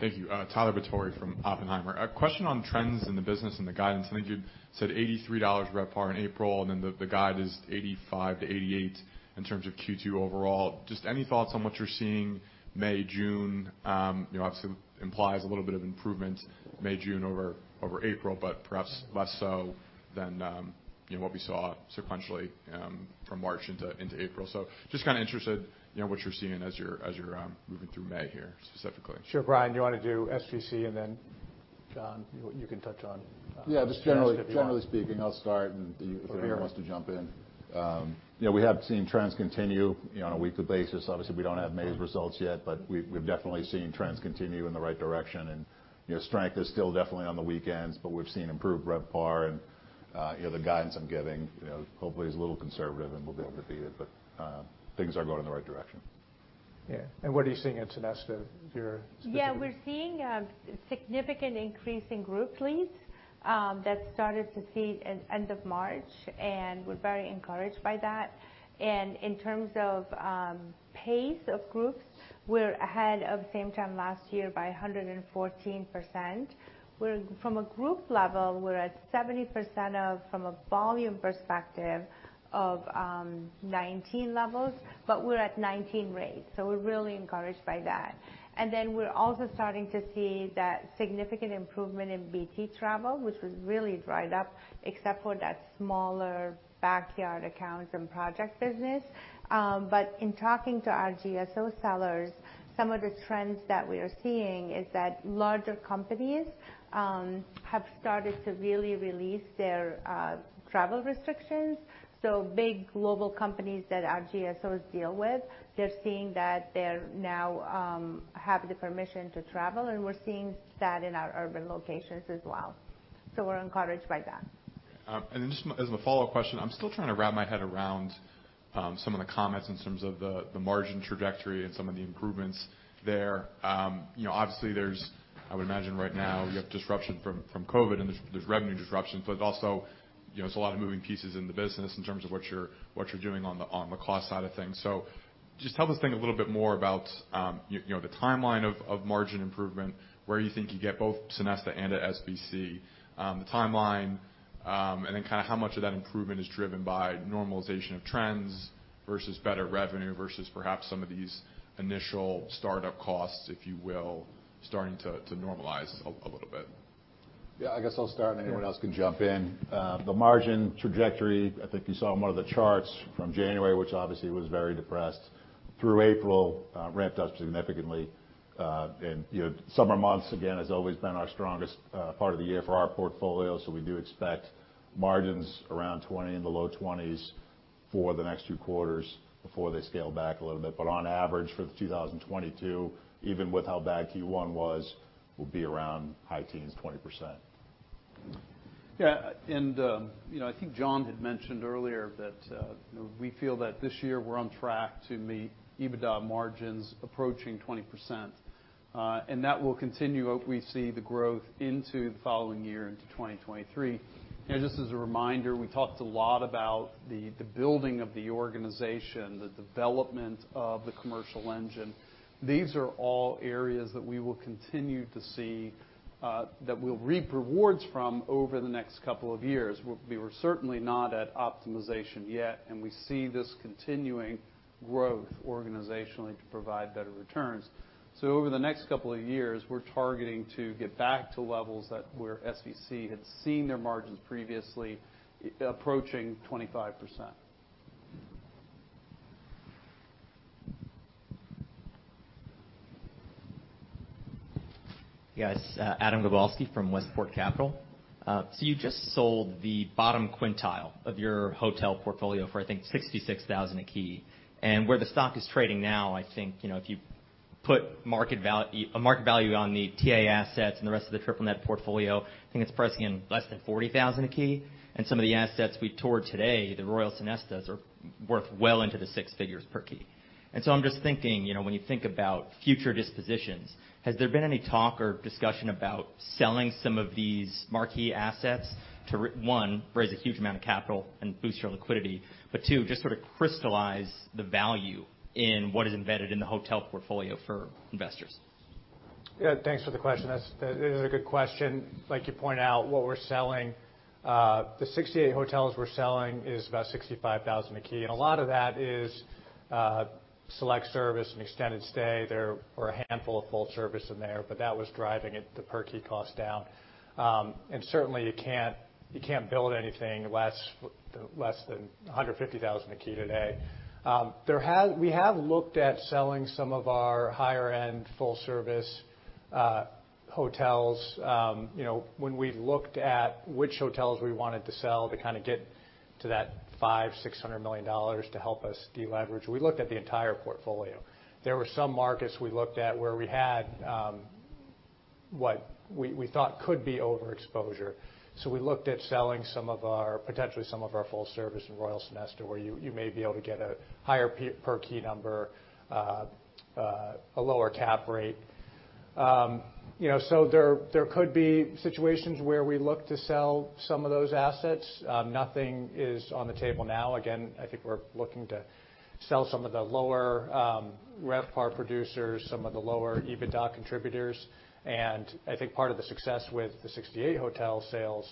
J: Thank you. Tyler Batory from Oppenheimer. A question on trends in the business and the guidance. I think you said $83 RevPAR in April, and then the guidance is $85-$88 in terms of Q2 overall. Just any thoughts on what you're seeing May, June? You know, obviously implies a little bit of improvement May, June over April, but perhaps less so than, you know, what we saw sequentially from March into April. Just kinda interested, you know, what you're seeing as you're moving through May here specifically.
B: Sure. Brian, you wanna do SVC, and then, John, you can touch on
G: Yeah. Just generally.
B: trends if you want.
G: Generally speaking, I'll start, and if anyone wants to jump in. You know, we have seen trends continue, you know, on a weekly basis. Obviously, we don't have May's results yet, but we've definitely seen trends continue in the right direction. You know, strength is still definitely on the weekends, but we've seen improved RevPAR and, you know, the guidance I'm giving, you know, hopefully is a little conservative, and we'll be able to beat it, but things are going in the right direction.
J: Yeah. What are you seeing at Sonesta here specifically?
D: Yeah, we're seeing a significant increase in group leads that we started to see at end of March, and we're very encouraged by that. In terms of pace of groups, we're ahead of same time last year by 114%. From a group level, we're at 70% of, from a volume perspective, of 2019 levels, but we're at 2019 rates. We're really encouraged by that. We're also starting to see that significant improvement in BT travel, which was really dried up except for that smaller backyard accounts and project business. In talking to our GSO sellers, some of the trends that we are seeing is that larger companies have started to really release their travel restrictions. Big global companies that our GSOs deal with, they're seeing that they're now have the permission to travel, and we're seeing that in our urban locations as well. We're encouraged by that.
J: Just as a follow-up question, I'm still trying to wrap my head around some of the comments in terms of the margin trajectory and some of the improvements there. You know, obviously, there's, I would imagine right now you have disruption from COVID, and there's revenue disruptions, but also, you know, there's a lot of moving pieces in the business in terms of what you're doing on the cost side of things. Just help us think a little bit more about, you know, the timeline of margin improvement, where you think you get both Sonesta and at SVC, the timeline, and then kind of how much of that improvement is driven by normalization of trends versus better revenue versus perhaps some of these initial startup costs, if you will, starting to normalize a little bit.
G: Yeah. I guess I'll start, and anyone else can jump in. The margin trajectory, I think you saw in one of the charts from January, which obviously was very depressed through April, ramped up significantly. You know, summer months, again, has always been our strongest part of the year for our portfolio, so we do expect margins around 20%, in the low 20s% for the next two quarters before they scale back a little bit. But on average, for 2022, even with how bad Q1 was, we'll be around high teens, 20%.
B: Yeah. You know, I think John had mentioned earlier that you know, we feel that this year we're on track to meet EBITDA margins approaching 20%. That will continue as we see the growth into the following year into 2023. You know, just as a reminder, we talked a lot about the building of the organization, the development of the commercial engine. These are all areas that we will continue to see that we'll reap rewards from over the next couple of years. We were certainly not at optimization yet, and we see this continuing growth organizationally to provide better returns. Over the next couple of years, we're targeting to get back to levels where SVC had seen their margins previously approaching 25%.
K: Yes. Adam Gabalski from Westport Capital. So you just sold the bottom quintile of your hotel portfolio for, I think, $66,000 a key. Where the stock is trading now, I think, you know, if you put a market value on the TA assets and the rest of the triple net portfolio, I think it's pricing in less than $40,000 a key. Some of the assets we toured today, the Royal Sonestas, are worth well into the six figures per key. So I'm just thinking, you know, when you think about future dispositions, has there been any talk or discussion about selling some of these marquee assets to, one, raise a huge amount of capital and boost your liquidity, but two, just sort of crystallize the value in what is embedded in the hotel portfolio for investors?
B: Yeah. Thanks for the question. That's it is a good question. Like you point out, what we're selling, the 68 hotels we're selling is about $65,000 a key, and a lot of that is select service and extended stay. There are a handful of full service in there, but that was driving it, the per key cost down. And certainly, you can't build anything less than $150,000 a key today. We have looked at selling some of our higher-end full service hotels. You know, when we looked at which hotels we wanted to sell to kind of get to that $500 million-$600 million to help us deleverage, we looked at the entire portfolio. There were some markets we looked at where we had what we thought could be overexposure. We looked at selling potentially some of our full service in Royal Sonesta, where you may be able to get a higher per-key number, a lower cap rate. You know, there could be situations where we look to sell some of those assets. Nothing is on the table now. I think we're looking to sell some of the lower RevPAR producers, some of the lower EBITDA contributors. I think part of the success with the 68 hotel sales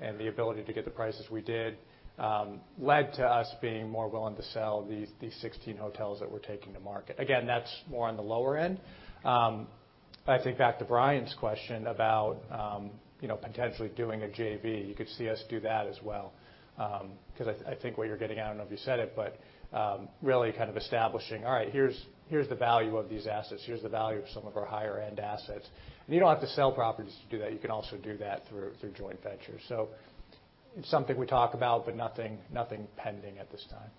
B: and the ability to get the prices we did led to us being more willing to sell these 16 hotels that we're taking to market. That's more on the lower end. I think back to Bryan's question about, you know, potentially doing a JV. You could see us do that as well, because I think what you're getting at. I don't know if you said it, but really kind of establishing, all right, here's the value of these assets, here's the value of some of our higher-end assets. You don't have to sell properties to do that. You can also do that through joint ventures. It's something we talk about, but nothing pending at this time.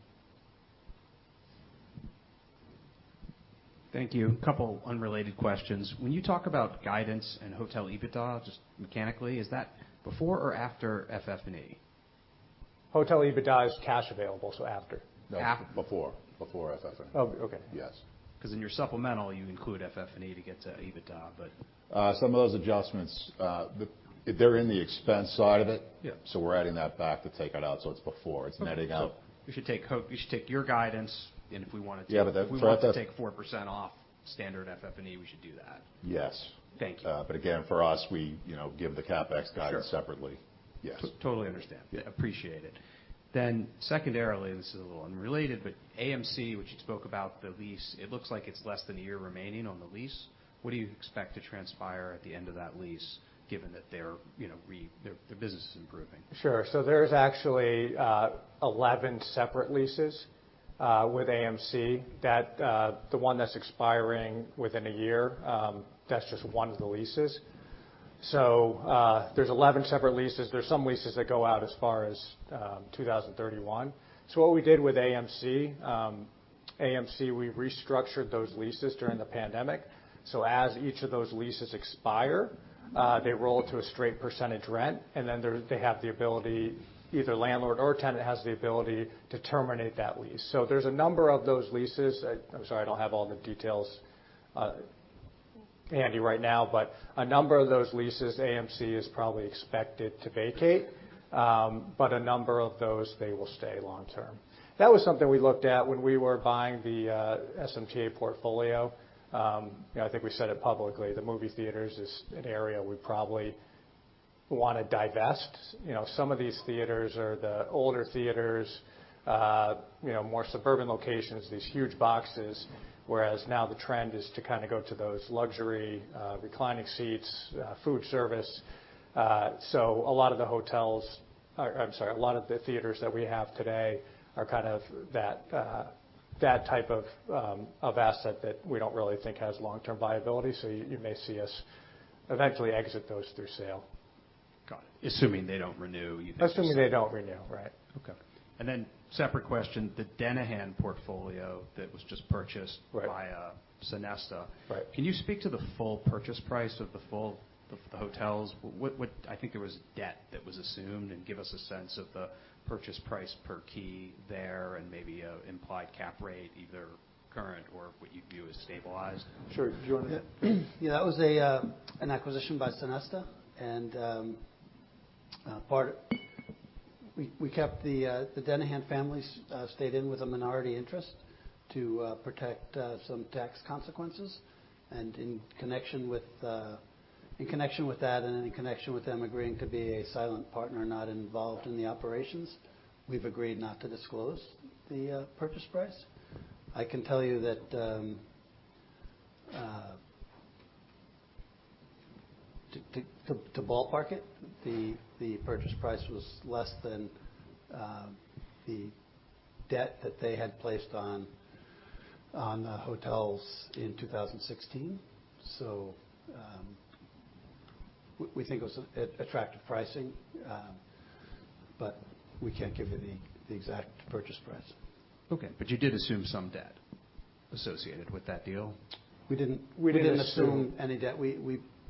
K: Thank you. A couple unrelated questions. When you talk about guidance and hotel EBITDA, just mechanically, is that before or after FF&E?
B: Hotel EBITDA is cash available, so after?
G: No, before. Before FF&E.
B: Oh, okay.
G: Yes.
K: 'Cause in your supplemental, you include FF&E to get to EBITDA, but.
G: Some of those adjustments, they're in the expense side of it.
K: Yeah.
G: We're adding that back to take that out, so it's before. It's netting out.
K: We should take your guidance, and if we wanted to-
G: Yeah, but that.
K: If we wanted to take 4% off standard FF&E, we should do that.
G: Yes.
K: Thank you.
G: Again, for us, we, you know, give the CapEx guidance.
K: Sure
G: Separately. Yes.
K: Totally understand.
G: Yeah.
K: Appreciate it. Secondarily, this is a little unrelated, but AMC, which you spoke about the lease, it looks like it's less than a year remaining on the lease. What do you expect to transpire at the end of that lease given that they're, you know, the business is improving?
B: Sure. There's actually 11 separate leases with AMC that the one that's expiring within a year, that's just one of the leases. There's 11 separate leases. There's some leases that go out as far as 2031. What we did with AMC, we restructured those leases during the pandemic. As each of those leases expire, they roll to a straight percentage rent, and then they have the ability, either landlord or tenant has the ability to terminate that lease. There's a number of those leases. I'm sorry I don't have all the details handy right now. A number of those leases, AMC is probably expected to vacate, but a number of those, they will stay long term. That was something we looked at when we were buying the SMTA portfolio. You know, I think we said it publicly, the movie theaters is an area we probably wanna divest. You know, some of these theaters are the older theaters, you know, more suburban locations, these huge boxes, whereas now the trend is to kinda go to those luxury, reclining seats, food service. A lot of the theaters that we have today are kind of that type of asset that we don't really think has long-term viability. You may see us eventually exit those through sale.
K: Got it. Assuming they don't renew, you-
B: Assuming they don't renew, right?
K: Okay. Separate question, the Denihan portfolio that was just purchased?
B: Right.
K: by Sonesta.
B: Right.
K: Can you speak to the full purchase price of the hotels? I think there was debt that was assumed, and give us a sense of the purchase price per key there and maybe an implied cap rate, either current or what you view as stabilized.
B: Sure. Do you wanna hit it?
C: Yeah. That was an acquisition by Sonesta. We kept the Denihan families stayed in with a minority interest to protect some tax consequences. In connection with that and in connection with them agreeing to be a silent partner not involved in the operations, we've agreed not to disclose the purchase price. I can tell you that to ballpark it, the purchase price was less than the debt that they had placed on the hotels in 2016. We think it was attractive pricing, but we can't give you the exact purchase price.
K: Okay. You did assume some debt associated with that deal?
C: We didn't assume any debt.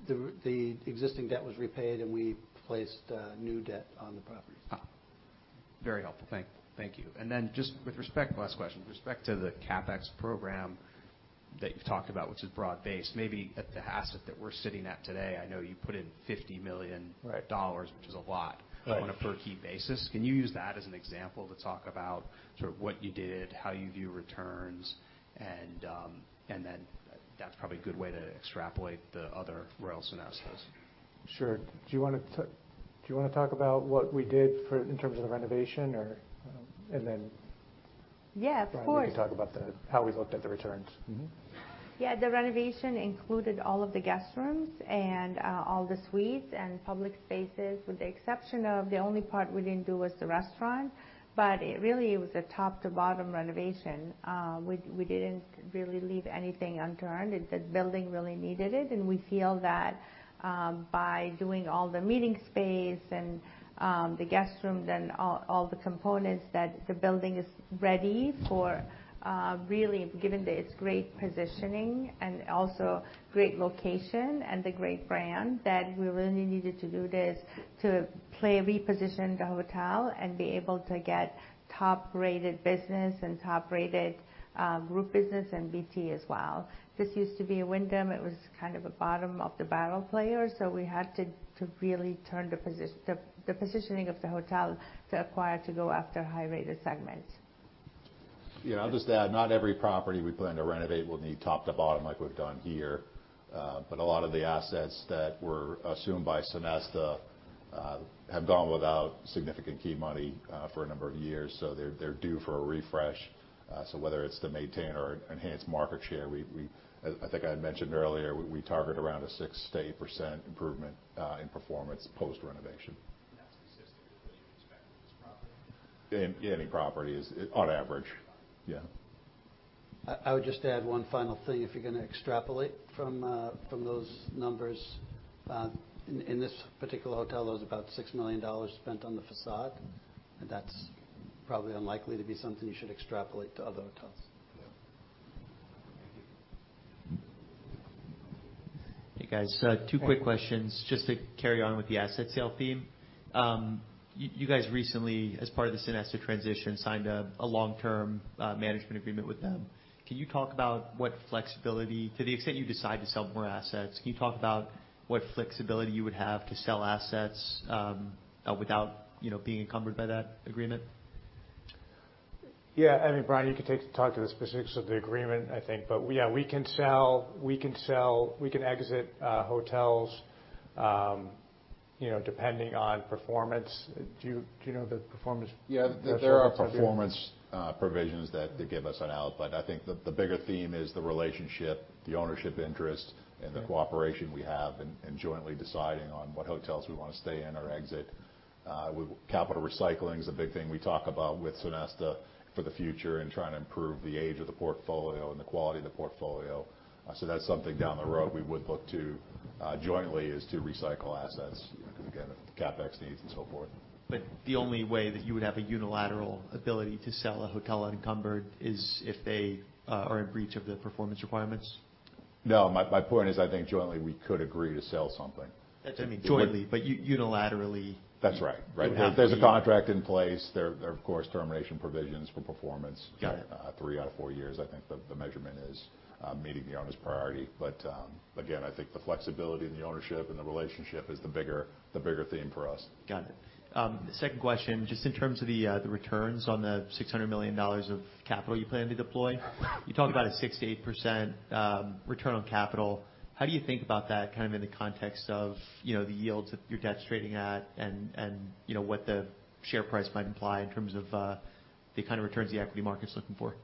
C: The existing debt was repaid, and we placed new debt on the property.
B: Very helpful. Thank you. Last question. With respect to the CapEx program that you've talked about, which is broad-based, maybe at the asset that we're sitting at today, I know you put in $50 million Right.,
K: which is a lot.
B: Right
K: On a per key basis. Can you use that as an example to talk about sort of what you did, how you view returns, and then that's probably a good way to extrapolate the other Royal Sonestas.
B: Sure. Do you wanna talk about what we did for in terms of the renovation or, and then?
D: Yeah, of course.
B: Brian, you can talk about how we looked at the returns.
D: The renovation included all of the guest rooms and all the suites and public spaces, with the exception of the only part we didn't do was the restaurant. It really was a top to bottom renovation. We didn't really leave anything unturned. The building really needed it, and we feel that by doing all the meeting space and the guest rooms and all the components that the building is ready for, really, given that it's great positioning and also great location and the great brand, that we really needed to do this to reposition the hotel and be able to get top-rated business and top-rated group business and BT as well. This used to be a Wyndham. It was kind of a bottom of the barrel player, so we had to really turn the positioning of the hotel to attract to go after high-rated segments. Yeah. I'll just add, not every property we plan to renovate will need top to bottom like we've done here. A lot of the assets that were assumed by Sonesta have gone without significant key money for a number of years, so they're due for a refresh. Whether it's to maintain or enhance market share, I think I had mentioned earlier, we target around a 6%-8% improvement in performance post-renovation.
K: That's consistent with what you've expected with this property?
D: In any property is on average.
K: Okay.
D: Yeah.
C: I would just add one final thing. If you're gonna extrapolate from those numbers, in this particular hotel, there was about $6 million spent on the facade, and that's probably unlikely to be something you should extrapolate to other hotels.
L: Hey guys, two quick questions. Just to carry on with the asset sale theme. You guys recently, as part of the Sonesta transition, signed a long-term management agreement with them. To the extent you decide to sell more assets, can you talk about what flexibility you would have to sell assets without, you know, being encumbered by that agreement?
B: Yeah. I mean, Brian, you could talk to the specifics of the agreement, I think. Yeah, we can sell, we can exit, hotels, you know, depending on performance. Do you know the performance?
G: Yeah. There are performance provisions that they give us an out, but I think the bigger theme is the relationship, the ownership interest and the cooperation we have in jointly deciding on what hotels we wanna stay in or exit. Capital recycling is a big thing we talk about with Sonesta for the future and trying to improve the age of the portfolio and the quality of the portfolio. That's something down the road we would look to jointly is to recycle assets, you know, again, CapEx needs and so forth.
J: The only way that you would have a unilateral ability to sell a hotel unencumbered is if they are in breach of the performance requirements?
G: No. My point is, I think jointly we could agree to sell something.
L: That's what I mean, jointly, but unilaterally.
G: That's right. Right.
L: You'd have to be-
G: There's a contract in place. There are, of course, termination provisions for performance.
L: Got it.
G: three out of four years, I think the measurement is meeting the owner's priority. Again, I think the flexibility and the ownership and the relationship is the bigger theme for us.
L: Got it. Second question, just in terms of the returns on the $600 million of capital you plan to deploy, you talked about a 6%-8% return on capital. How do you think about that kind of in the context of, you know, the yields that your debt's trading at and, you know, what the share price might imply in terms of the kind of returns the equity market's looking for?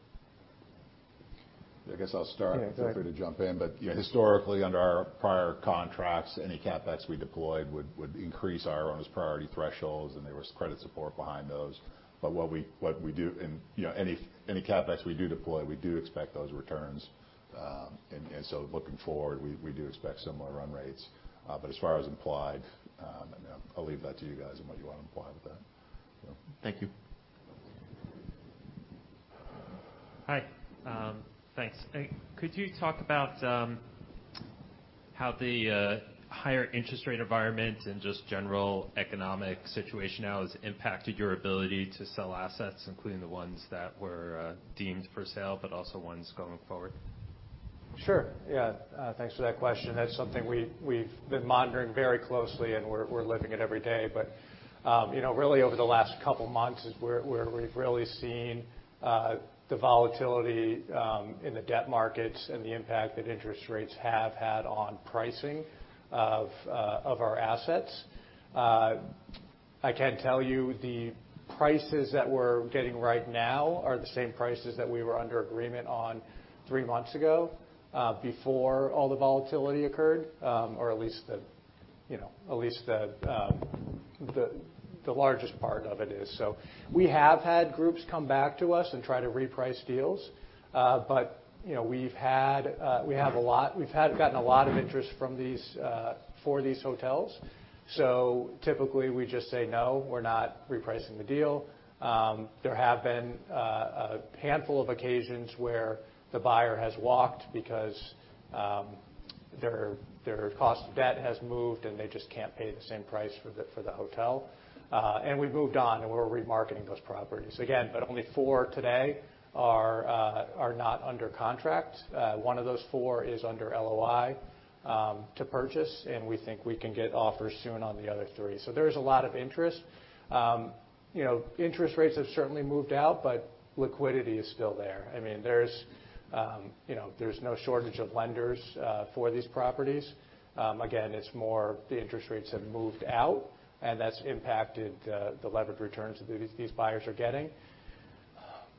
G: I guess I'll start.
B: Yeah, go ahead.
G: Feel free to jump in. You know, historically, under our prior contracts, any CapEx we deployed would increase our owner's priority thresholds, and there was credit support behind those. What we do and, you know, any CapEx we do deploy, we do expect those returns. Looking forward, we do expect similar run rates. As far as implied, I'll leave that to you guys and what you wanna imply with that.
L: Thank you.
M: Hi. Thanks. Could you talk about how the higher interest rate environment and just general economic situation now has impacted your ability to sell assets, including the ones that were deemed for sale, but also ones going forward?
B: Sure. Yeah. Thanks for that question. That's something we've been monitoring very closely, and we're living it every day. You know, really over the last couple months is where we've really seen the volatility in the debt markets and the impact that interest rates have had on pricing of our assets. I can tell you the prices that we're getting right now are the same prices that we were under agreement on three months ago before all the volatility occurred or at least you know the largest part of it is. We have had groups come back to us and try to reprice deals. You know, we've had a lot of interest in these hotels. Typically, we just say, "No, we're not repricing the deal." There have been a handful of occasions where the buyer has walked because their cost of debt has moved, and they just can't pay the same price for the hotel. We've moved on, and we're remarketing those properties. Only four today are not under contract. One of those four is under LOI to purchase, and we think we can get offers soon on the other three. There's a lot of interest. You know, interest rates have certainly moved out, but liquidity is still there. I mean, there's you know, there's no shortage of lenders for these properties. Again, it's more the interest rates have moved out, and that's impacted the levered returns that these buyers are getting.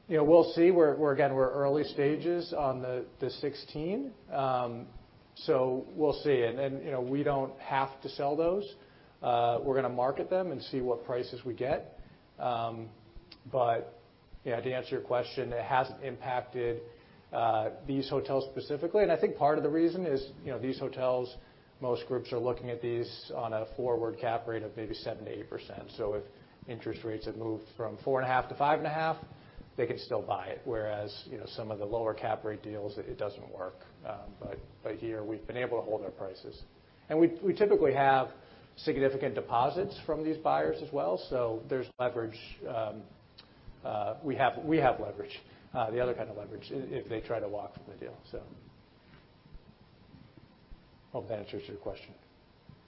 B: You know, we'll see. We're again early stages on the 16, so we'll see. You know, we don't have to sell those. We're gonna market them and see what prices we get. You know, to answer your question, it hasn't impacted these hotels specifically, and I think part of the reason is, you know, these hotels, most groups are looking at these on a forward cap rate of maybe 7%-8%. If interest rates have moved from 4.5%-5.5%, they can still buy it, whereas, you know, some of the lower cap rate deals, it doesn't work. But here we've been able to hold our prices. We typically have significant deposits from these buyers as well, so there's leverage, we have leverage, the other kind of leverage if they try to walk from the deal. Hope that answers your question.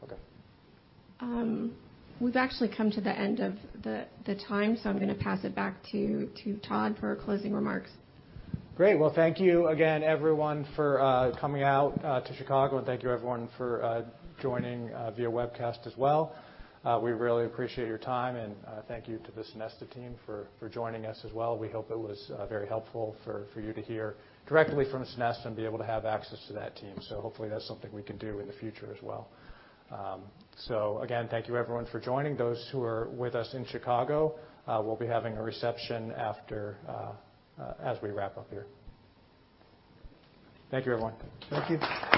G: Okay.
H: We've actually come to the end of the time, so I'm gonna pass it back to Todd for closing remarks.
B: Great. Well, thank you again, everyone, for coming out to Chicago, and thank you, everyone, for joining via webcast as well. We really appreciate your time, and thank you to the Sonesta team for joining us as well. We hope it was very helpful for you to hear directly from Sonesta and be able to have access to that team. Hopefully, that's something we can do in the future as well. Again, thank you everyone for joining. Those who are with us in Chicago, we'll be having a reception after as we wrap up here. Thank you, everyone.
G: Thank you.